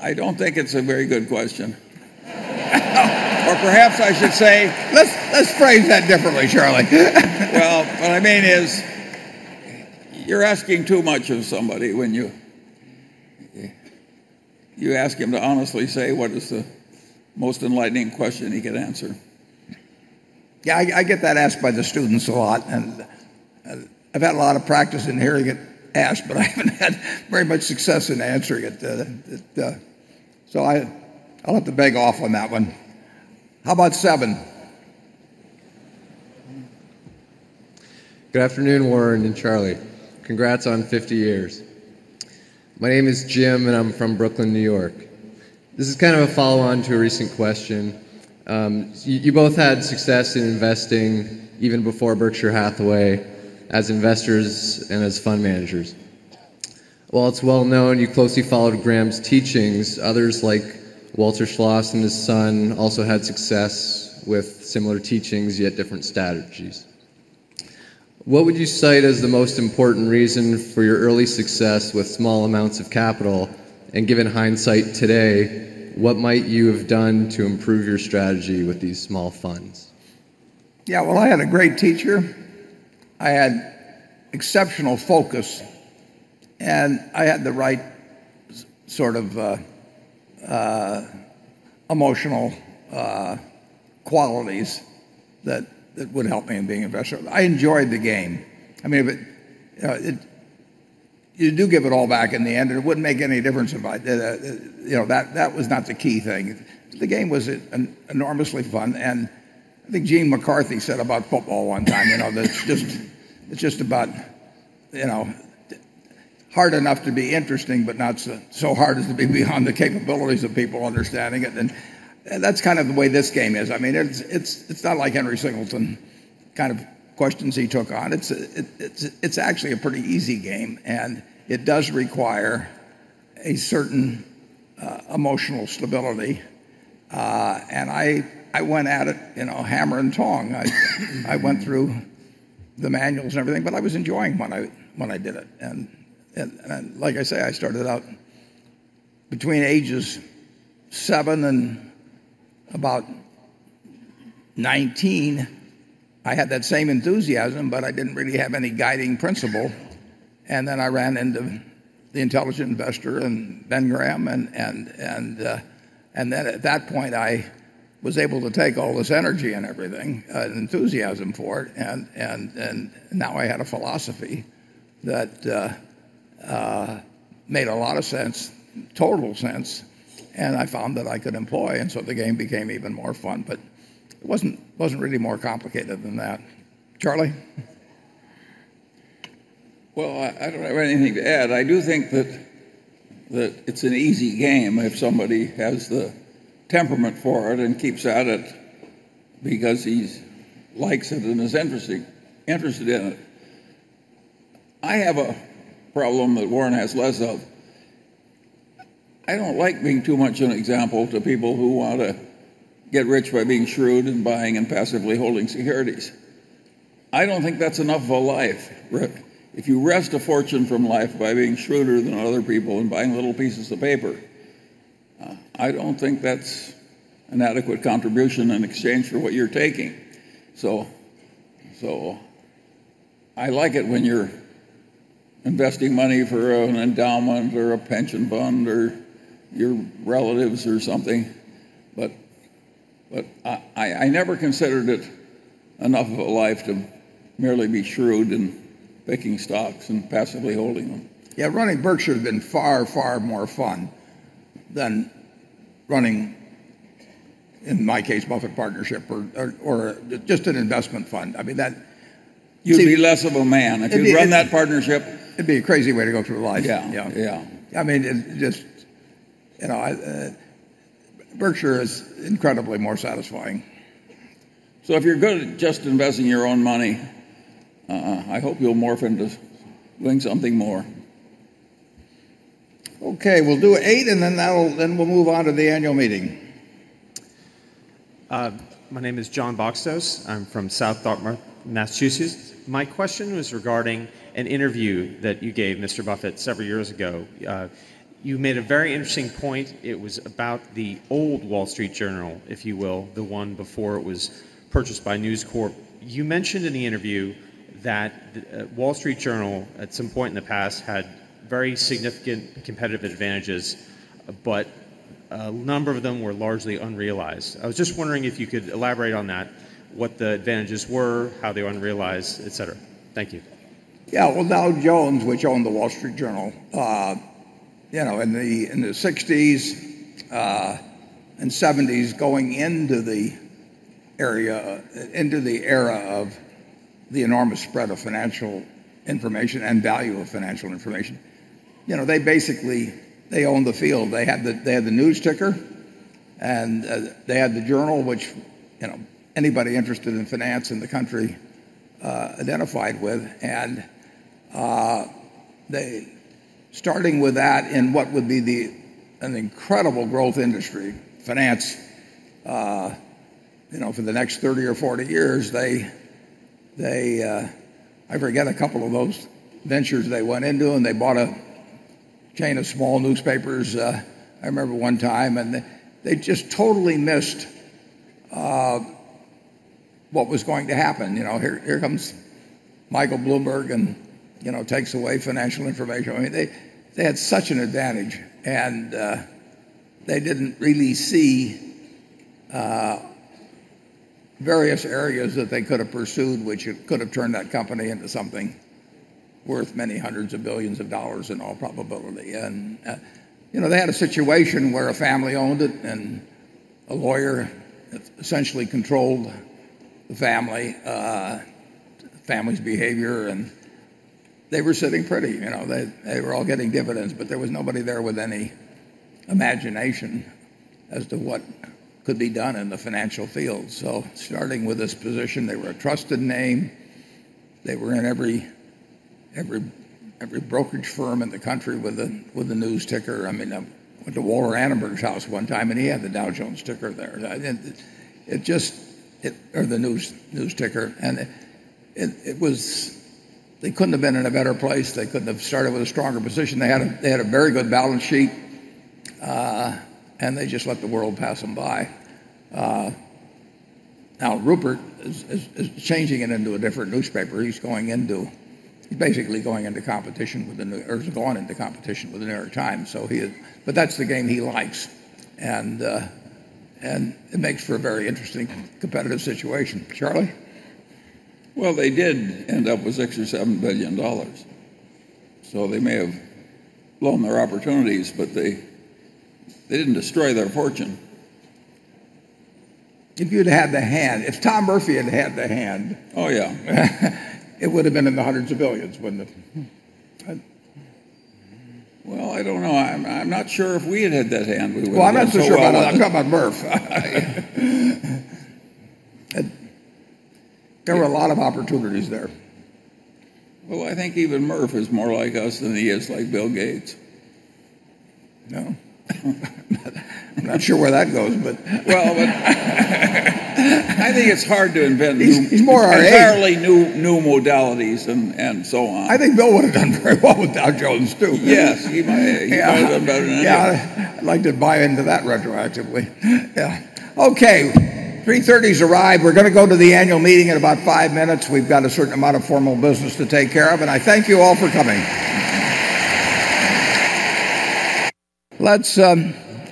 I don't think it's a very good question. Perhaps I should say, "Let's phrase that differently, Charlie. Well, what I mean is, you're asking too much of somebody when you ask him to honestly say what is the most enlightening question he could answer. Yeah, I get that asked by the students a lot, and I've had a lot of practice in hearing it asked, but I haven't had very much success in answering it. I'll have to beg off on that one. How about seven? Good afternoon, Warren and Charlie. Congrats on 50 years. My name is Jim, and I'm from Brooklyn, New York. This is kind of a follow-on to a recent question. You both had success in investing even before Berkshire Hathaway as investors and as fund managers. While it's well-known you closely followed Graham's teachings, others like Walter Schloss and his son also had success with similar teachings, yet different strategies. What would you cite as the most important reason for your early success with small amounts of capital? Given hindsight today, what might you have done to improve your strategy with these small funds? Well, I had a great teacher. I had exceptional focus, and I had the right sort of emotional qualities that would help me in being investor. I enjoyed the game. You do give it all back in the end, and it wouldn't make any difference. That was not the key thing. The game was enormously fun, and I think Gene McCarthy said about football one time that it's just about hard enough to be interesting but not so hard as to be beyond the capabilities of people understanding it. That's kind of the way this game is. It's not like Henry Singleton kind of questions he took on. It's actually a pretty easy game, and it does require a certain emotional stability. I went at it hammer and tong. I went through the manuals and everything, I was enjoying when I did it. Like I say, I started out between ages seven and about 19, I had that same enthusiasm, I didn't really have any guiding principle. I ran into "The Intelligent Investor" and Ben Graham, at that point, I was able to take all this energy and everything and enthusiasm for it, now I had a philosophy that made a lot of sense, total sense, I found that I could employ. The game became even more fun, it wasn't really more complicated than that. Charlie? Well, I don't have anything to add. I do think that it's an easy game if somebody has the temperament for it and keeps at it because he likes it and is interested in it. I have a problem that Warren has less of. I don't like being too much an example to people who want to get rich by being shrewd and buying and passively holding securities. I don't think that's enough of a life. If you wrest a fortune from life by being shrewder than other people and buying little pieces of paper, I don't think that's an adequate contribution in exchange for what you're taking. I like it when you're investing money for an endowment or a pension fund or your relatives or something. I never considered it enough of a life to merely be shrewd in picking stocks and passively holding them. Running Berkshire has been far, far more fun than running, in my case, Buffett Partnership or just an investment fund. You'd be less of a man if you'd run that partnership. It'd be a crazy way to go through life. Yeah. Yeah. Berkshire is incredibly more satisfying. If you're good at just investing your own money, I hope you'll morph into doing something more. Okay, we'll do eight, and then we'll move on to the annual meeting. My name is John Boxtos. I'm from South Dartmouth, Massachusetts. My question was regarding an interview that you gave, Mr. Buffett, several years ago. You made a very interesting point. It was about the old Wall Street Journal, if you will, the one before it was purchased by News Corp. You mentioned in the interview that Wall Street Journal, at some point in the past, had very significant competitive advantages, but a number of them were largely unrealized. I was just wondering if you could elaborate on that, what the advantages were, how they were unrealized, et cetera. Thank you. Yeah, well, Dow Jones, which owned The Wall Street Journal, in the 1960s and 1970s, going into the era of the enormous spread of financial information and value of financial information, they basically owned the field. They had the news ticker, and they had the Journal, which anybody interested in finance in the country identified with. Starting with that in what would be an incredible growth industry, finance, for the next 30 or 40 years, I forget a couple of those ventures they went into, and they bought a chain of small newspapers, I remember one time. They just totally missed what was going to happen. Here comes Michael Bloomberg and takes away financial information. They had such an advantage, and they didn't really see various areas that they could have pursued, which could have turned that company into something worth many hundreds of billions of dollars, in all probability. They had a situation where a family owned it, and a lawyer essentially controlled the family's behavior, and they were sitting pretty. They were all getting dividends, but there was nobody there with any imagination as to what could be done in the financial field. Starting with this position, they were a trusted name. They were in every brokerage firm in the country with a news ticker. I went to Walter Annenberg's house one time, and he had the Dow Jones ticker there, or the news ticker. They couldn't have been in a better place. They couldn't have started with a stronger position. They had a very good balance sheet, they just let the world pass them by. Rupert is changing it into a different newspaper. He's basically going into competition with, or has gone into competition with The New York Times, that's the game he likes. It makes for a very interesting competitive situation. Charlie? They did end up with $6 billion or $7 billion. They may have blown their opportunities, they didn't destroy their fortune. If you'd had the hand, if Tom Murphy had had the hand. Oh, yeah. it would have been in the $hundreds of billions, wouldn't it? Well, I don't know. I'm not sure if we had had that hand, we would have been. Well, I'm not so sure about that. I'm talking about Murph. There were a lot of opportunities there. Well, I think even Murph is more like us than he is like Bill Gates. Yeah. I'm not sure where that goes. Well, I think it's hard to invent. He's more our age entirely new modalities and so on. I think Bill would have done very well with Dow Jones, too. Yes. He might have done better than any of us. Yeah, I'd like to buy into that retroactively. Yeah. Okay. 3:30's arrived. We're going to go to the annual meeting in about five minutes. We've got a certain amount of formal business to take care of, and I thank you all for coming.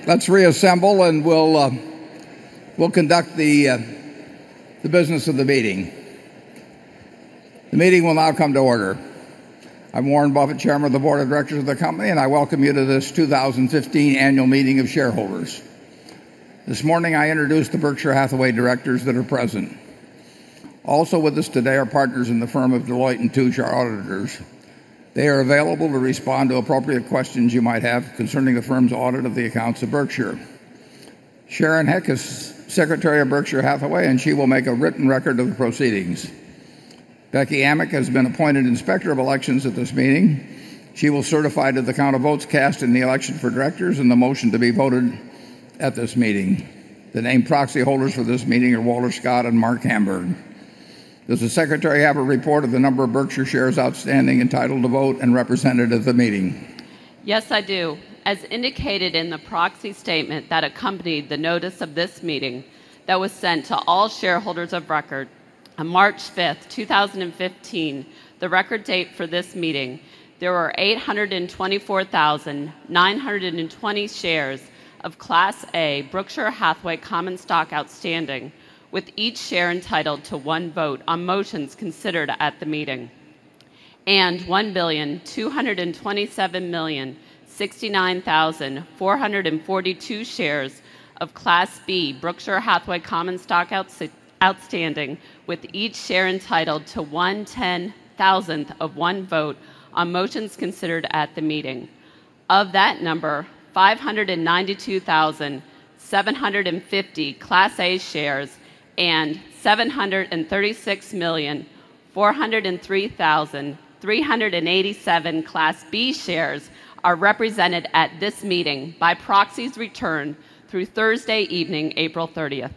Let's reassemble, and we'll conduct the business of the meeting. The meeting will now come to order. I'm Warren Buffett, chairman of the board of directors of the company, and I welcome you to this 2015 annual meeting of shareholders. This morning, I introduced the Berkshire Hathaway directors that are present. Also with us today are partners in the firm of Deloitte & Touche, our auditors. They are available to respond to appropriate questions you might have concerning the firm's audit of the accounts of Berkshire Sharon Heck is Secretary of Berkshire Hathaway, and she will make a written record of the proceedings. Becky Amick has been appointed Inspector of Elections at this meeting. She will certify to the count of votes cast in the election for directors and the motion to be voted at this meeting. The named proxy holders for this meeting are Walter Scott and Marc Hamburg. Does the secretary have a report of the number of Berkshire shares outstanding entitled to vote and represented at the meeting? Yes, I do. As indicated in the proxy statement that accompanied the notice of this meeting that was sent to all shareholders of record on March 5th, 2015, the record date for this meeting, there are 824,920 shares of Class A Berkshire Hathaway common stock outstanding, with each share entitled to one vote on motions considered at the meeting, and 1,227,069,442 shares of Class B Berkshire Hathaway common stock outstanding, with each share entitled to 1/10,000 of one vote on motions considered at the meeting. Of that number, 592,750 Class A shares and 736,403,387 Class B shares are represented at this meeting by proxies returned through Thursday evening, April 30th.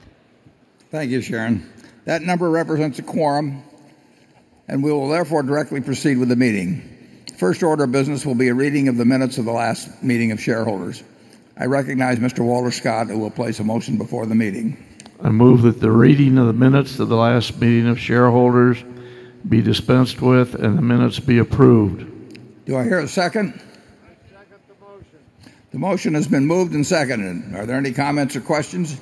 Thank you, Sharon. That number represents a quorum. We will therefore directly proceed with the meeting. First order of business will be a reading of the minutes of the last meeting of shareholders. I recognize Mr. Walter Scott, who will place a motion before the meeting. I move that the reading of the minutes of the last meeting of shareholders be dispensed with and the minutes be approved. Do I hear a second? I second the motion. The motion has been moved and seconded. Are there any comments or questions?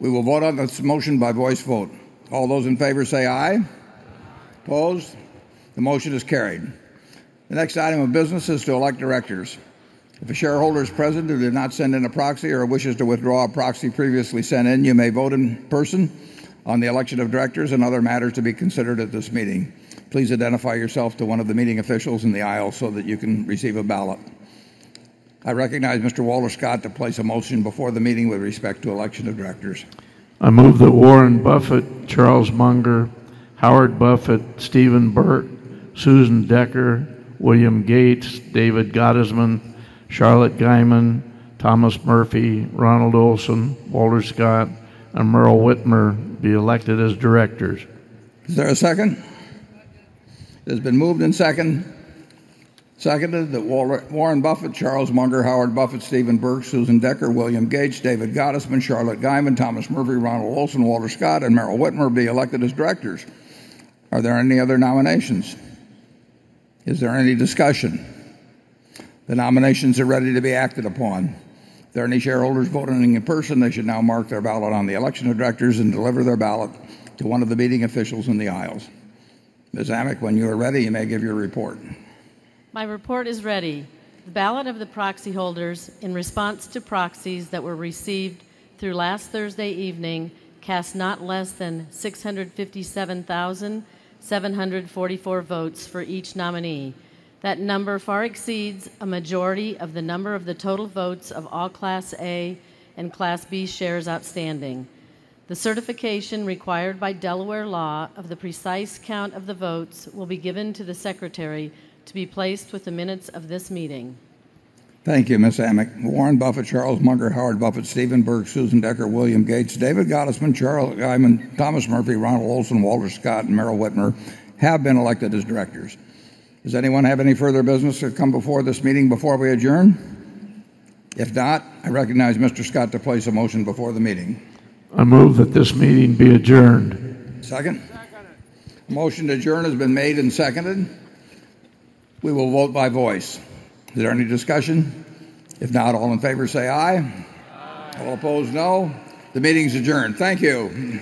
We will vote on this motion by voice vote. All those in favor say "aye. Aye. Opposed? The motion is carried. The next item of business is to elect directors. If a shareholder is present who did not send in a proxy or wishes to withdraw a proxy previously sent in, you may vote in person on the election of directors and other matters to be considered at this meeting. Please identify yourself to one of the meeting officials in the aisle so that you can receive a ballot. I recognize Mr. Walter Scott to place a motion before the meeting with respect to election of directors. I move that Warren Buffett, Charles Munger, Howard Buffett, Stephen Burke, Susan Decker, William Gates, David Gottesman, Charlotte Guyman, Thomas Murphy, Ronald Olson, Walter Scott, and Meryl Witmer be elected as directors. Is there a second? Second. It has been moved and seconded that Warren Buffett, Charles Munger, Howard Buffett, Stephen Burke, Susan Decker, William Gates, David Gottesman, Charlotte Guyman, Thomas Murphy, Ronald Olson, Walter Scott, and Meryl Witmer be elected as directors. Are there any other nominations? Is there any discussion? The nominations are ready to be acted upon. If there are any shareholders voting in person, they should now mark their ballot on the election of directors and deliver their ballot to one of the meeting officials in the aisles. Ms. Amick, when you are ready, you may give your report. My report is ready. The ballot of the proxy holders in response to proxies that were received through last Thursday evening cast not less than 657,744 votes for each nominee. That number far exceeds a majority of the number of the total votes of all Class A and Class B shares outstanding. The certification required by Delaware law of the precise count of the votes will be given to the secretary to be placed with the minutes of this meeting. Thank you, Ms. Amick. Warren Buffett, Charles Munger, Howard Buffett, Stephen Burke, Susan Decker, William Gates, David Gottesman, Charlotte Guyman, Thomas Murphy, Ronald Olson, Walter Scott, and Meryl Witmer have been elected as directors. Does anyone have any further business to come before this meeting before we adjourn? If not, I recognize Mr. Scott to place a motion before the meeting. I move that this meeting be adjourned. Second? Second. A motion to adjourn has been made and seconded. We will vote by voice. Is there any discussion? If not, all in favor say "aye. Aye. All opposed, "no." The meeting is adjourned. Thank you.